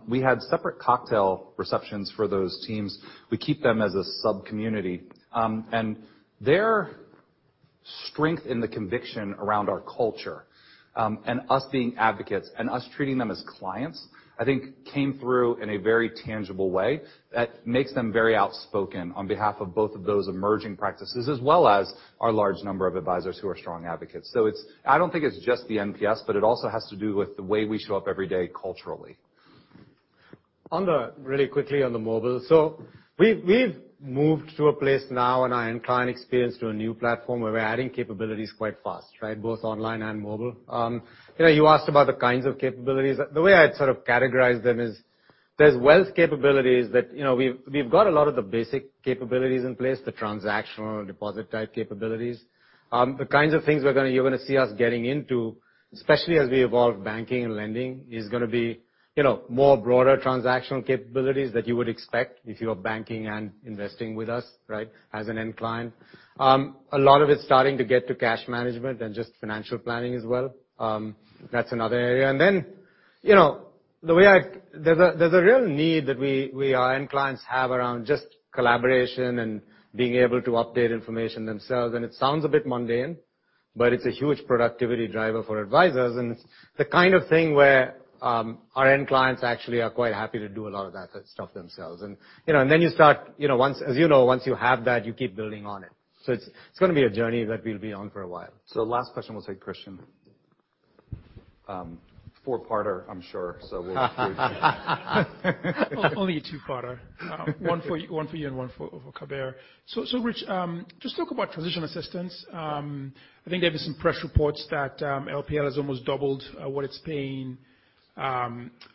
We had separate cocktail receptions for those teams. We keep them as a sub-community. Their strength in the conviction around our culture, and us being advocates and us treating them as clients, I think came through in a very tangible way that makes them very outspoken on behalf of both of those emerging practices, as well as our large number of advisors who are strong advocates. It's not just the NPS, but it also has to do with the way we show up every day culturally. Really quickly on the mobile. We've moved to a place now in our end client experience to a new platform where we're adding capabilities quite fast, right? Both online and mobile. You know, you asked about the kinds of capabilities. The way I'd sort of categorize them is there's wealth capabilities that, you know, we've got a lot of the basic capabilities in place, the transactional deposit type capabilities. The kinds of things you're gonna see us getting into, especially as we evolve banking and lending, is gonna be, you know, more broader transactional capabilities that you would expect if you are banking and investing with us, right, as an end client. A lot of it's starting to get to cash management and just financial planning as well. That's another area. You know, there's a real need that we, our end clients have around just collaboration and being able to update information themselves. It sounds a bit mundane, but it's a huge productivity driver for advisors, and it's the kind of thing where our end clients actually are quite happy to do a lot of that stuff themselves. You know, you start, you know, as you know, once you have that, you keep building on it. It's gonna be a journey that we'll be on for a while. Last question we'll take, Christian. Four-parter, I'm sure. Only a two-parter. One for you and one for Kabir. Rich, just talk about transition assistance. I think there've been some press reports that LPL has almost doubled what it's paying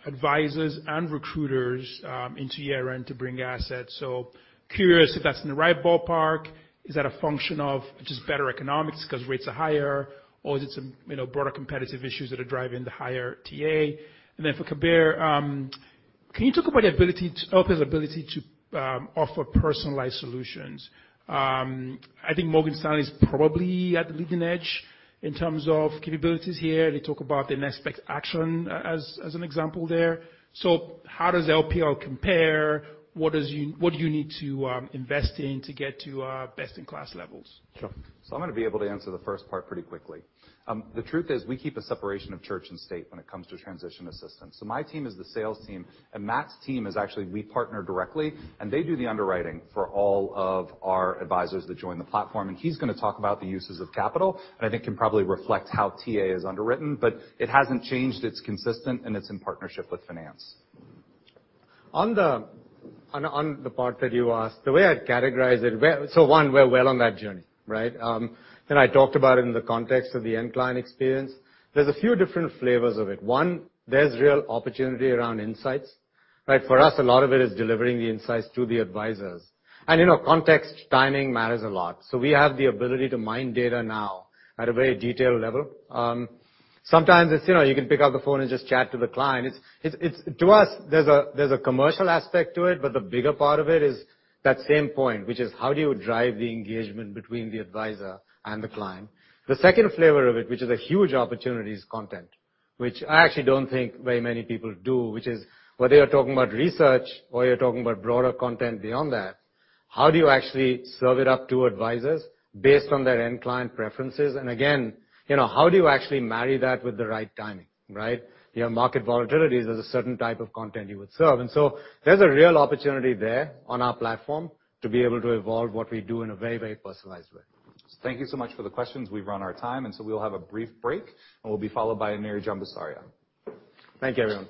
advisors and recruiters into year-end to bring assets. Curious if that's in the right ballpark. Is that a function of just better economics 'cause rates are higher, or is it some, you know, broader competitive issues that are driving the higher TA? And then for Kabir, can you talk about LPL's ability to offer personalized solutions? I think Morgan Stanley is probably at the leading edge in terms of capabilities here. They talk about the Next Best Action as an example there. How does LPL compare? What do you need to invest in to get to best in class levels? Sure. I'm gonna be able to answer the first part pretty quickly. The truth is we keep a separation of church and state when it comes to transition assistance. My team is the sales team, and Matt's team is actually we partner directly, and they do the underwriting for all of our advisors that join the platform. He's gonna talk about the uses of capital, and I think can probably reflect how TA is underwritten, but it hasn't changed. It's consistent, and it's in partnership with finance. On the part that you asked, the way I'd categorize it, so one, we're well on that journey, right? Then I talked about it in the context of the end client experience. There's a few different flavors of it. One, there's real opportunity around insights, right? For us, a lot of it is delivering the insights to the advisors. You know, context timing matters a lot. We have the ability to mine data now at a very detailed level. Sometimes it's, you know, you can pick up the phone and just chat to the client. It's to us, there's a commercial aspect to it, but the bigger part of it is that same point, which is how do you drive the engagement between the advisor and the client. The second flavor of it, which is a huge opportunity, is content, which I actually don't think very many people do, which is whether you're talking about research or you're talking about broader content beyond that. How do you actually serve it up to advisors based on their end client preferences? Again, you know, how do you actually marry that with the right timing, right? You have market volatilities. There's a certain type of content you would serve. There's a real opportunity there on our platform to be able to evolve what we do in a very, very personalized way. Thank you so much for the questions. We've run our time, and so we'll have a brief break, and we'll be followed by Aneri Jambusaria. Thank you, everyone.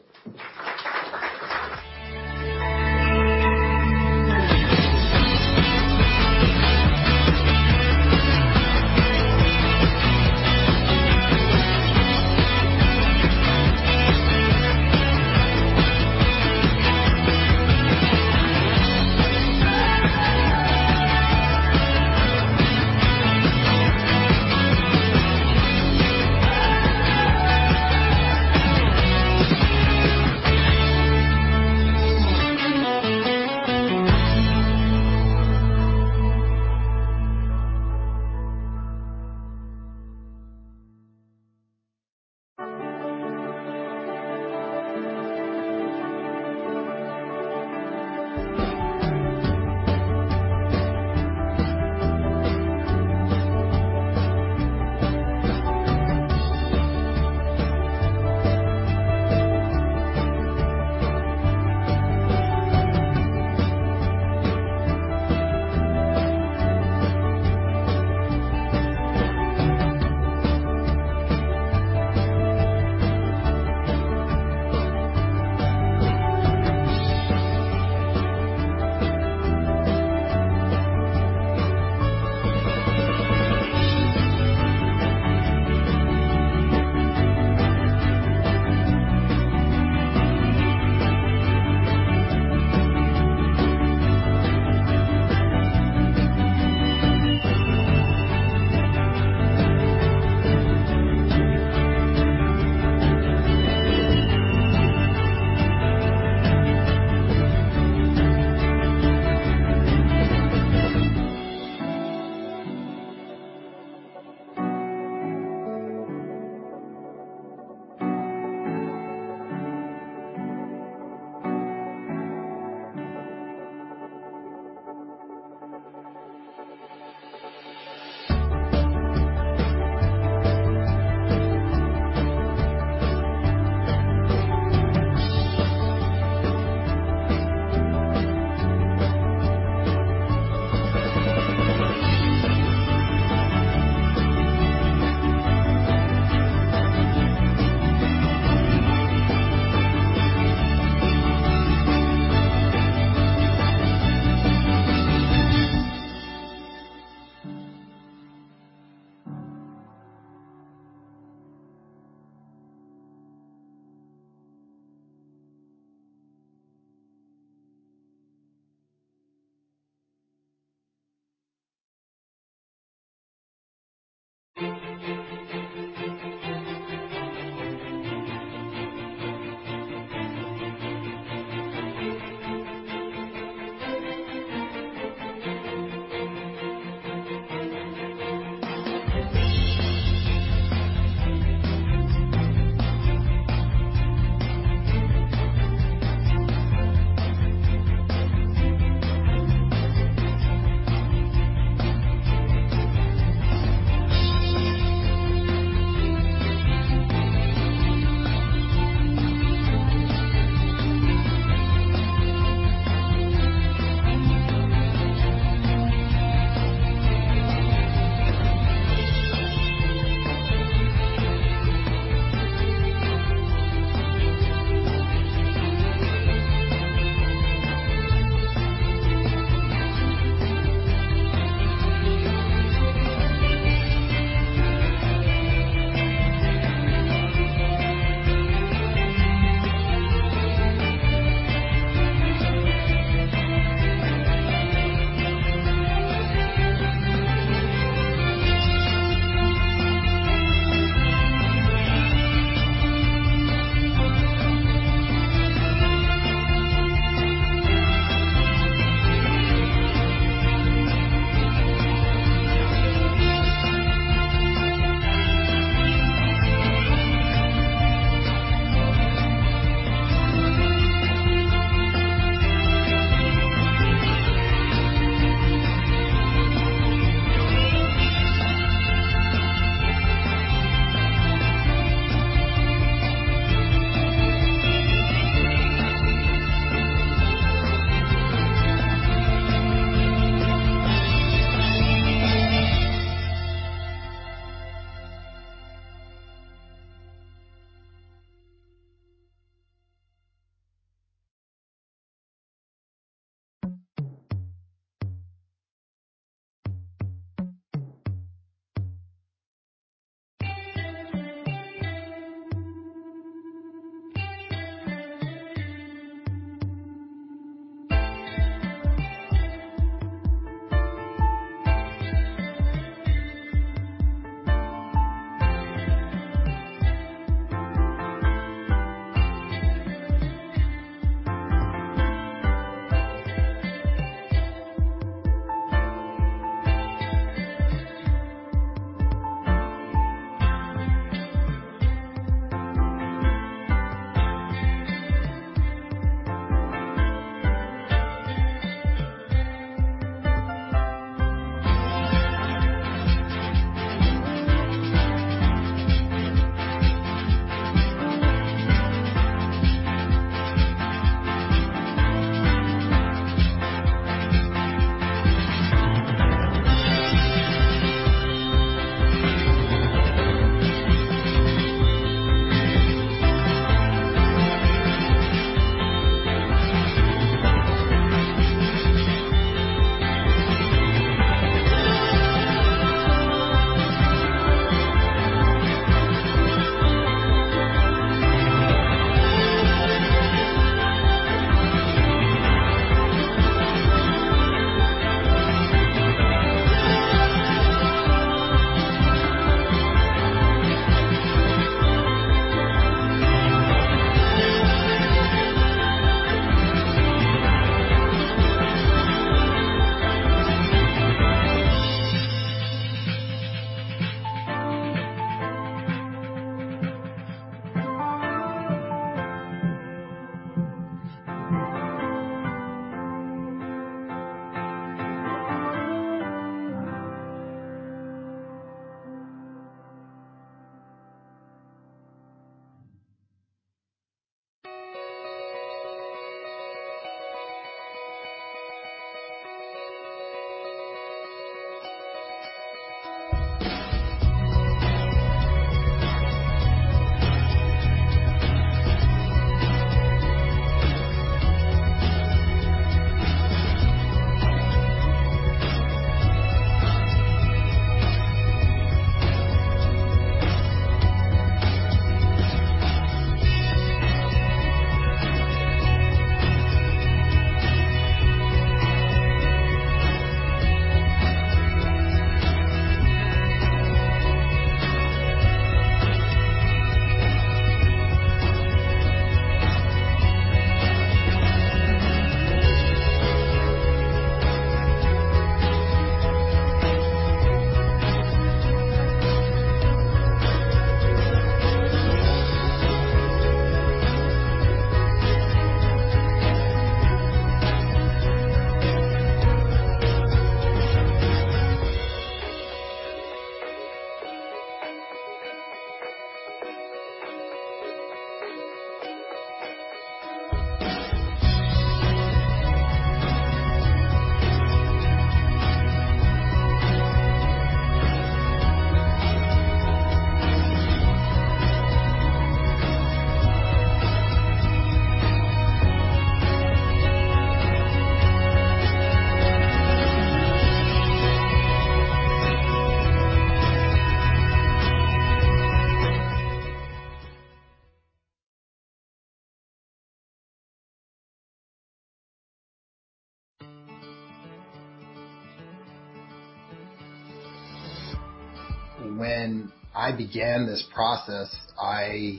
When I began this process, I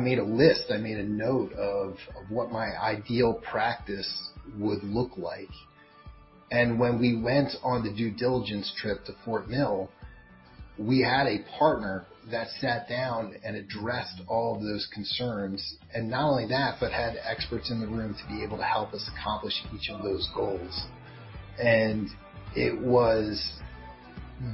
made a list. I made a note of what my ideal practice would look like. When we went on the due diligence trip to Fort Mill, we had a partner that sat down and addressed all of those concerns. Not only that, but had experts in the room to be able to help us accomplish each of those goals. It was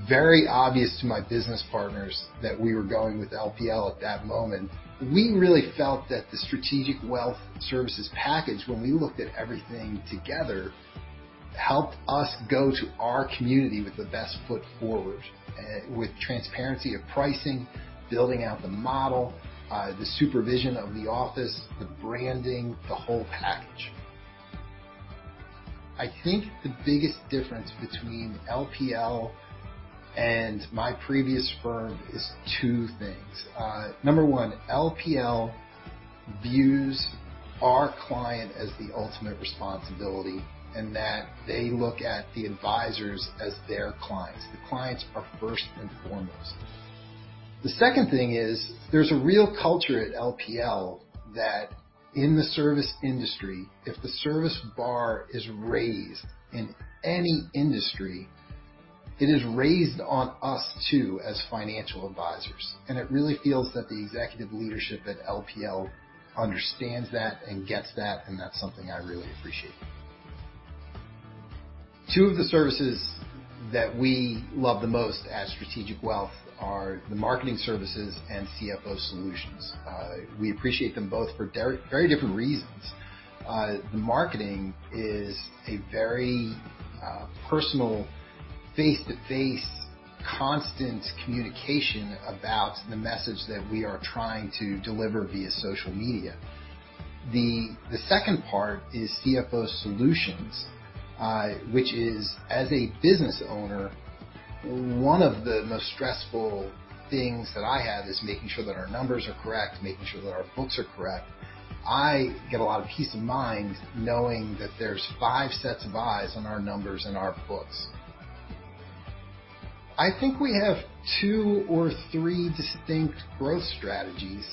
very obvious to my business partners that we were going with LPL at that moment. We really felt that the Strategic Wealth Services package, when we looked at everything together, helped us go to our community with the best foot forward, with transparency of pricing, building out the model, the supervision of the office, the branding, the whole package. I think the biggest difference between LPL and my previous firm is two things. Number one, LPL views our client as the ultimate responsibility, and that they look at the advisors as their clients. The clients are first and foremost. The second thing is there's a real culture at LPL that in the service industry, if the service bar is raised in any industry, it is raised on us, too, as financial advisors. It really feels that the executive leadership at LPL understands that and gets that, and that's something I really appreciate. Two of the services that we love the most at Strategic Wealth are the Marketing Solutions and CFO Solutions. We appreciate them both for very different reasons. The marketing is a very personal face-to-face, constant communication about the message that we are trying to deliver via social media. The second part is CFO Solutions, which is as a business owner, one of the most stressful things that I have is making sure that our numbers are correct, making sure that our books are correct. I get a lot of peace of mind knowing that there's five sets of eyes on our numbers and our books. I think we have two or three distinct growth strategies.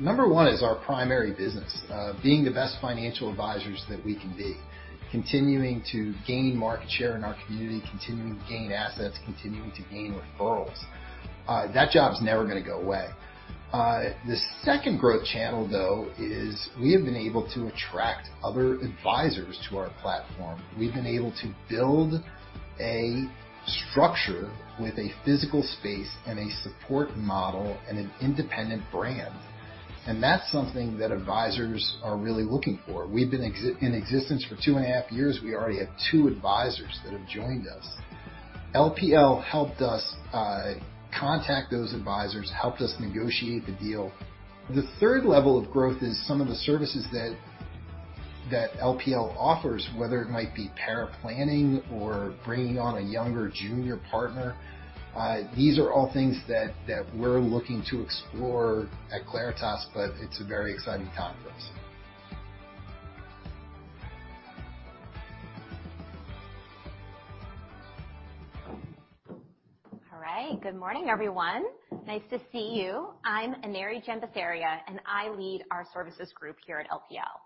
Number one is our primary business, being the best financial advisors that we can be. Continuing to gain market share in our community, continuing to gain assets, continuing to gain referrals. That job's never gonna go away. The second growth channel, though, is we have been able to attract other advisors to our platform. We've been able to build a structure with a physical space and a support model and an independent brand, and that's something that advisors are really looking for. We've been in existence for 2.5 years. We already have 2 advisors that have joined us. LPL helped us contact those advisors, helped us negotiate the deal. The third level of growth is some of the services that LPL offers, whether it might be paraplanning or bringing on a younger junior partner. These are all things that we're looking to explore at Claritas, but it's a very exciting time for us. All right. Good morning, everyone. Nice to see you. I'm Aneri Jambusaria, and I lead our services group here at LPL.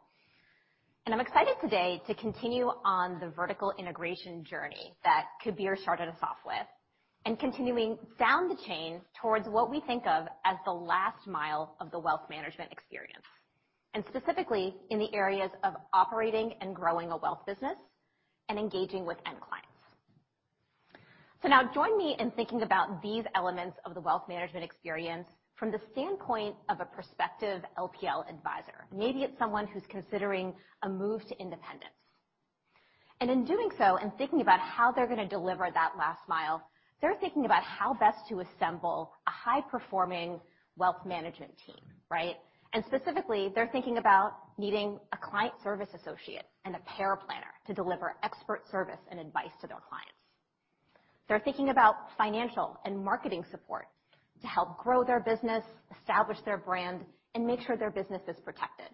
I'm excited today to continue on the vertical integration journey that Kabir started us off with, and continuing down the chain towards what we think of as the last mile of the wealth management experience, and specifically in the areas of operating and growing a wealth business and engaging with end clients. Now join me in thinking about these elements of the wealth management experience from the standpoint of a prospective LPL advisor. Maybe it's someone who's considering a move to independence. In doing so, and thinking about how they're gonna deliver that last mile, they're thinking about how best to assemble a high-performing wealth management team, right? Specifically, they're thinking about needing a client service associate and a paraplanner to deliver expert service and advice to their clients. They're thinking about financial and marketing support to help grow their business, establish their brand, and make sure their business is protected.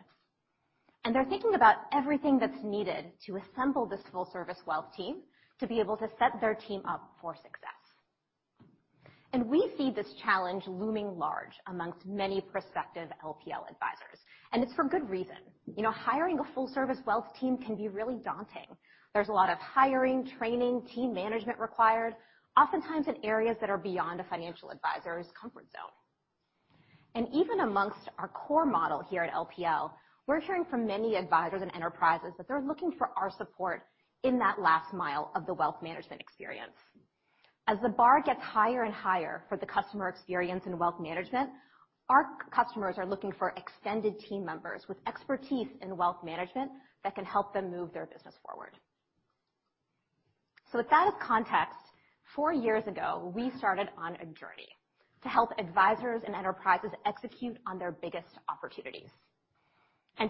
They're thinking about everything that's needed to assemble this full service wealth team to be able to set their team up for success. We see this challenge looming large amongst many prospective LPL advisors, and it's for good reason. You know, hiring a full-service wealth team can be really daunting. There's a lot of hiring, training, team management required, oftentimes in areas that are beyond a financial advisor's comfort zone. Even amongst our core model here at LPL, we're hearing from many advisors and enterprises that they're looking for our support in that last mile of the wealth management experience. As the bar gets higher and higher for the customer experience in wealth management, our customers are looking for extended team members with expertise in wealth management that can help them move their business forward. With that as context, four years ago, we started on a journey to help advisors and enterprises execute on their biggest opportunities.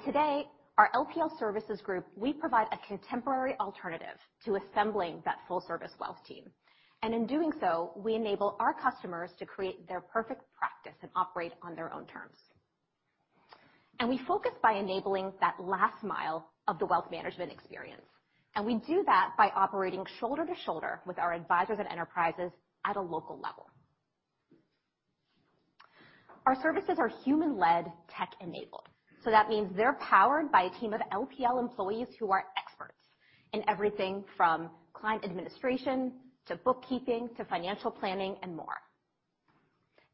Today, our LPL Services Group, we provide a contemporary alternative to assembling that full service wealth team. In doing so, we enable our customers to create their perfect practice and operate on their own terms. We focus by enabling that last mile of the wealth management experience, and we do that by operating shoulder to shoulder with our advisors and enterprises at a local level. Our services are human-led, tech-enabled. That means they're powered by a team of LPL employees who are experts in everything from client administration to bookkeeping to financial planning and more.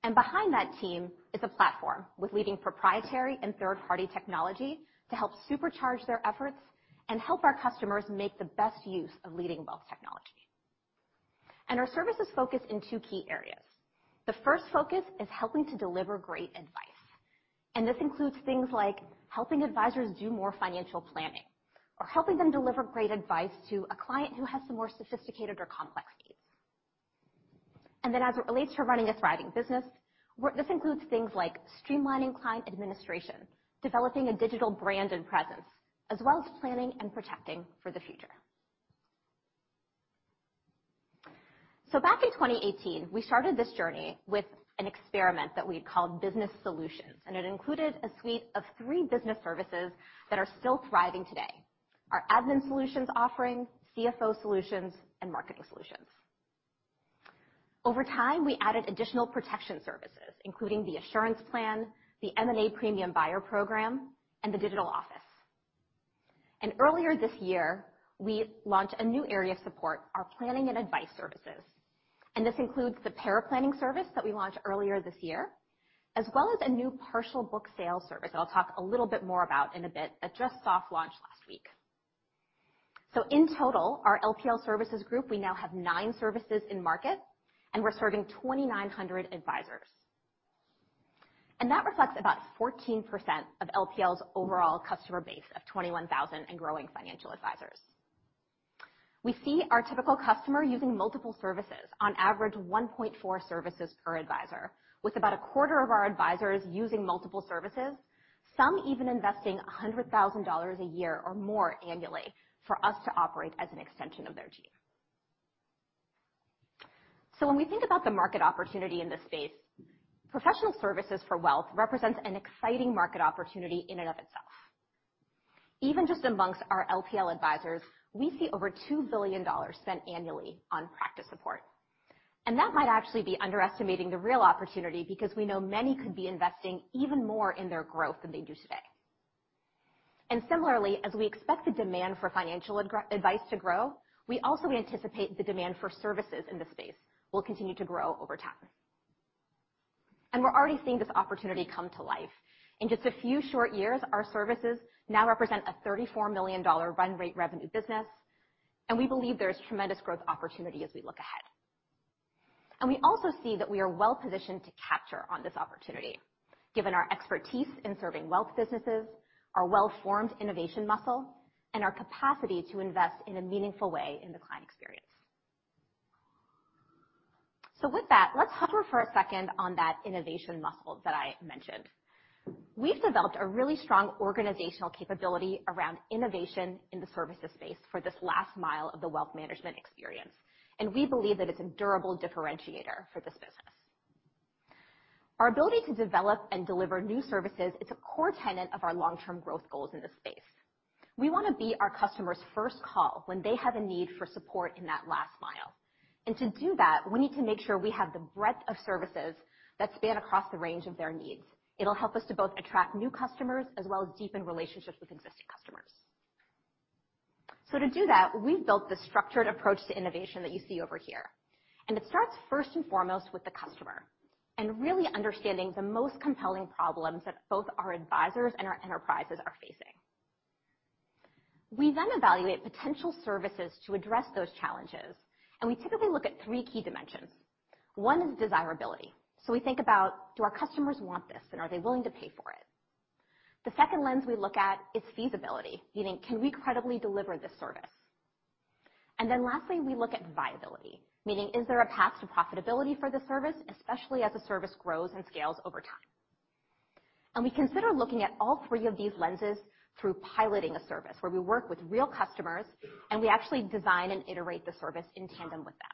Behind that team is a platform with leading proprietary and third-party technology to help supercharge their efforts and help our customers make the best use of leading wealth technology. Our service is focused in two key areas. The first focus is helping to deliver great advice, and this includes things like helping advisors do more financial planning or helping them deliver great advice to a client who has some more sophisticated or complex needs. As it relates to running a thriving business, this includes things like streamlining client administration, developing a digital brand and presence, as well as planning and protecting for the future. Back in 2018, we started this journey with an experiment that we had called Business Solutions, and it included a suite of three business services that are still thriving today, our Admin Solutions offering, CFO Solutions, and Marketing Solutions. Over time, we added additional protection services, including the Assurance Plan, the M&A Premium Buyer Program, and the Digital Office. Earlier this year, we launched a new area of support, our planning and advice services, and this includes the Paraplanning service that we launched earlier this year, as well as a new Partial Book Sales service that I'll talk a little bit more about in a bit that just soft launched last week. In total, our LPL Services Group, we now have nine services in market, and we're serving 2,900 advisors. That reflects about 14% of LPL's overall customer base of 21,000 and growing financial advisors. We see our typical customer using multiple services, on average 1.4 services per advisor, with about a quarter of our advisors using multiple services, some even investing $100,000 a year or more annually for us to operate as an extension of their team. When we think about the market opportunity in this space, professional services for wealth represents an exciting market opportunity in and of itself. Even just amongst our LPL advisors, we see over $2 billion spent annually on practice support. That might actually be underestimating the real opportunity because we know many could be investing even more in their growth than they do today. Similarly, as we expect the demand for financial advice to grow, we also anticipate the demand for services in this space will continue to grow over time. We're already seeing this opportunity come to life. In just a few short years, our services now represent a $34 million run rate revenue business, and we believe there is tremendous growth opportunity as we look ahead. We also see that we are well-positioned to capture on this opportunity given our expertise in serving wealth businesses, our well-formed innovation muscle, and our capacity to invest in a meaningful way in the client experience. With that, let's hover for a second on that innovation muscle that I mentioned. We've developed a really strong organizational capability around innovation in the services space for this last mile of the wealth management experience, and we believe that it's a durable differentiator for this business. Our ability to develop and deliver new services is a core tenet of our long-term growth goals in this space. We wanna be our customers' first call when they have a need for support in that last mile. To do that, we need to make sure we have the breadth of services that span across the range of their needs. It'll help us to both attract new customers, as well as deepen relationships with existing customers. To do that, we've built this structured approach to innovation that you see over here, and it starts first and foremost with the customer and really understanding the most compelling problems that both our advisors and our enterprises are facing. We then evaluate potential services to address those challenges, and we typically look at three key dimensions. One is desirability. We think about, do our customers want this, and are they willing to pay for it? The second lens we look at is feasibility, meaning can we credibly deliver this service? Then lastly, we look at viability, meaning is there a path to profitability for this service, especially as the service grows and scales over time. We consider looking at all three of these lenses through piloting a service where we work with real customers, and we actually design and iterate the service in tandem with them.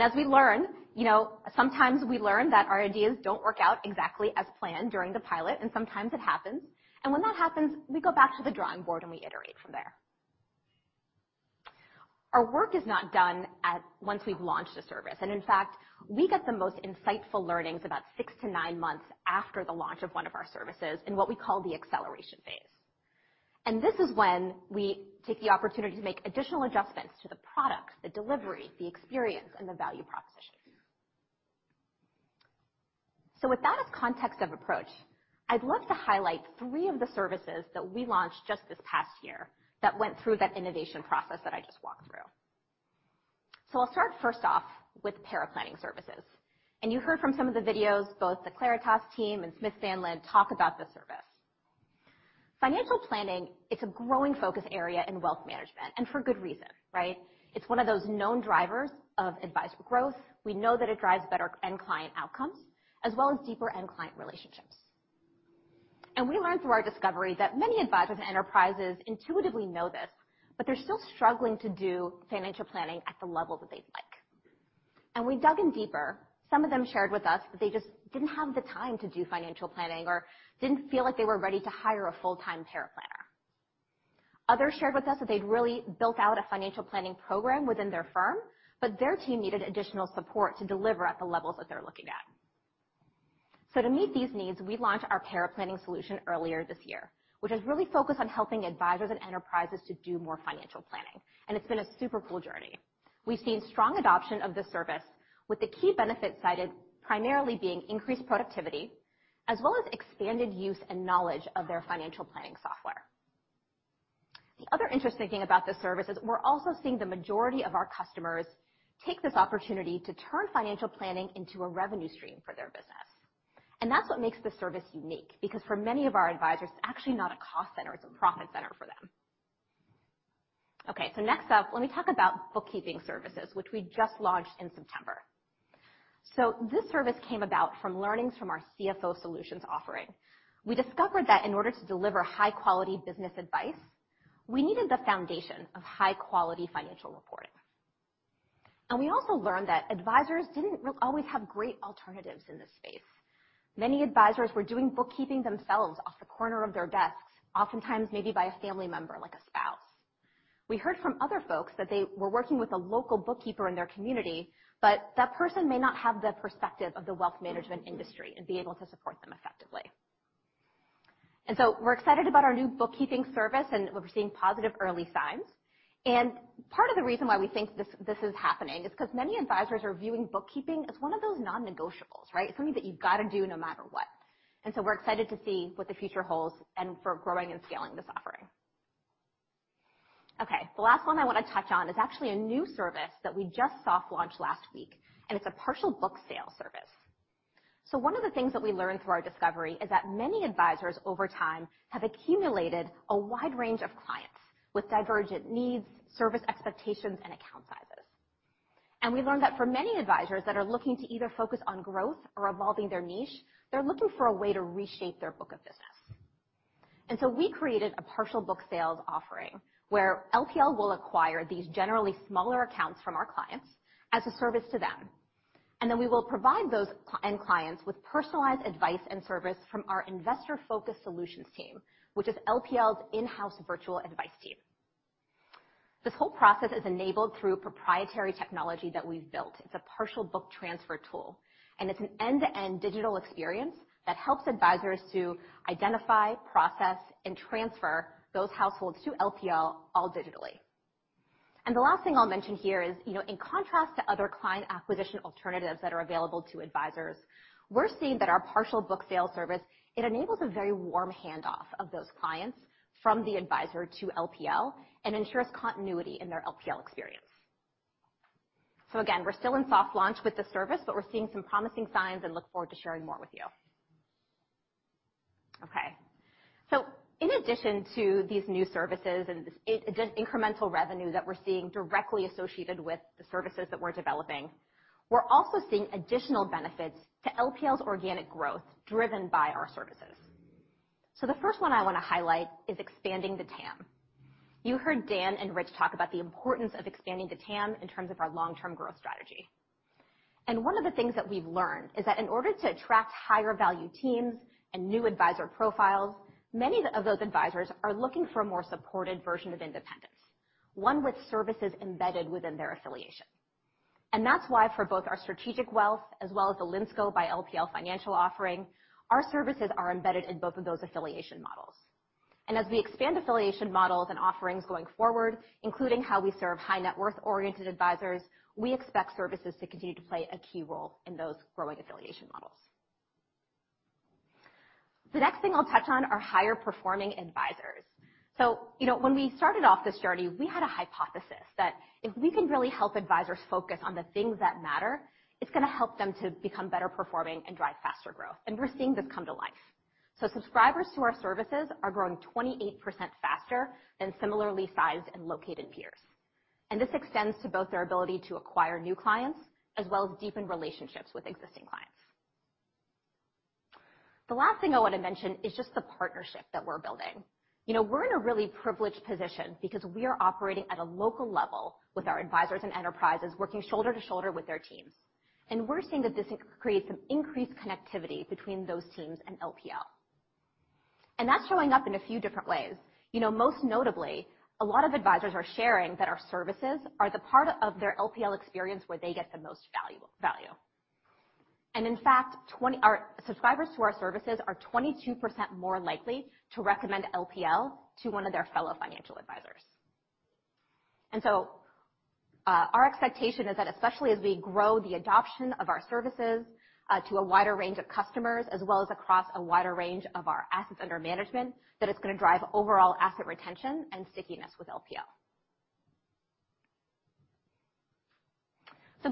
As we learn, you know, sometimes we learn that our ideas don't work out exactly as planned during the pilot, and sometimes it happens. When that happens, we go back to the drawing board, and we iterate from there. Our work is not done at once we've launched a service. In fact, we get the most insightful learnings about six to nine months after the launch of one of our services in what we call the acceleration phase. This is when we take the opportunity to make additional adjustments to the products, the delivery, the experience, and the value proposition. With that as context of approach, I'd love to highlight three of the services that we launched just this past year that went through that innovation process that I just walked through. I'll start first off with Paraplanning Services. You heard from some of the videos, both the Cerulli team and Smith Sandlin talk about this service. Financial planning, it's a growing focus area in wealth management and for good reason, right? It's one of those known drivers of advice for growth. We know that it drives better end client outcomes, as well as deeper end client relationships. We learned through our discovery that many advisors and enterprises intuitively know this, but they're still struggling to do financial planning at the level that they'd like. We dug in deeper. Some of them shared with us that they just didn't have the time to do financial planning or didn't feel like they were ready to hire a full-time paraplanner. Others shared with us that they'd really built out a financial planning program within their firm, but their team needed additional support to deliver at the levels that they're looking at. To meet these needs, we launched our paraplanning solution earlier this year, which is really focused on helping advisors and enterprises to do more financial planning, and it's been a super cool journey. We've seen strong adoption of this service with the key benefits cited primarily being increased productivity, as well as expanded use and knowledge of their financial planning software. The other interesting thing about this service is we're also seeing the majority of our customers take this opportunity to turn financial planning into a revenue stream for their business. That's what makes this service unique because for many of our advisors, it's actually not a cost center. It's a profit center for them. Okay. Next up, let me talk about Bookkeeping Services, which we just launched in September. This service came about from learnings from our CFO Solutions offering. We discovered that in order to deliver high-quality business advice, we needed the foundation of high-quality financial reporting. We also learned that advisors didn't always have great alternatives in this space. Many advisors were doing bookkeeping themselves off the corner of their desks, oftentimes maybe by a family member like a spouse. We heard from other folks that they were working with a local bookkeeper in their community, but that person may not have the perspective of the wealth management industry and be able to support them effectively. We're excited about our new Bookkeeping Services, and we're seeing positive early signs. Part of the reason why we think this is happening is because many advisors are viewing bookkeeping as one of those non-negotiables, right? Something that you've gotta do no matter what. We're excited to see what the future holds and for growing and scaling this offering. Okay. The last one I wanna touch on is actually a new service that we just soft launched last week, and it's a Partial Book Sales service. One of the things that we learned through our discovery is that many advisors over time have accumulated a wide range of clients with divergent needs, service expectations, and account sizes. We learned that for many advisors that are looking to either focus on growth or evolving their niche, they're looking for a way to reshape their book of business. We created a Partial Book Sales offering where LPL will acquire these generally smaller accounts from our clients as a service to them. We will provide those clients with personalized advice and service from our Investor Focused Solutions team, which is LPL's in-house virtual advice team. This whole process is enabled through proprietary technology that we've built. It's a partial book transfer tool, and it's an end-to-end digital experience that helps advisors to identify, process, and transfer those households to LPL all digitally. The last thing I'll mention here is, you know, in contrast to other client acquisition alternatives that are available to advisors, we're seeing that our partial book sale service, it enables a very warm handoff of those clients from the advisor to LPL and ensures continuity in their LPL experience. Again, we're still in soft launch with this service, but we're seeing some promising signs and look forward to sharing more with you. Okay. In addition to these new services and the incremental revenue that we're seeing directly associated with the services that we're developing, we're also seeing additional benefits to LPL's organic growth driven by our services. The first one I wanna highlight is expanding the TAM. You heard Dan and Rich talk about the importance of expanding the TAM in terms of our long-term growth strategy. One of the things that we've learned is that in order to attract higher value teams and new advisor profiles, many of those advisors are looking for a more supported version of independence, one with services embedded within their affiliation. That's why for both our Strategic Wealth as well as the Linsco by LPL Financial offering, our services are embedded in both of those affiliation models. As we expand affiliation models and offerings going forward, including how we serve high net worth-oriented advisors, we expect services to continue to play a key role in those growing affiliation models. The next thing I'll touch on are higher performing advisors. You know, when we started off this journey, we had a hypothesis that if we can really help advisors focus on the things that matter, it's gonna help them to become better performing and drive faster growth, and we're seeing this come to life. Subscribers to our services are growing 28% faster than similarly sized and located peers. This extends to both their ability to acquire new clients as well as deepen relationships with existing clients. The last thing I wanna mention is just the partnership that we're building. You know, we're in a really privileged position because we are operating at a local level with our advisors and enterprises working shoulder to shoulder with their teams. We're seeing that this creates some increased connectivity between those teams and LPL. That's showing up in a few different ways. You know, most notably, a lot of advisors are sharing that our services are the part of their LPL experience where they get the most value. In fact, our subscribers to our services are 22% more likely to recommend LPL to one of their fellow financial advisors. Our expectation is that especially as we grow the adoption of our services to a wider range of customers, as well as across a wider range of our assets under management, that it's gonna drive overall asset retention and stickiness with LPL.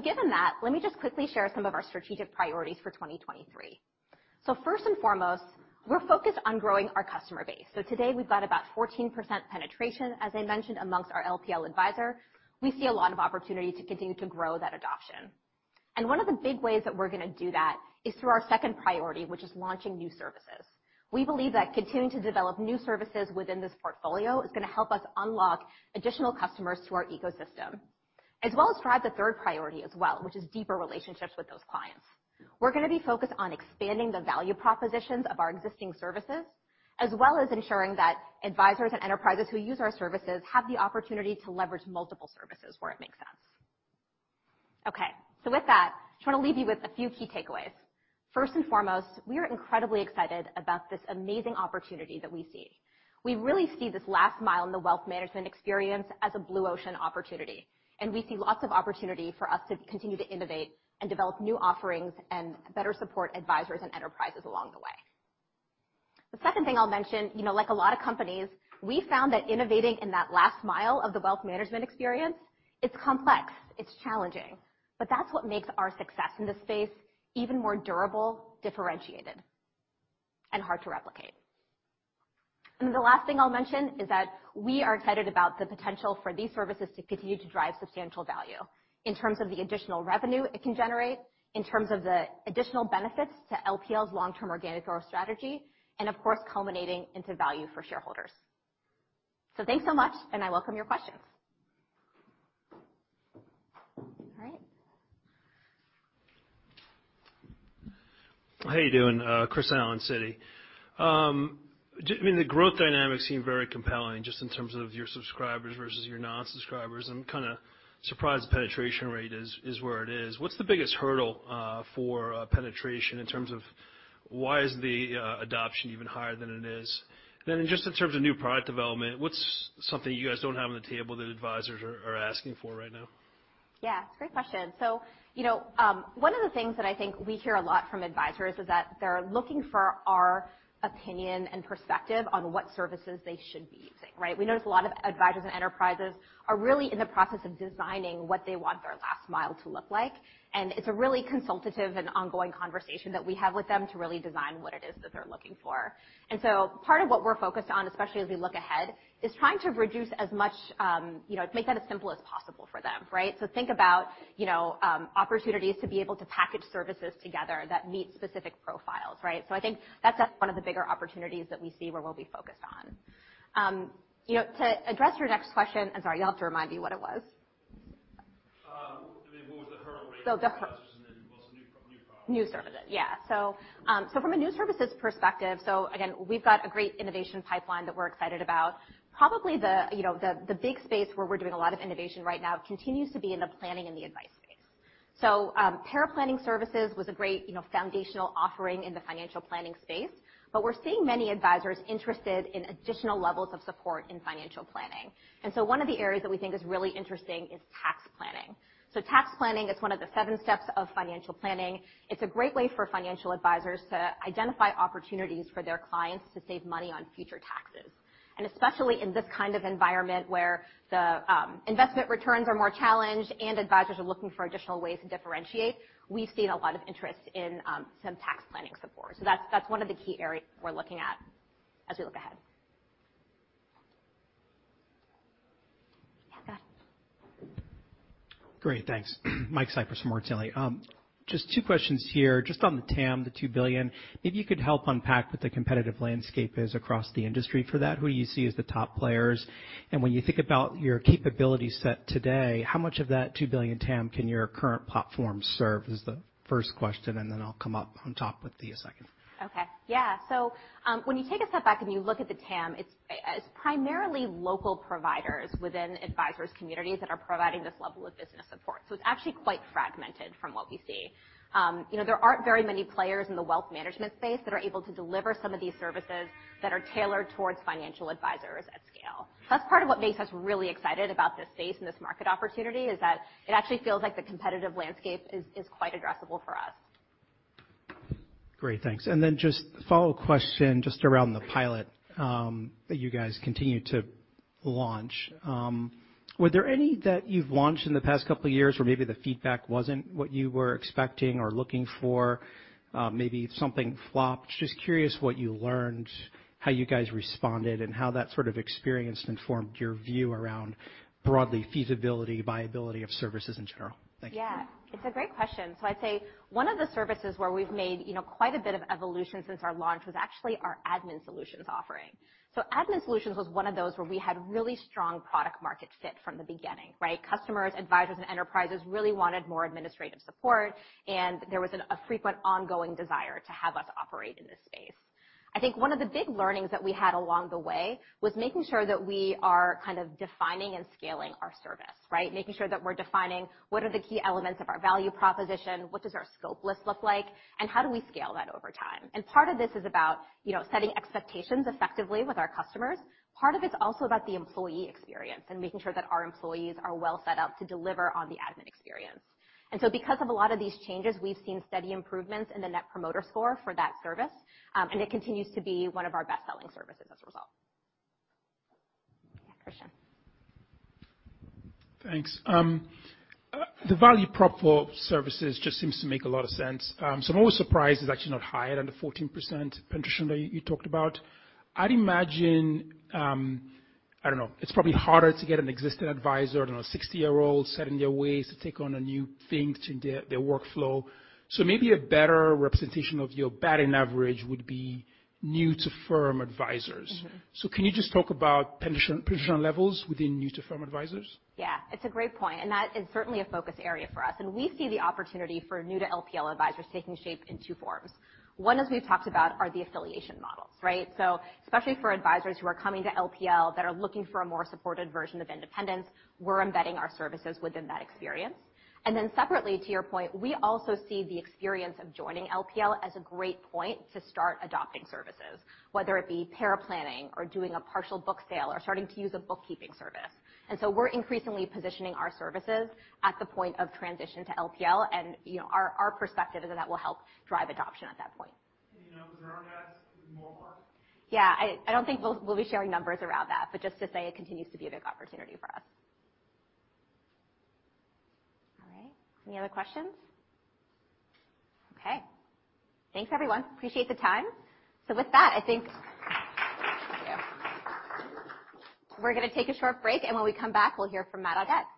Given that, let me just quickly share some of our strategic priorities for 2023. First and foremost, we're focused on growing our customer base. Today we've got about 14% penetration, as I mentioned, amongst our LPL advisor. We see a lot of opportunity to continue to grow that adoption. One of the big ways that we're gonna do that is through our second priority, which is launching new services. We believe that continuing to develop new services within this portfolio is gonna help us unlock additional customers to our ecosystem, as well as drive the third priority as well, which is deeper relationships with those clients. We're gonna be focused on expanding the value propositions of our existing services, as well as ensuring that advisors and enterprises who use our services have the opportunity to leverage multiple services where it makes sense. Okay. With that, just wanna leave you with a few key takeaways. First and foremost, we are incredibly excited about this amazing opportunity that we see. We really see this last mile in the wealth management experience as a blue ocean opportunity, and we see lots of opportunity for us to continue to innovate and develop new offerings and better support advisors and enterprises along the way. The second thing I'll mention, you know, like a lot of companies, we found that innovating in that last mile of the wealth management experience, it's complex, it's challenging, but that's what makes our success in this space even more durable, differentiated, and hard to replicate. Then the last thing I'll mention is that we are excited about the potential for these services to continue to drive substantial value in terms of the additional revenue it can generate, in terms of the additional benefits to LPL's long-term organic growth strategy, and of course, culminating into value for shareholders. Thanks so much, and I welcome your questions. How you doing? Chris Allen at Citi. I mean, the growth dynamics seem very compelling just in terms of your subscribers versus your non-subscribers. I'm kinda surprised the penetration rate is where it is. What's the biggest hurdle for penetration in terms of why isn't the adoption even higher than it is? Just in terms of new product development, what's something you guys don't have on the table that advisors are asking for right now? Yeah, great question. You know, one of the things that I think we hear a lot from advisors is that they're looking for our opinion and perspective on what services they should be using, right? We notice a lot of advisors and enterprises are really in the process of designing what they want their last mile to look like, and it's a really consultative and ongoing conversation that we have with them to really design what it is that they're looking for. Part of what we're focused on, especially as we look ahead, is trying to reduce as much, you know, make that as simple as possible for them, right? Think about, you know, opportunities to be able to package services together that meet specific profiles, right? I think that's one of the bigger opportunities that we see where we'll be focused on. You know, to address your next question. I'm sorry, you'll have to remind me what it was. So the current- The current. what's the new product? New services, yeah. From a new services perspective, again, we've got a great innovation pipeline that we're excited about. Probably the you know big space where we're doing a lot of innovation right now continues to be in the planning and the advice space. Paraplanning Services was a great you know foundational offering in the financial planning space, but we're seeing many advisors interested in additional levels of support in financial planning. One of the areas that we think is really interesting is tax planning. Tax planning is one of the seven steps of financial planning. It's a great way for financial advisors to identify opportunities for their clients to save money on future taxes. Especially in this kind of environment where the investment returns are more challenged and advisors are looking for additional ways to differentiate, we've seen a lot of interest in some tax planning support. That's one of the key areas we're looking at as we look ahead. Yeah, go ahead. Great, thanks. Mike Cyprys from Morgan Stanley. Just two questions here. Just on the TAM, the $2 billion, maybe you could help unpack what the competitive landscape is across the industry for that. Who you see as the top players? And when you think about your capability set today, how much of that $2 billion TAM can your current platform serve? Is the first question, and then I'll come up on top with the second. Okay. Yeah. When you take a step back, and you look at the TAM, it's primarily local providers within advisors communities that are providing this level of business support. It's actually quite fragmented from what we see. You know, there aren't very many players in the wealth management space that are able to deliver some of these services that are tailored towards financial advisors at scale. That's part of what makes us really excited about this space and this market opportunity, is that it actually feels like the competitive landscape is quite addressable for us. Great. Thanks. Just a follow question just around the pilot that you guys continued to launch. Were there any that you've launched in the past couple of years where maybe the feedback wasn't what you were expecting or looking for, maybe something flopped? Just curious what you learned, how you guys responded, and how that sort of experience informed your view around broadly feasibility, viability of services in general. Thank you. Yeah. It's a great question. I'd say one of the services where we've made, you know, quite a bit of evolution since our launch was actually our Admin Solutions offering. Admin Solutions was one of those where we had really strong product market fit from the beginning, right? Customers, advisors, and enterprises really wanted more administrative support, and there was a frequent ongoing desire to have us operate in this space. I think one of the big learnings that we had along the way was making sure that we are kind of defining and scaling our service, right? Making sure that we're defining what are the key elements of our value proposition, what does our scope list look like, and how do we scale that over time. Part of this is about, you know, setting expectations effectively with our customers. Part of it's also about the employee experience and making sure that our employees are well set up to deliver on the admin experience. Because of a lot of these changes, we've seen steady improvements in the net promoter score for that service, and it continues to be one of our best-selling services as a result. Yeah, Christian. Thanks. The value prop for services just seems to make a lot of sense. I'm always surprised it's actually not higher than the 14% penetration that you talked about. I'd imagine, I don't know, it's probably harder to get an existing advisor, I don't know, a 60-year-old set in their ways to take on a new thing to their workflow. Maybe a better representation of your batting average would be new to firm advisors. Can you just talk about pension penetration levels within new-to-firm advisors? Yeah. It's a great point, and that is certainly a focus area for us. We see the opportunity for new to LPL advisors taking shape in two forms. One, as we've talked about, are the affiliation models, right? Especially for advisors who are coming to LPL that are looking for a more supported version of independence, we're embedding our services within that experience. Then separately, to your point, we also see the experience of joining LPL as a great point to start adopting services, whether it be paraplanning or doing a partial book sale or starting to use a bookkeeping service. We're increasingly positioning our services at the point of transition to LPL, and, you know, our perspective is that will help drive adoption at that point. Do you know, 'cause there isn't as much work? Yeah. I don't think we'll be sharing numbers around that, but just to say it continues to be a big opportunity for us. All right. Any other questions? Okay. Thanks, everyone. Appreciate the time. With that, thank you. We're gonna take a short break, and when we come back, we'll hear from Matt Audette. All right. We're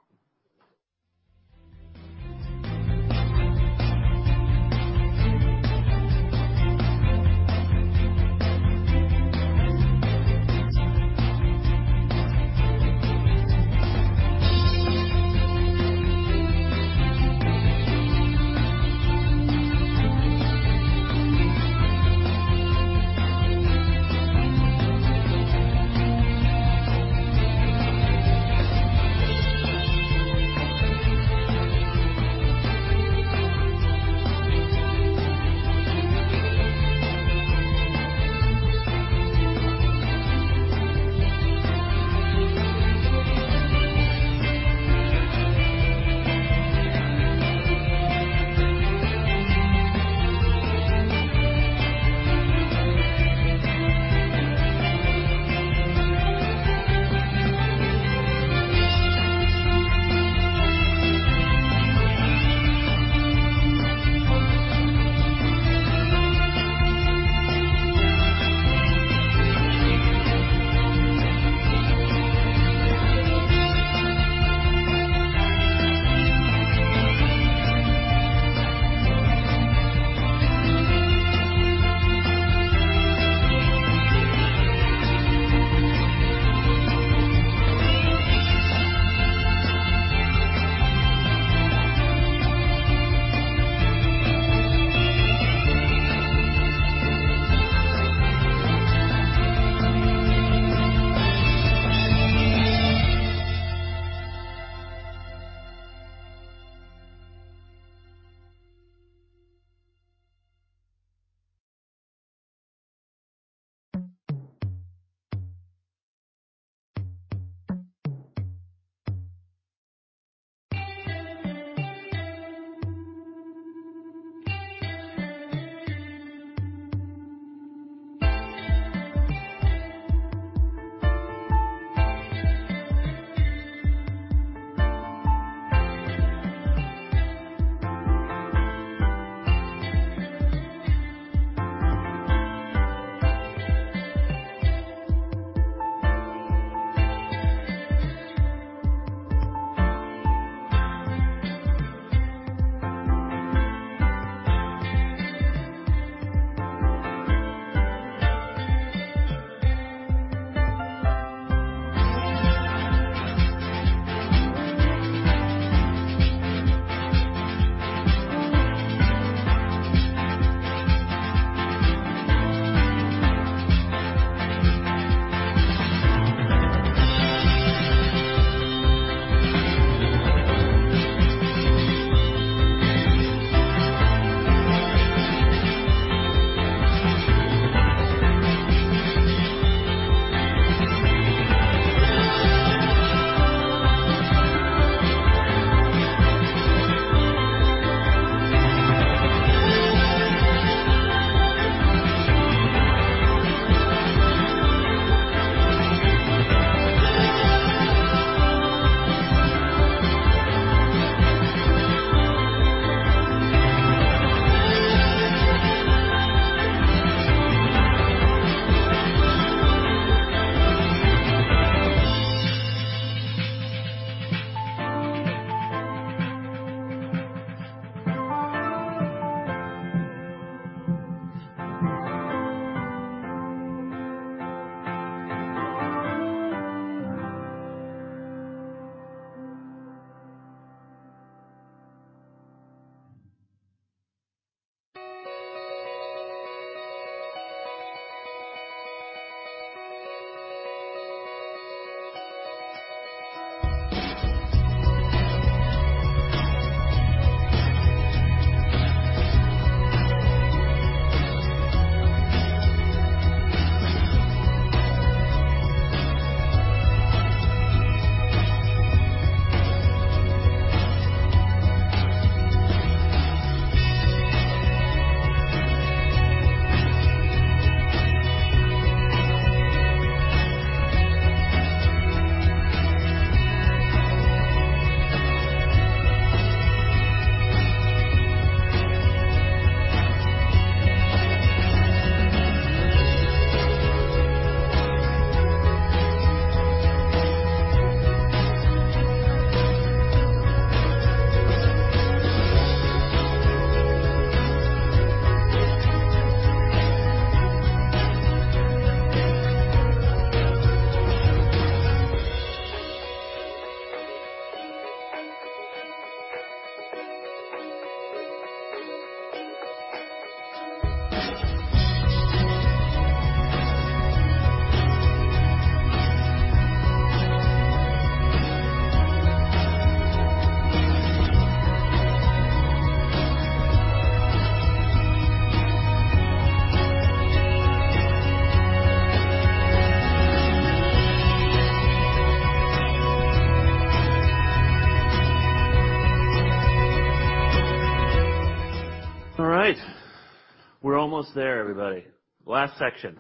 almost there, everybody. Last section.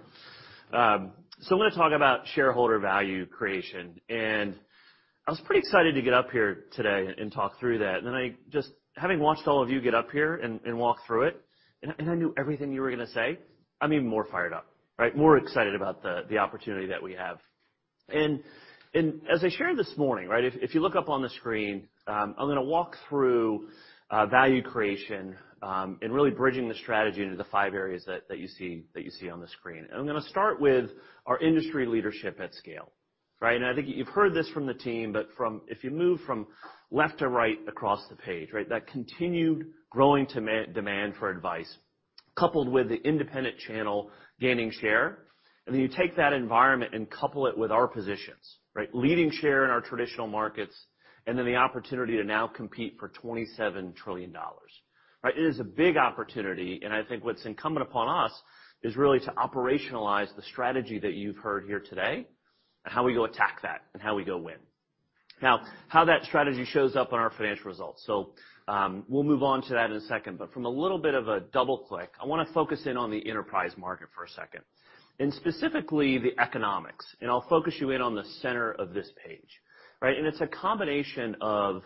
I'm gonna talk about shareholder value creation. I was pretty excited to get up here today and talk through that. Having watched all of you get up here and walk through it, and I knew everything you were gonna say, I'm even more fired up, right? More excited about the opportunity that we have. As I shared this morning, right, if you look up on the screen, I'm gonna walk through value creation and really bridging the strategy into the five areas that you see on the screen. I'm gonna start with our industry leadership at scale. Right? I think you've heard this from the team, but if you move from left to right across the page, right, that continued growing demand for advice, coupled with the independent channel gaining share, and then you take that environment and couple it with our positions, right? Leading share in our traditional markets, and then the opportunity to now compete for $27 trillion, right? It is a big opportunity, and I think what's incumbent upon us is really to operationalize the strategy that you've heard here today and how we go attack that and how we go win. Now, how that strategy shows up on our financial results. We'll move on to that in a second. But from a little bit of a double-click, I wanna focus in on the enterprise market for a second, and specifically the economics. I'll focus you in on the center of this page, right? It's a combination of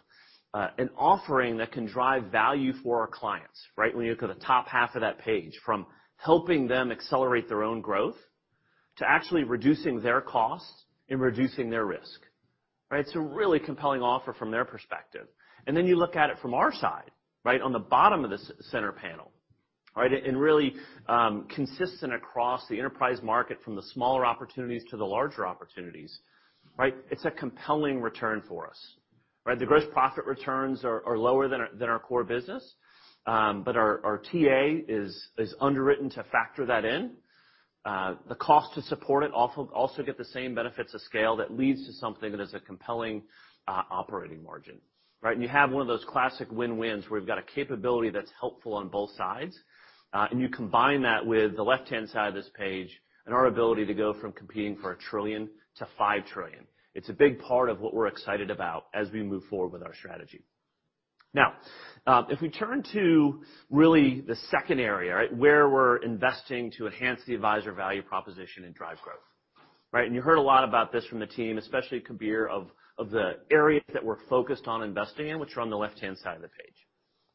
an offering that can drive value for our clients, right? When you look at the top half of that page, from helping them accelerate their own growth to actually reducing their costs and reducing their risk, right? It's a really compelling offer from their perspective. Then you look at it from our side, right? On the bottom of the center panel. Right. Really, consistent across the enterprise market from the smaller opportunities to the larger opportunities, right? It's a compelling return for us, right? The gross profit returns are lower than our core business, but our TA is underwritten to factor that in. The cost to support it also get the same benefits of scale that leads to something that is a compelling, operating margin, right? You have one of those classic win-wins where we've got a capability that's helpful on both sides. You combine that with the left-hand side of this page and our ability to go from competing for 1 trillion to 5 trillion. It's a big part of what we're excited about as we move forward with our strategy. Now, if we turn to really the second area, right, where we're investing to enhance the advisor value proposition and drive growth, right? You heard a lot about this from the team, especially Kabir, of the areas that we're focused on investing in, which are on the left-hand side of the page,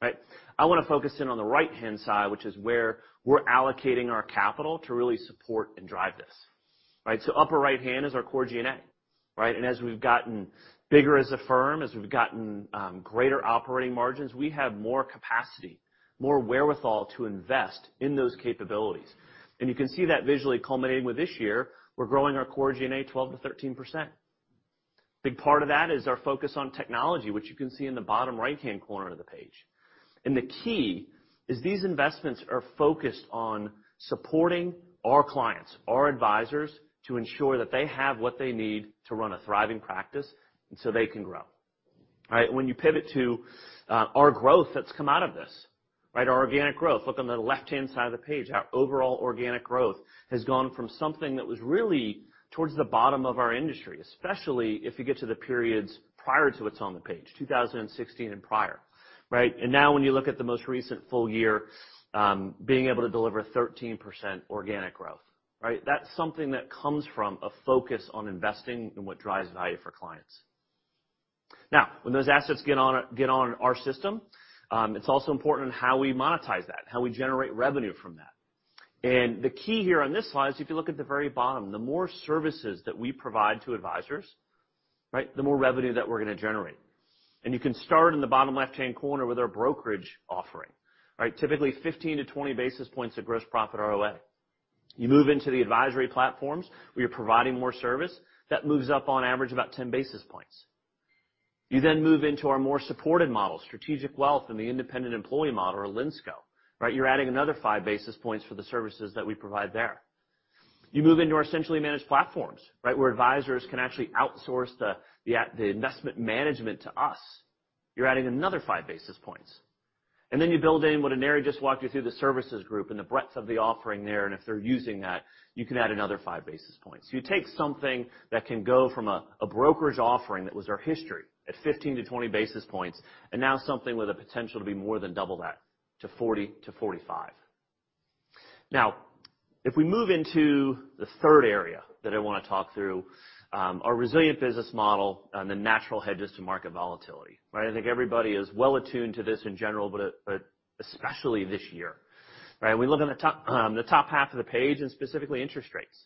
right? I wanna focus in on the right-hand side, which is where we're allocating our capital to really support and drive this. Right, upper right-hand is our core G&A, right? As we've gotten bigger as a firm, greater operating margins, we have more capacity, more wherewithal to invest in those capabilities. You can see that visually culminating with this year, we're growing our core G&A 12%-13%. Big part of that is our focus on technology, which you can see in the bottom right-hand corner of the page. The key is these investments are focused on supporting our clients, our advisors, to ensure that they have what they need to run a thriving practice and so they can grow. Right, when you pivot to our growth that's come out of this, right, our organic growth, look on the left-hand side of the page. Our overall organic growth has gone from something that was really towards the bottom of our industry, especially if you get to the periods prior to what's on the page, 2016 and prior, right? Now when you look at the most recent full year, being able to deliver 13% organic growth, right? That's something that comes from a focus on investing and what drives value for clients. When those assets get on our system, it's also important in how we monetize that, how we generate revenue from that. The key here on this slide is if you look at the very bottom, the more services that we provide to advisors, right, the more revenue that we're gonna generate. You can start in the bottom left-hand corner with our brokerage offering. Right, typically 15-20 basis points of gross profit ROA. You move into the advisory platforms, we are providing more service. That moves up on average about 10 basis points. You then move into our more supported models, Strategic Wealth and the independent employee model or Linsco, right? You're adding another 5 basis points for the services that we provide there. You move into our centrally managed platforms, right? Where advisors can actually outsource the investment management to us. You're adding another 5 basis points. You build in what Aneri just walked you through the services group and the breadth of the offering there, and if they're using that, you can add another 5 basis points. You take something that can go from a brokerage offering that was our history at 15-20 basis points, and now something with a potential to be more than double that to 40-45. Now, if we move into the third area that I wanna talk through, our resilient business model and the natural hedges to market volatility. Right, I think everybody is well attuned to this in general, but especially this year. Right, we look in the top half of the page and specifically interest rates.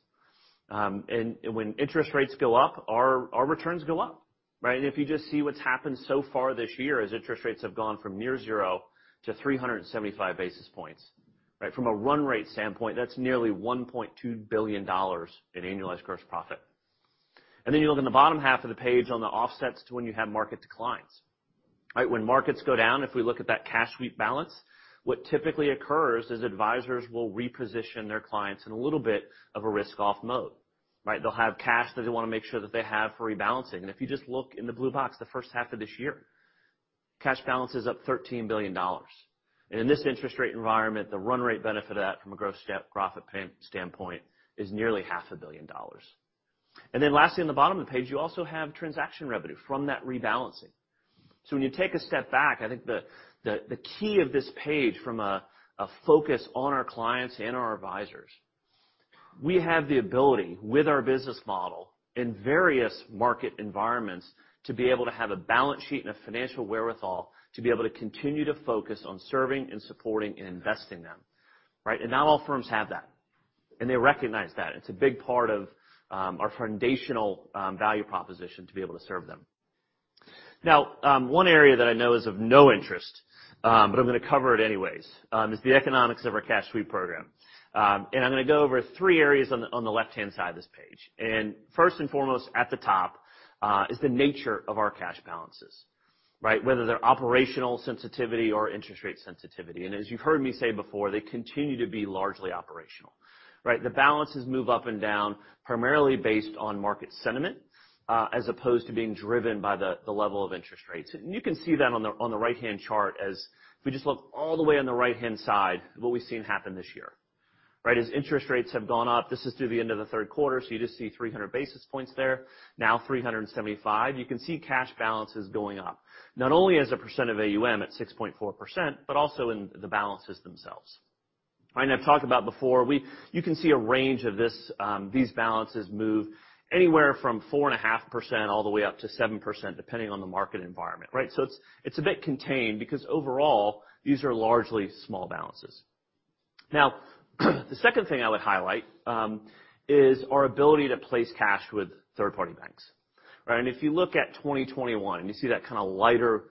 And when interest rates go up, our returns go up. Right? If you just see what's happened so far this year as interest rates have gone from near zero to 375 basis points. Right? From a run rate standpoint, that's nearly $1.2 billion in annualized gross profit. Then you look in the bottom half of the page on the offsets to when you have market declines. Right, when markets go down, if we look at that cash sweep balance, what typically occurs is advisors will reposition their clients in a little bit of a risk off mode, right? They'll have cash that they wanna make sure that they have for rebalancing. If you just look in the blue box, the first half of this year, cash balance is up $13 billion. In this interest rate environment, the run rate benefit of that from a gross profit payout standpoint is nearly half a billion dollars. Then lastly, on the bottom of the page, you also have transaction revenue from that rebalancing. When you take a step back, I think the key of this page from a focus on our clients and our advisors, we have the ability with our business model in various market environments to be able to have a balance sheet and a financial wherewithal to be able to continue to focus on serving and supporting and investing them. Right? Not all firms have that, and they recognize that. It's a big part of our foundational value proposition to be able to serve them. Now, one area that I know is of no interest, but I'm gonna cover it anyways, is the economics of our cash sweep program. I'm gonna go over three areas on the left-hand side of this page. First and foremost at the top is the nature of our cash balances, right? Whether they're operational sensitivity or interest rate sensitivity. As you've heard me say before, they continue to be largely operational, right? The balances move up and down primarily based on market sentiment, as opposed to being driven by the level of interest rates. You can see that on the right-hand chart as if we just look all the way on the right-hand side of what we've seen happen this year. Right, as interest rates have gone up, this is through the end of the third quarter, so you just see 300 basis points there. Now 375. You can see cash balances going up, not only as a percent of AUM at 6.4%, but also in the balances themselves. Right, and I've talked about before, you can see a range of this, these balances move anywhere from 4.5% all the way up to 7%, depending on the market environment, right? It's a bit contained because overall these are largely small balances. Now, the second thing I would highlight is our ability to place cash with third-party banks. Right. And if you look at 2021, you see that kind of lighter,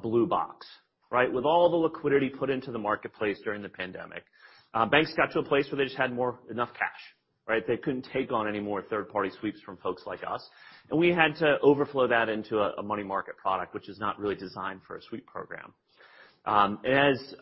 blue box, right? With all the liquidity put into the marketplace during the pandemic, banks got to a place where they just had more than enough cash, right? They couldn't take on any more third-party sweeps from folks like us, and we had to overflow that into a money market product which is not really designed for a sweep program. As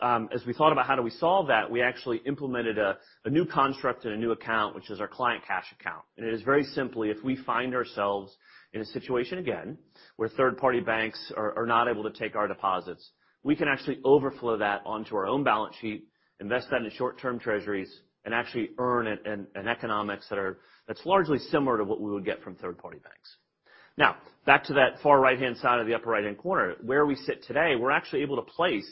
we thought about how do we solve that, we actually implemented a new construct and a new account, which is our Client Cash Account. It is very simply, if we find ourselves in a situation again where third-party banks are not able to take our deposits, we can actually overflow that onto our own balance sheet, invest that into short-term treasuries, and actually earn an economics that's largely similar to what we would get from third-party banks. Now, back to that far right-hand side of the upper right-hand corner. Where we sit today, we're actually able to place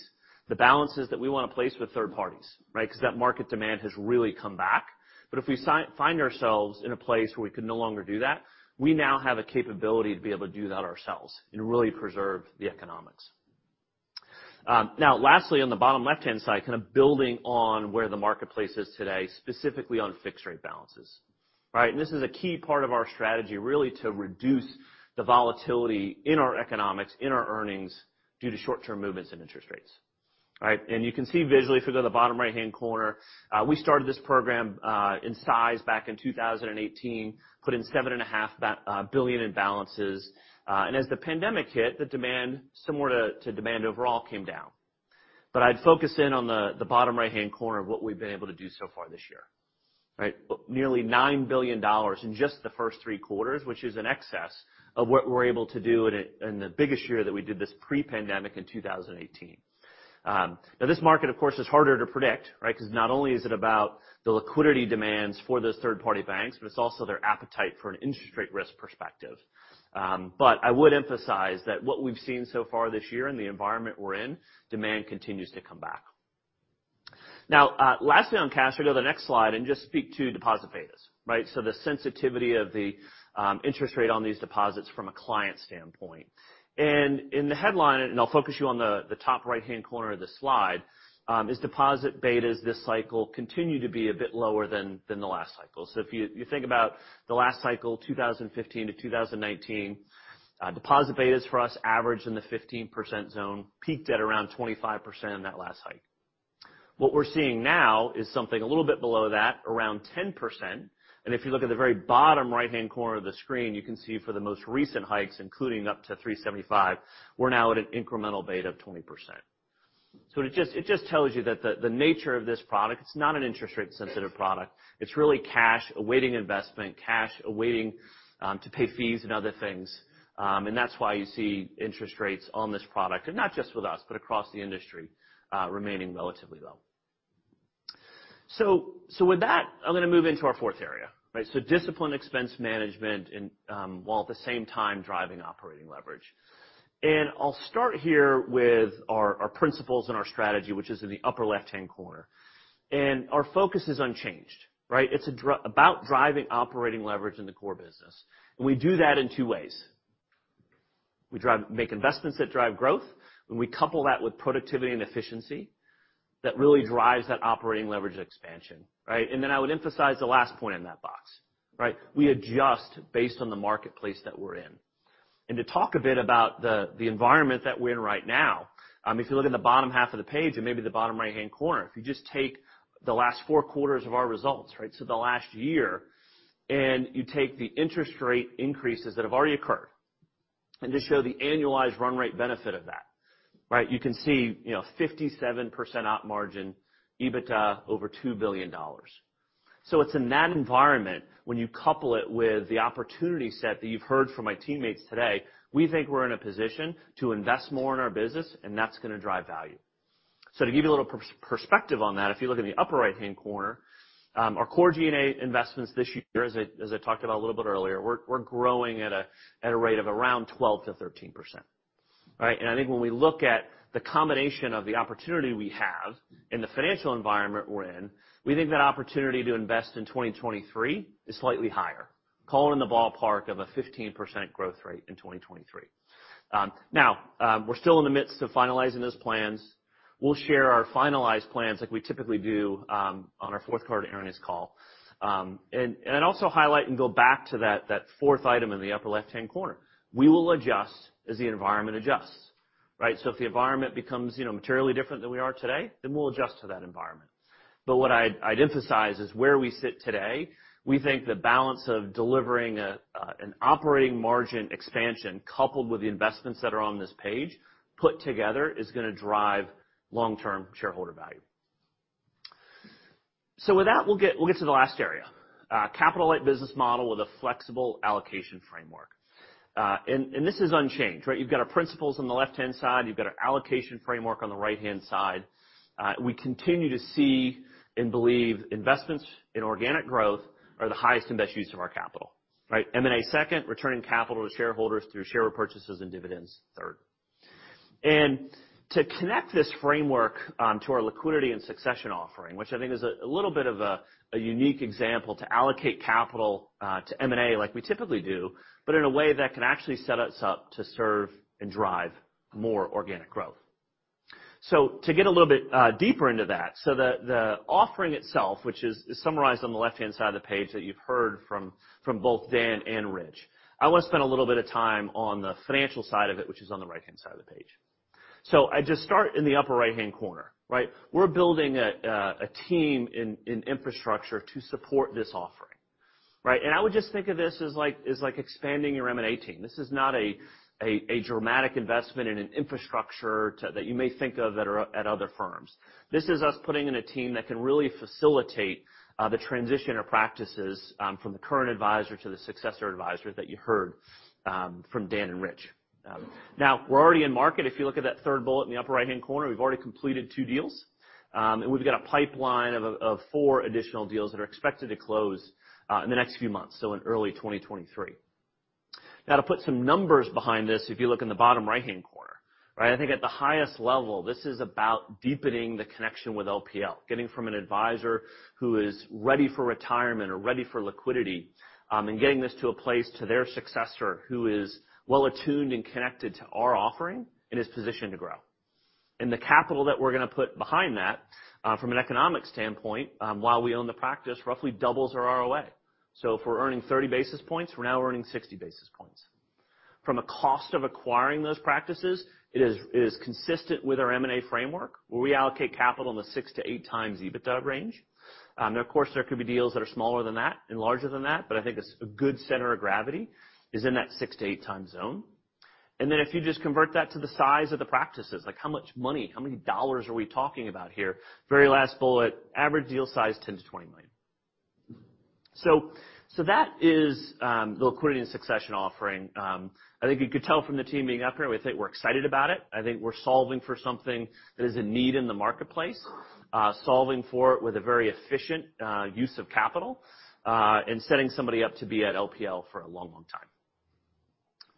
the balances that we wanna place with third parties, right, 'cause that market demand has really come back. But if we find ourselves in a place where we can no longer do that, we now have a capability to be able to do that ourselves and really preserve the economics. Now lastly, on the bottom left-hand side, kind of building on where the marketplace is today, specifically on fixed rate balances, right? This is a key part of our strategy, really to reduce the volatility in our economics, in our earnings due to short-term movements in interest rates, right? You can see visually if we go to the bottom right-hand corner, we started this program in size back in 2018. Put in $7.5 billion in balances. As the pandemic hit, the demand similar to demand overall came down. I'd focus in on the bottom right-hand corner of what we've been able to do so far this year, right? Nearly $9 billion in just the first three quarters, which is in excess of what we're able to do in the biggest year that we did this pre-pandemic in 2018. Now this market of course is harder to predict, right? 'Cause not only is it about the liquidity demands for those third-party banks, but it's also their appetite for an interest rate risk perspective. I would emphasize that what we've seen so far this year in the environment we're in, demand continues to come back. Now, lastly on cash, we go to the next slide and just speak to deposit betas, right? The sensitivity of the interest rate on these deposits from a client standpoint. In the headline, I'll focus you on the top right-hand corner of the slide is deposit betas this cycle continue to be a bit lower than the last cycle. If you think about the last cycle, 2015-2019, deposit betas for us averaged in the 15% zone, peaked at around 25% in that last hike. What we're seeing now is something a little bit below that, around 10%. If you look at the very bottom right-hand corner of the screen, you can see for the most recent hikes, including up to 375, we're now at an incremental beta of 20%. It just tells you that the nature of this product, it's not an interest rate sensitive product. It's really cash awaiting investment, cash awaiting to pay fees and other things. That's why you see interest rates on this product, and not just with us, but across the industry, remaining relatively low. With that, I'm gonna move into our fourth area, right? Disciplined expense management and, while at the same time driving operating leverage. I'll start here with our principles and our strategy, which is in the upper left-hand corner. Our focus is unchanged, right? It's about driving operating leverage in the core business, and we do that in two ways. We make investments that drive growth, and we couple that with productivity and efficiency that really drives that operating leverage and expansion, right? I would emphasize the last point in that box, right? We adjust based on the marketplace that we're in. To talk a bit about the environment that we're in right now, if you look in the bottom half of the page and maybe the bottom right-hand corner. If you just take the last 4 quarters of our results, right? The last year, and you take the interest rate increases that have already occurred, and just show the annualized run rate benefit of that, right? You can see, you know, 57% op margin, EBITDA over $2 billion. It's in that environment when you couple it with the opportunity set that you've heard from my teammates today, we think we're in a position to invest more in our business, and that's gonna drive value. To give you a little perspective on that, if you look in the upper right-hand corner, our core G&A investments this year, as I talked about a little bit earlier, we're growing at a rate of around 12%-13%, right? I think when we look at the combination of the opportunity we have and the financial environment we're in, we think that opportunity to invest in 2023 is slightly higher, calling in the ballpark of a 15% growth rate in 2023. Now, we're still in the midst of finalizing those plans. We'll share our finalized plans like we typically do on our fourth quarter earnings call. I'd also highlight and go back to that fourth item in the upper left-hand corner. We will adjust as the environment adjusts, right? If the environment becomes materially different than we are today, then we'll adjust to that environment. What I'd emphasize is where we sit today, we think the balance of delivering an operating margin expansion coupled with the investments that are on this page put together is gonna drive long-term shareholder value. With that, we'll get to the last area. Capital-light business model with a flexible allocation framework. This is unchanged, right? You've got our principles on the left-hand side. You've got our allocation framework on the right-hand side. We continue to see and believe investments in organic growth are the highest and best use of our capital, right? M&A second, returning capital to shareholders through share repurchases and dividends, third. To connect this framework to our liquidity and succession offering, which I think is a little bit of a unique example to allocate capital to M&A like we typically do, but in a way that can actually set us up to serve and drive more organic growth. To get a little bit deeper into that, the offering itself, which is summarized on the left-hand side of the page that you've heard from both Dan and Rich, I want to spend a little bit of time on the financial side of it, which is on the right-hand side of the page. I just start in the upper right-hand corner, right? We're building a team in infrastructure to support this offering, right? I would just think of this as like expanding your M&A team. This is not a dramatic investment in an infrastructure that you may think of at other firms. This is us putting in a team that can really facilitate the transition of practices from the current advisor to the successor advisor that you heard from Dan and Rich. Now we're already in market. If you look at that third bullet in the upper right-hand corner, we've already completed 2 deals. We've got a pipeline of 4 additional deals that are expected to close in the next few months, so in early 2023. Now, to put some numbers behind this, if you look in the bottom right-hand corner, right, I think at the highest level, this is about deepening the connection with LPL, getting from an advisor who is ready for retirement or ready for liquidity, and getting this to a place to their successor who is well attuned and connected to our offering and is positioned to grow. The capital that we're gonna put behind that, from an economic standpoint, while we own the practice, roughly doubles our ROA. If we're earning 30 basis points, we're now earning 60 basis points. From a cost of acquiring those practices, it is consistent with our M&A framework, where we allocate capital in the 6-8 times EBITDA range. Of course, there could be deals that are smaller than that and larger than that, but I think it's a good center of gravity is in that 6-8 times zone. Then if you just convert that to the size of the practices, like how much money, how many dollars are we talking about here? Very last bullet, average deal size, $10 million-$20 million. That is the Liquidity & Succession offering. I think you could tell from the team being up here, we think we're excited about it. I think we're solving for something that is a need in the marketplace, solving for it with a very efficient use of capital, and setting somebody up to be at LPL for a long, long time.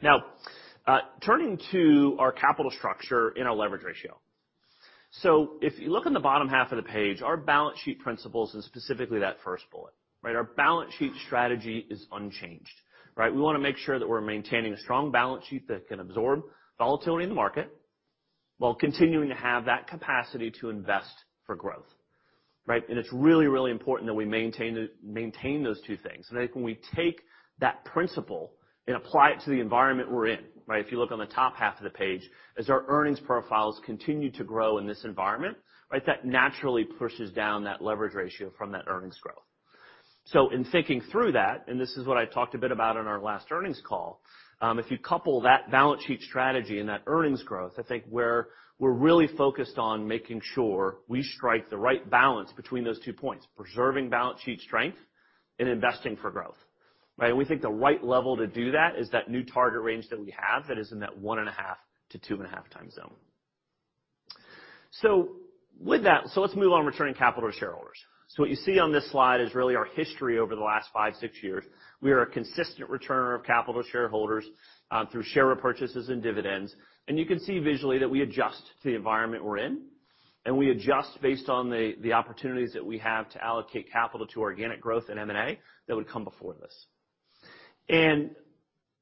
Now, turning to our capital structure and our leverage ratio. If you look on the bottom half of the page, our balance sheet principles is specifically that first bullet, right? Our balance sheet strategy is unchanged, right? We wanna make sure that we're maintaining a strong balance sheet that can absorb volatility in the market while continuing to have that capacity to invest for growth, right? It's really, really important that we maintain those two things. I think when we take that principle and apply it to the environment we're in, right? If you look on the top half of the page, as our earnings profiles continue to grow in this environment, right, that naturally pushes down that leverage ratio from that earnings growth. In thinking through that, and this is what I talked a bit about on our last earnings call, if you couple that balance sheet strategy and that earnings growth, I think we're really focused on making sure we strike the right balance between those two points, preserving balance sheet strength and investing for growth, right? We think the right level to do that is that new target range that we have that is in that 1.5x-2.5x. With that, let's move on to returning capital to shareholders. What you see on this slide is really our history over the last 5-6 years. We are a consistent returner of capital to shareholders, through share purchases and dividends. You can see visually that we adjust to the environment we're in, and we adjust based on the opportunities that we have to allocate capital to organic growth and M&A that would come before this.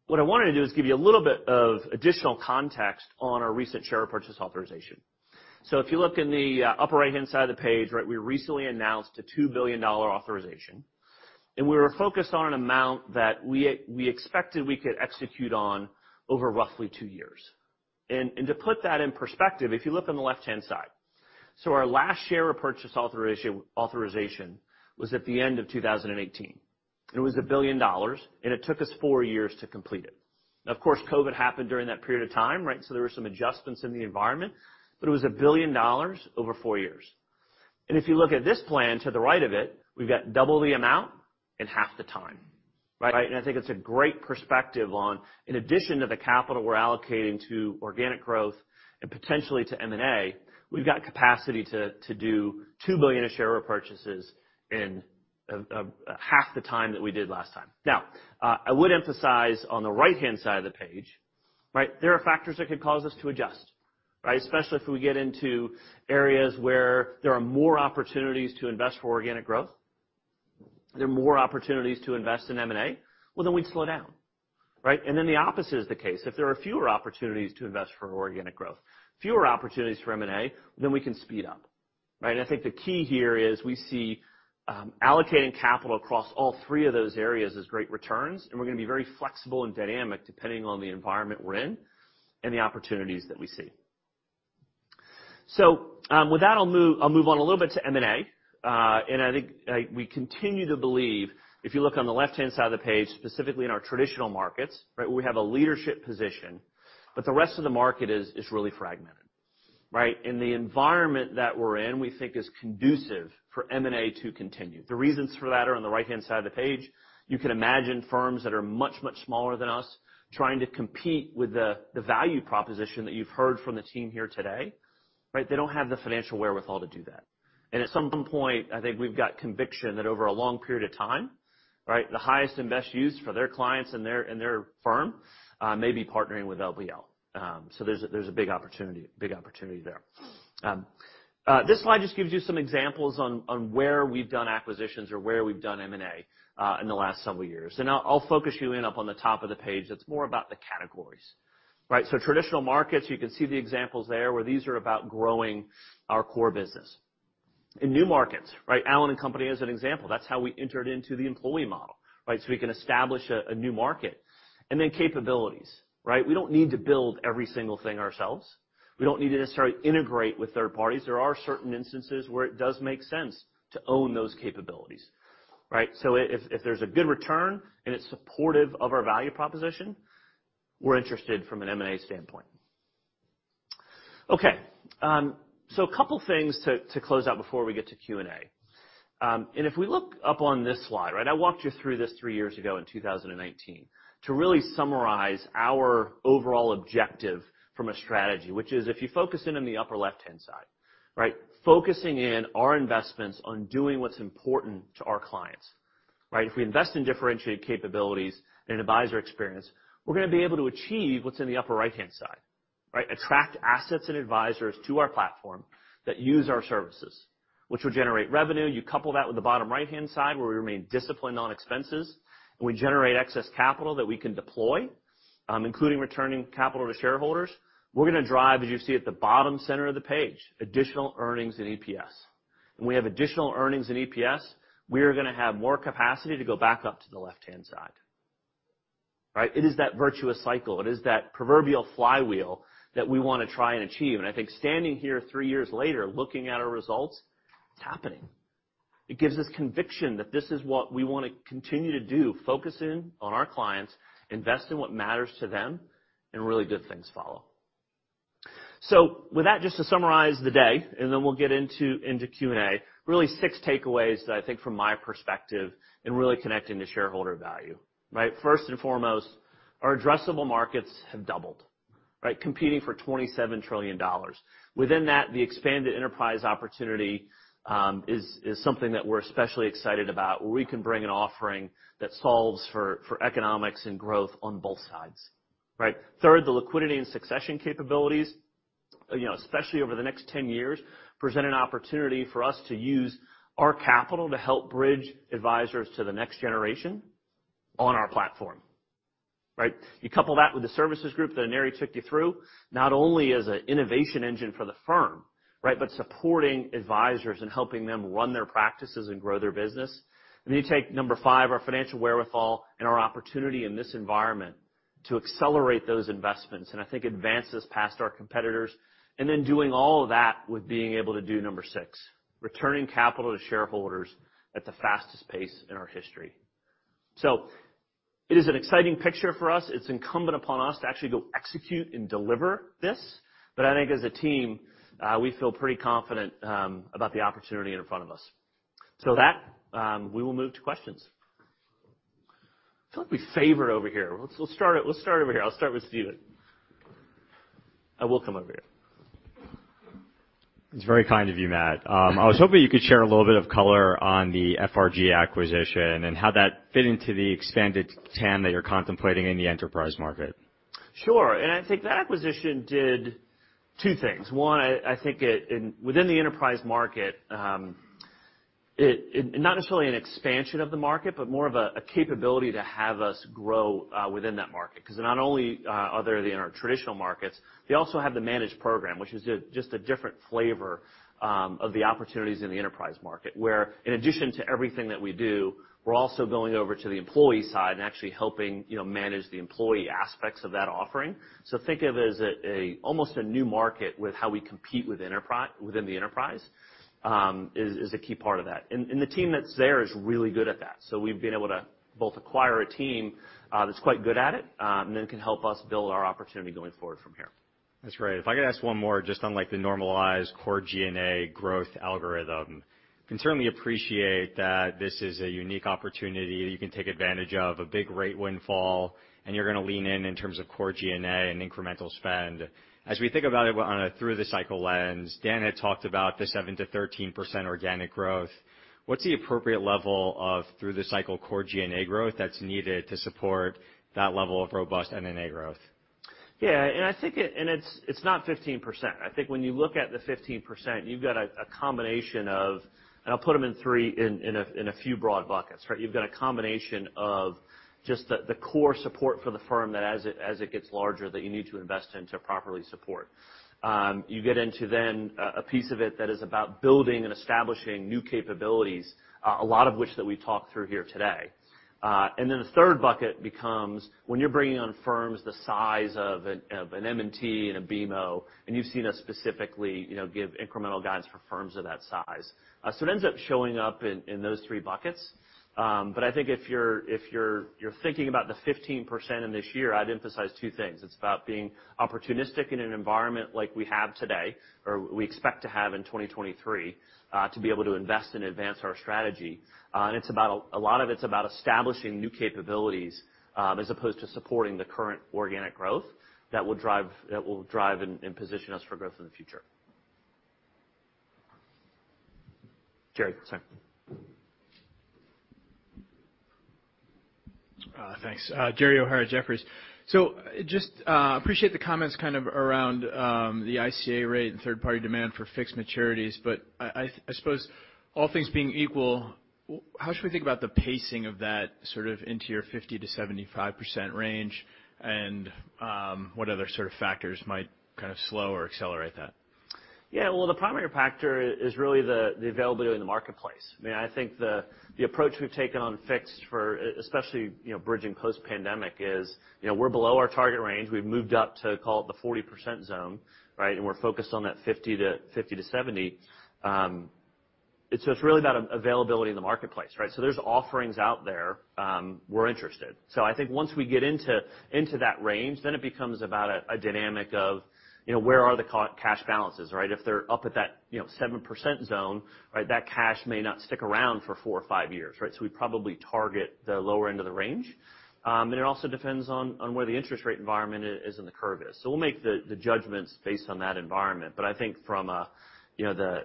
What I wanted to do is give you a little bit of additional context on our recent share repurchase authorization. If you look in the upper right-hand side of the page, right, we recently announced a $2 billion authorization, and we were focused on an amount that we expected we could execute on over roughly two years. To put that in perspective, if you look on the left-hand side. Our last share repurchase authorization was at the end of 2018. It was a $1 billion, and it took us four years to complete it. Now, of course, COVID happened during that period of time, right, so there were some adjustments in the environment, but it was $1 billion over 4 years. If you look at this plan to the right of it, we've got double the amount in half the time, right? I think it's a great perspective on, in addition to the capital we're allocating to organic growth and potentially to M&A, we've got capacity to do $2 billion in share repurchases in half the time that we did last time. Now, I would emphasize on the right-hand side of the page, right, there are factors that could cause us to adjust, right? Especially if we get into areas where there are more opportunities to invest for organic growth, there are more opportunities to invest in M&A, well, then we'd slow down, right? Then the opposite is the case. If there are fewer opportunities to invest for organic growth, fewer opportunities for M&A, then we can speed up, right? I think the key here is we see allocating capital across all three of those areas as great returns, and we're gonna be very flexible and dynamic depending on the environment we're in and the opportunities that we see. With that, I'll move on a little bit to M&A. I think we continue to believe, if you look on the left-hand side of the page, specifically in our traditional markets, right, we have a leadership position, but the rest of the market is really fragmented, right? The environment that we're in, we think is conducive for M&A to continue. The reasons for that are on the right-hand side of the page. You can imagine firms that are much, much smaller than us trying to compete with the value proposition that you've heard from the team here today, right? They don't have the financial wherewithal to do that. At some point, I think we've got conviction that over a long period of time, right, the highest and best use for their clients and their firm may be partnering with LPL. So there's a big opportunity there. This slide just gives you some examples on where we've done acquisitions or where we've done M&A in the last several years. I'll focus you in on the top of the page. That's more about the categories, right? So traditional markets, you can see the examples there, where these are about growing our core business. In new markets, right, Allen & Company as an example, that's how we entered into the employee model, right? We can establish a new market. Then capabilities, right? We don't need to build every single thing ourselves. We don't need to necessarily integrate with third parties. There are certain instances where it does make sense to own those capabilities, right? If there's a good return and it's supportive of our value proposition, we're interested from an M&A standpoint. Okay, so a couple things to close out before we get to Q&A. If we look up on this slide, right? I walked you through this three years ago in 2019 to really summarize our overall objective from a strategy, which is if you focus in on the upper left-hand side, right? Focusing in our investments on doing what's important to our clients, right? If we invest in differentiated capabilities and advisor experience, we're gonna be able to achieve what's in the upper right-hand side, right? Attract assets and advisors to our platform that use our services, which will generate revenue. You couple that with the bottom right-hand side, where we remain disciplined on expenses, and we generate excess capital that we can deploy, including returning capital to shareholders. We're gonna drive, as you see at the bottom center of the page, additional earnings in EPS. When we have additional earnings in EPS, we are gonna have more capacity to go back up to the left-hand side, right? It is that virtuous cycle. It is that proverbial flywheel that we wanna try and achieve. I think standing here three years later, looking at our results, it's happening. It gives us conviction that this is what we wanna continue to do, focus in on our clients, invest in what matters to them, and really good things follow. With that, just to summarize the day, and then we'll get into Q&A, really six takeaways that I think from my perspective in really connecting to shareholder value, right? First and foremost, our addressable markets have doubled, right? Competing for $27 trillion. Within that, the expanded enterprise opportunity is something that we're especially excited about, where we can bring an offering that solves for economics and growth on both sides, right? Third, the Liquidity & Succession capabilities, you know, especially over the next 10 years, present an opportunity for us to use our capital to help bridge advisors to the next generation on our platform, right? You couple that with the services group that Aneri took you through, not only as an innovation engine for the firm, right? Supporting advisors and helping them run their practices and grow their business. Then you take number five, our financial wherewithal and our opportunity in this environment to accelerate those investments, and I think advances past our competitors. Then doing all of that with being able to do number six, returning capital to shareholders at the fastest pace in our history. It is an exciting picture for us. It's incumbent upon us to actually go execute and deliver this. I think as a team, we feel pretty confident about the opportunity in front of us. With that, we will move to questions. Who do we favor over here? Let's start over here. I'll start with Steven. I will come over here. It's very kind of you, Matt. I was hoping you could share a little bit of color on the FRG acquisition and how that fit into the expanded TAM that you're contemplating in the enterprise market? Sure. I think that acquisition did two things. One, within the enterprise market, not necessarily an expansion of the market, but more of a capability to have us grow within that market. 'Cause not only are there our traditional markets, they also have the managed program, which is just a different flavor of the opportunities in the enterprise market, where in addition to everything that we do, we're also going over to the employee side and actually helping manage the employee aspects of that offering. So think of it as almost a new market with how we compete within the enterprise is a key part of that. The team that's there is really good at that. We've been able to both acquire a team, that's quite good at it, and then can help us build our opportunity going forward from here. That's great. If I could ask one more just on, like, the normalized core G&A growth algorithm. Can certainly appreciate that this is a unique opportunity that you can take advantage of, a big rate windfall, and you're gonna lean in in terms of core G&A and incremental spend. As we think about it on a through-the-cycle lens, Dan had talked about the 7%-13% organic growth. What's the appropriate level of through-the-cycle core G&A growth that's needed to support that level of robust NNA growth? Yeah. It's not 15%. I think when you look at the 15%, you've got a combination. I'll put them in a few broad buckets, right? You've got a combination of just the core support for the firm that as it gets larger you need to invest in to properly support. You get into then a piece of it that is about building and establishing new capabilities, a lot of which we've talked through here today. The third bucket becomes when you're bringing on firms the size of an M&T and a BMO, and you've seen us specifically, you know, give incremental guidance for firms of that size. It ends up showing up in those three buckets. I think if you're thinking about the 15% in this year, I'd emphasize two things. It's about being opportunistic in an environment like we have today, or we expect to have in 2023, to be able to invest and advance our strategy. It's about a lot of it's about establishing new capabilities, as opposed to supporting the current organic growth that will drive and position us for growth in the future. Jerry O'Hara. Thanks. Gerald O'Hara, Jefferies. Just appreciate the comments kind of around the ICA rate and third-party demand for fixed maturities. I suppose all things being equal, how should we think about the pacing of that sort of into your 50%-75% range? What other sort of factors might kind of slow or accelerate that? Yeah. Well, the primary factor is really the availability in the marketplace. I mean, I think the approach we've taken on fixed income especially, you know, bridging post-pandemic is, you know, we're below our target range. We've moved up to, call it, the 40% zone, right? We're focused on that 50%-70%. It's really about availability in the marketplace, right? There's offerings out there, we're interested. I think once we get into that range, then it becomes about a dynamic of, you know, where are the cash balances, right? If they're up at that, you know, 7% zone, right? That cash may not stick around for four or five years, right? We probably target the lower end of the range. It also depends on where the interest rate environment is and the curve is. We'll make the judgments based on that environment. I think from a, you know,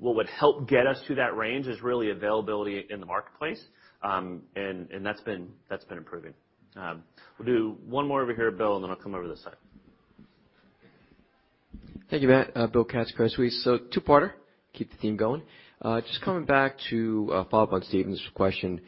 what would help get us to that range is really availability in the marketplace. That's been improving. We'll do one more over here, Bill, and then I'll come over to this side. Thank you, Matt. Bill Katz, Credit Suisse. Two-parter, keep the theme going. Just coming back to, follow up on Steven's question.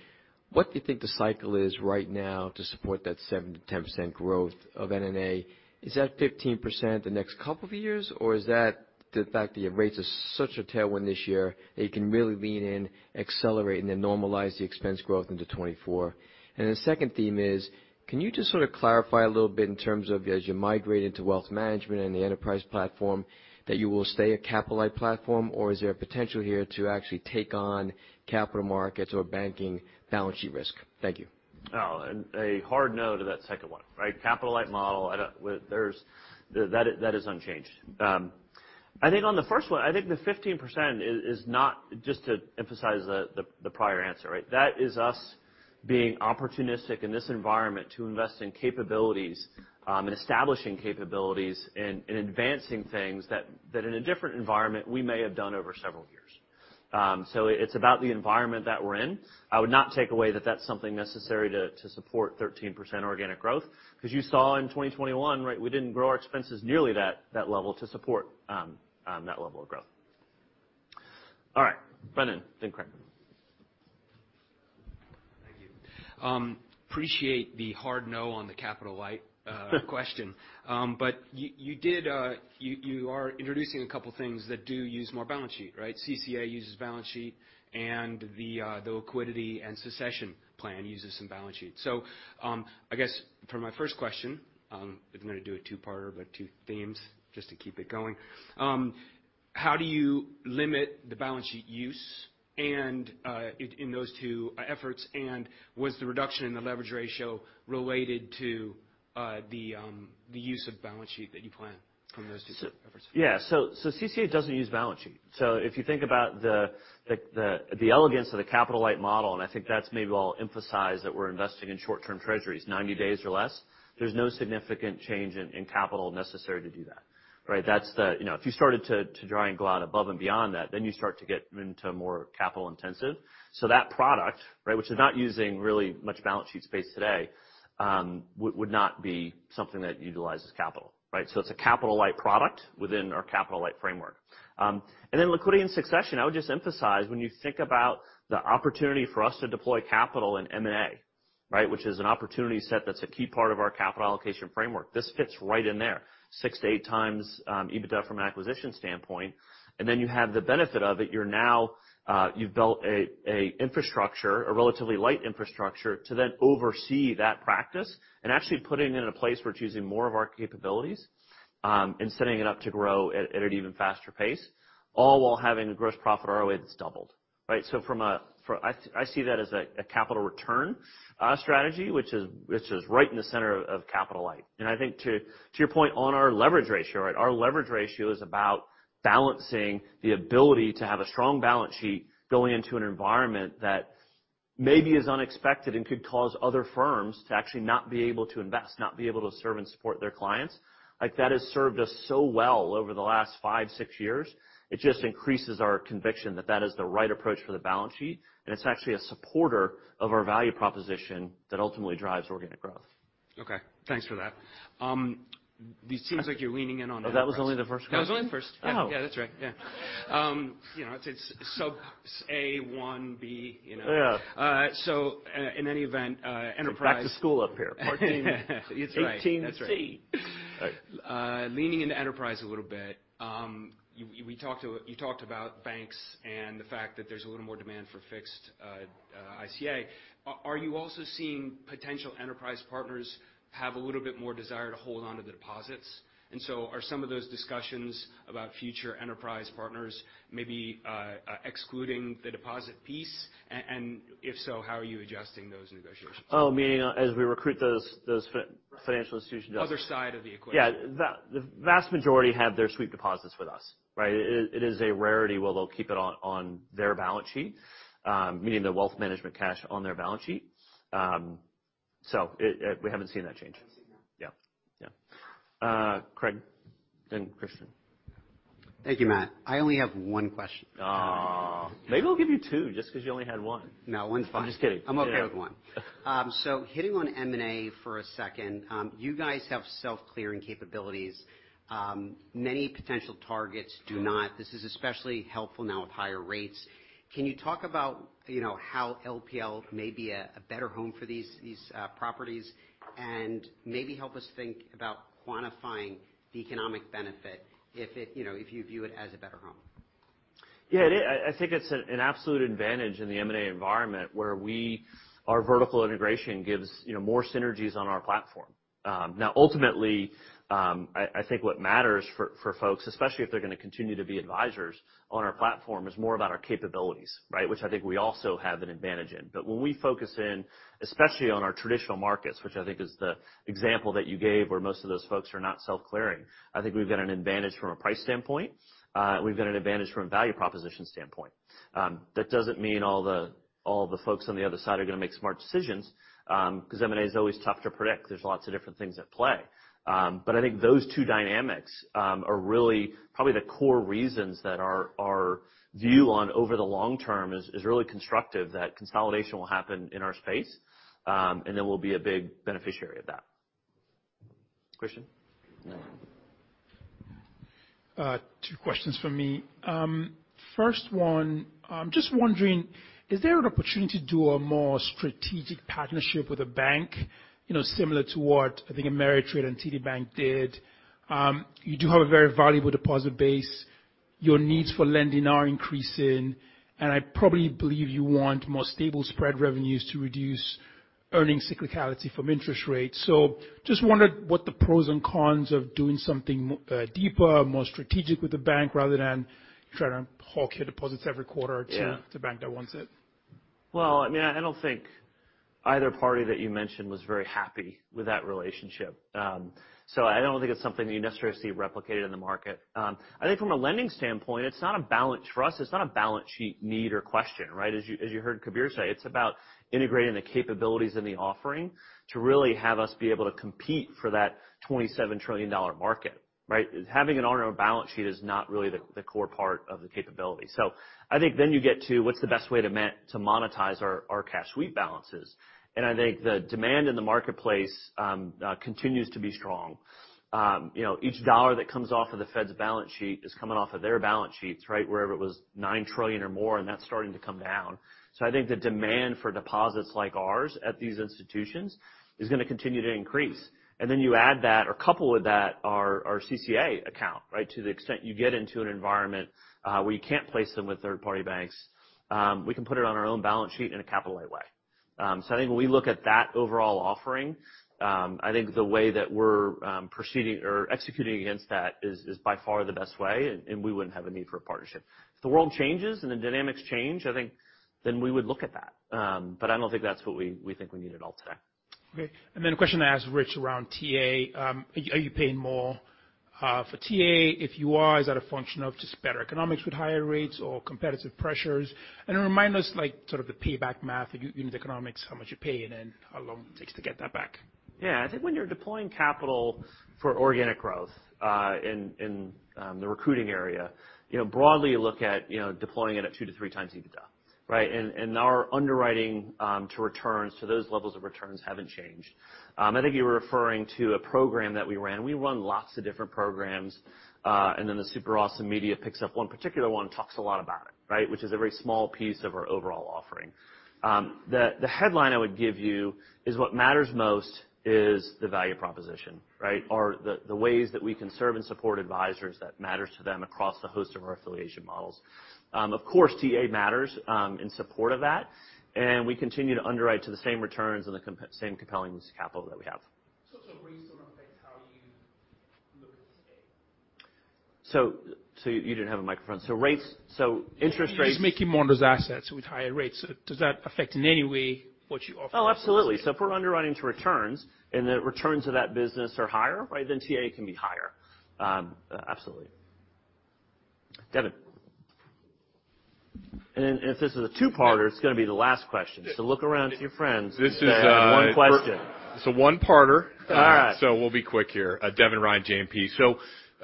What do you think the cycle is right now to support that 7%-10% growth of NNA? Is that 15% the next couple of years, or is that the fact that your rates are such a tailwind this year that you can really lean in, accelerate, and then normalize the expense growth into 2024? The second theme is can you just sort of clarify a little bit in terms of as you migrate into wealth management and the enterprise platform, that you will stay a capital-light platform, or is there potential here to actually take on capital markets or banking balance sheet risk? Thank you. Oh, a hard no to that second one, right? Capital-light model. That is unchanged. I think on the first one, I think the 15% is not just to emphasize the prior answer, right? That is us being opportunistic in this environment to invest in capabilities, and establishing capabilities and advancing things that in a different environment we may have done over several years. So it's about the environment that we're in. I would not take away that that's something necessary to support 13% organic growth, because you saw in 2021, right, we didn't grow our expenses nearly that level to support that le vel of growth. All right, Brennan, then Craig. Thank you. Appreciate the hard no on the capital light question. But you did, you are introducing a couple things that do use more balance sheet, right? CCA uses balance sheet, and the Liquidity & Succession plan uses some balance sheet. I guess for my first question, if you want me to do a two-parter but two themes just to keep it going. How do you limit the balance sheet use and, in those two efforts, and was the reduction in the leverage ratio related to, the use of balance sheet that you plan on those two efforts? Yeah. CCA doesn't use balance sheet. If you think about the elegance of the capital-light model, I think that's maybe where I'll emphasize that we're investing in short-term treasuries, 90 days or less. There's no significant change in capital necessary to do that, right? That's the. You know, if you started to try and go out above and beyond that, then you start to get into more capital-intensive. That product, right, which is not using really much balance sheet space today, would not be something that utilizes capital, right? It's a capital-light product within our capital-light framework. Liquidity & Succession. I would just emphasize, when you think about the opportunity for us to deploy capital in M&A, right? Which is an opportunity set that's a key part of our capital allocation framework. This fits right in there, 6-8x EBITDA from an acquisition standpoint. You have the benefit of it. You are now. You've built a relatively light infrastructure to then oversee that practice and actually putting it in a place where it's using more of our capabilities, and setting it up to grow at an even faster pace, all while having a gross profit ROA that's doubled, right? I see that as a capital return strategy, which is right in the center of capital light. I think to your point on our leverage ratio, right? Our leverage ratio is about balancing the ability to have a strong balance sheet going into an environment that maybe is unexpected and could cause other firms to actually not be able to invest, not be able to serve and support their clients. Like, that has served us so well over the last five, six years. It just increases our conviction that that is the right approach for the balance sheet, and it's actually a supporter of our value proposition that ultimately drives organic growth. Okay. Thanks for that. It seems like you're leaning in on. Oh, that was only the first question? That was only the first. Oh. Yeah, that's right. Yeah. You know, it's sub A, 1 B, you know? Yeah. In any event, enterprise Back to school up here. 14- It's right. 18 C. That's right. All right. Leaning into enterprise a little bit. You talked about banks and the fact that there's a little more demand for fixed ICA. Are you also seeing potential enterprise partners have a little bit more desire to hold onto the deposits? Are some of those discussions about future enterprise partners maybe excluding the deposit piece? If so, how are you adjusting those negotiations? Meaning as we recruit those financial institutions. Other side of the equation. Yeah. The vast majority have their sweep deposits with us, right? It is a rarity where they'll keep it on their balance sheet, meaning the wealth management cash on their balance sheet. We haven't seen that change. Haven't seen that. Yeah. Yeah. Craig, then Christian. Thank you, Matt. I only have one question. Aw. Maybe I'll give you two just 'cause you only had one. No, one's fine. I'm just kidding. I'm okay with one. Hitting on M&A for a second, you guys have self-clearing capabilities, many potential targets do not. This is especially helpful now with higher rates. Can you talk about, you know, how LPL may be a better home for these properties? Maybe help us think about quantifying the economic benefit if you know, if you view it as a better home. Yeah, it is. I think it's an absolute advantage in the M&A environment where our vertical integration gives, you know, more synergies on our platform. Now ultimately, I think what matters for folks, especially if they're gonna continue to be advisors on our platform, is more about our capabilities, right? Which I think we also have an advantage in. When we focus in, especially on our traditional markets, which I think is the example that you gave, where most of those folks are not self clearing, I think we've got an advantage from a price standpoint, we've got an advantage from a value proposition standpoint. That doesn't mean all the folks on the other side are gonna make smart decisions, 'cause M&A is always tough to predict. There's lots of different things at play. I think those two dynamics are really probably the core reasons that our view on over the long term is really constructive, that consolidation will happen in our space, and then we'll be a big beneficiary of that. Christian? No. Two questions from me. First one, I'm just wondering, is there an opportunity to do a more strategic partnership with a bank, you know, similar to what I think TD Ameritrade and TD Bank did? You do have a very valuable deposit base. Your needs for lending are increasing, and I probably believe you want more stable spread revenues to reduce earnings cyclicality from interest rates. Just wondered what the pros and cons of doing something deeper, more strategic with the bank rather than trying to hawk your deposits every quarter or two. Yeah to bank that wants it. Well, I mean, I don't think either party that you mentioned was very happy with that relationship. I don't think it's something that you necessarily see replicated in the market. I think from a lending standpoint, it's not a balance for us, it's not a balance sheet need or question, right? As you heard Kabir say, it's about integrating the capabilities in the offering to really have us be able to compete for that $27 trillion market, right? Having it on our balance sheet is not really the core part of the capability. I think then you get to what's the best way to monetize our cash sweep balances. I think the demand in the marketplace continues to be strong. You know, each dollar that comes off of the Fed's balance sheet is coming off of their balance sheets, right, wherever it was $9 trillion or more, and that's starting to come down. I think the demand for deposits like ours at these institutions is gonna continue to increase. You add that, or couple with that our CCA account, right? To the extent you get into an environment where you can't place them with third-party banks, we can put it on our own balance sheet in a capital light way. I think when we look at that overall offering, I think the way that we're proceeding or executing against that is by far the best way and we wouldn't have a need for a partnership. If the world changes and the dynamics change, I think then we would look at that. I don't think that's what we think we need at all today. Okay. A question I asked Rich around TA. Are you paying more for TA? If you are, is that a function of just better economics with higher rates or competitive pressures? Remind us like sort of the payback math, unit economics, how much you're paying and how long it takes to get that back. Yeah. I think when you're deploying capital for organic growth in the recruiting area, you know, broadly you look at, you know, deploying it at 2-3 times EBITDA, right? Our underwriting to returns to those levels of returns haven't changed. I think you were referring to a program that we ran. We run lots of different programs, and then the super awesome media picks up one particular one, talks a lot about it, right, which is a very small piece of our overall offering. The headline I would give you is what matters most is the value proposition, right? Or the ways that we can serve and support advisors that matters to them across a host of our affiliation models. Of course, TA matters in support of that, and we continue to underwrite to the same returns and the same compelling capital that we have. Rates don't affect how you look at TA? You didn't have a microphone. Rates, interest rates You're just making more on those assets with higher rates. Does that affect in any way what you offer? Oh, absolutely. If we're underwriting to returns and the returns of that business are higher, right, then TA can be higher. Absolutely. Devin. If this is a two-parter, it's gonna be the last question. Look around to your friends and say, "One question. This is, it's a one-parter. All right. We'll be quick here. Devin Ryan, JMP.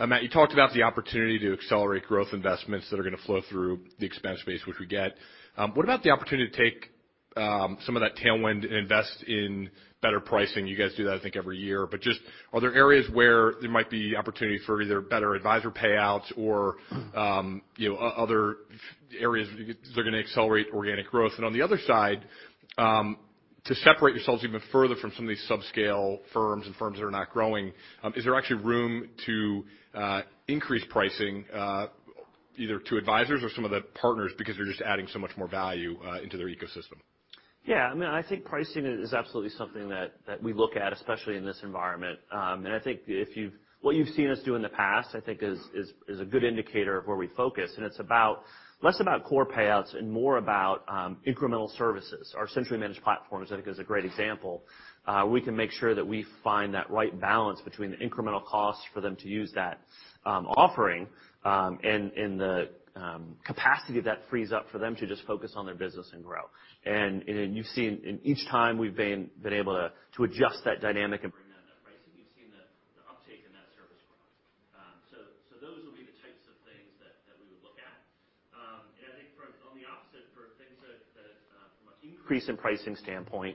Matt, you talked about the opportunity to accelerate growth investments that are gonna flow through the expense base, which we get. What about the opportunity to take some of that tailwind and invest in better pricing? You guys do that, I think, every year. But just are there areas where there might be opportunities for either better advisor payouts or other areas they're gonna accelerate organic growth? And on the other side, to separate yourselves even further from some of these subscale firms and firms that are not growing, is there actually room to increase pricing either to advisors or some of the partners because you're just adding so much more value into their ecosystem? Yeah, I mean, I think pricing is absolutely something that we look at, especially in this environment. I think what you've seen us do in the past is a good indicator of where we focus. It's less about core payouts and more about incremental services. Our centrally managed platforms is, I think, a great example. We can make sure that we find that right balance between the incremental costs for them to use that offering and the capacity that frees up for them to just focus on their business and grow. You've seen in each time we've been able to adjust that dynamic and bring that. I think you've seen the uptake in that service product. Those will be the types of things that we would look at. I think on the opposite for things that from an increase in pricing standpoint,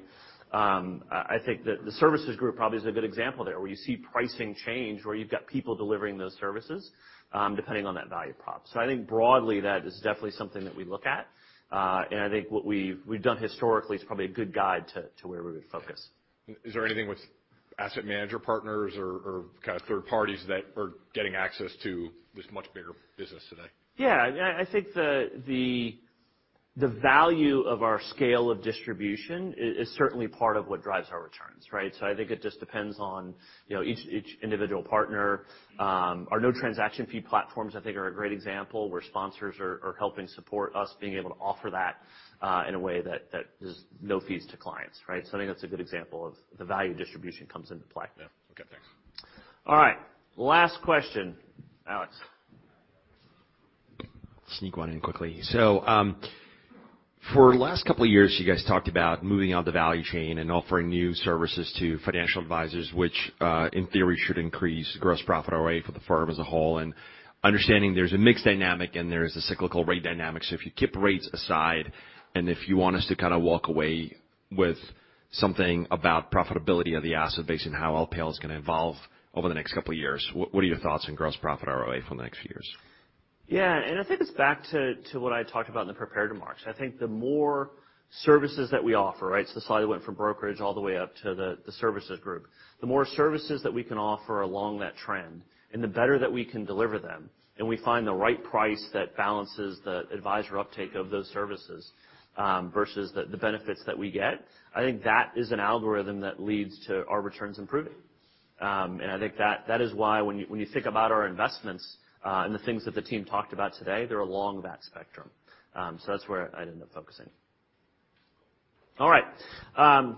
I think that the Services Group probably is a good example there, where you see pricing change, where you've got people delivering those services, depending on that value prop. I think broadly, that is definitely something that we look at. I think what we've done historically is probably a good guide to where we would focus. Is there anything with asset manager partners or kind of third parties that are getting access to this much bigger business today? I think the value of our scale of distribution is certainly part of what drives our returns, right? I think it just depends on, you know, each individual partner. Our No Transaction Fee platforms, I think are a great example where sponsors are helping support us being able to offer that, in a way that is no fees to clients, right? I think that's a good example of the value of distribution comes into play. Yeah. Okay, thanks. All right. Last question. Alex. Sneak one in quickly. For the last couple of years, you guys talked about moving up the value chain and offering new services to financial advisors, which, in theory, should increase gross profit ROA for the firm as a whole. Understanding there's a mix dynamic, and there's a cyclical rate dynamic. If you keep rates aside, and if you want us to kinda walk away with something about profitability of the asset base and how LPL is gonna evolve over the next couple of years, what are your thoughts on gross profit ROA for the next few years? Yeah. I think it's back to what I talked about in the prepared remarks. I think the more services that we offer, right? The slide went from brokerage all the way up to the services group. The more services that we can offer along that trend, and the better that we can deliver them, and we find the right price that balances the advisor uptake of those services, versus the benefits that we get, I think that is an algorithm that leads to our returns improving. I think that is why when you think about our investments, and the things that the team talked about today, they're along that spectrum. That's where I'd end up focusing. All right. All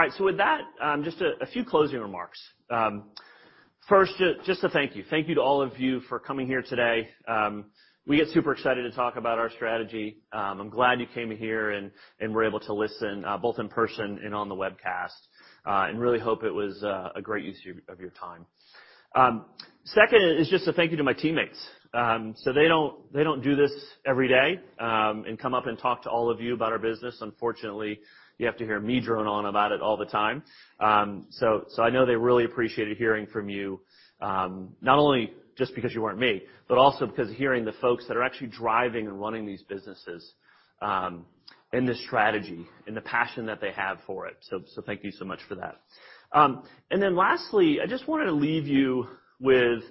right, with that, just a few closing remarks. First, just to thank you. Thank you to all of you for coming here today. We get super excited to talk about our strategy. I'm glad you came here and were able to listen both in person and on the webcast and really hope it was a great use of your time. Second is just a thank you to my teammates. They don't do this every day and come up and talk to all of you about our business. Unfortunately, you have to hear me drone on about it all the time. I know they really appreciated hearing from you, not only just because you weren't me, but also because hearing the folks that are actually driving and running these businesses, and the strategy and the passion that they have for it. Thank you so much for that. Lastly, I just wanted to leave you with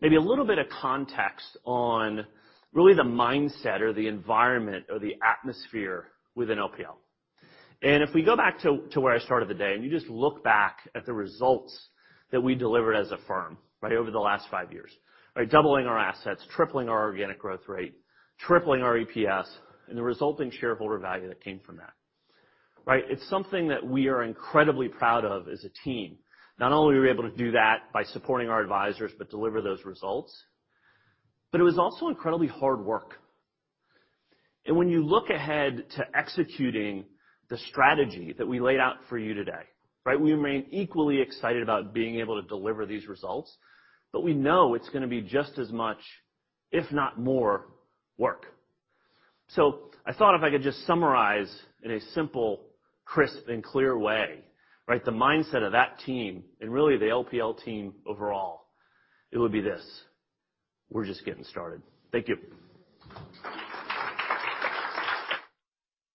maybe a little bit of context on really the mindset or the environment or the atmosphere within LPL. If we go back to where I started the day, and you just look back at the results that we delivered as a firm, right, over the last five years, by doubling our assets, tripling our organic growth rate, tripling our EPS, and the resulting shareholder value that came from that. Right. It's something that we are incredibly proud of as a team. Not only were we able to do that by supporting our advisors, but deliver those results, it was also incredibly hard work. When you look ahead to executing the strategy that we laid out for you today, right? We remain equally excited about being able to deliver these results, but we know it's gonna be just as much, if not more, work. I thought if I could just summarize in a simple, crisp, and clear way, right? The mindset of that team, and really the LPL team overall, it would be this: We're just getting started. Thank you.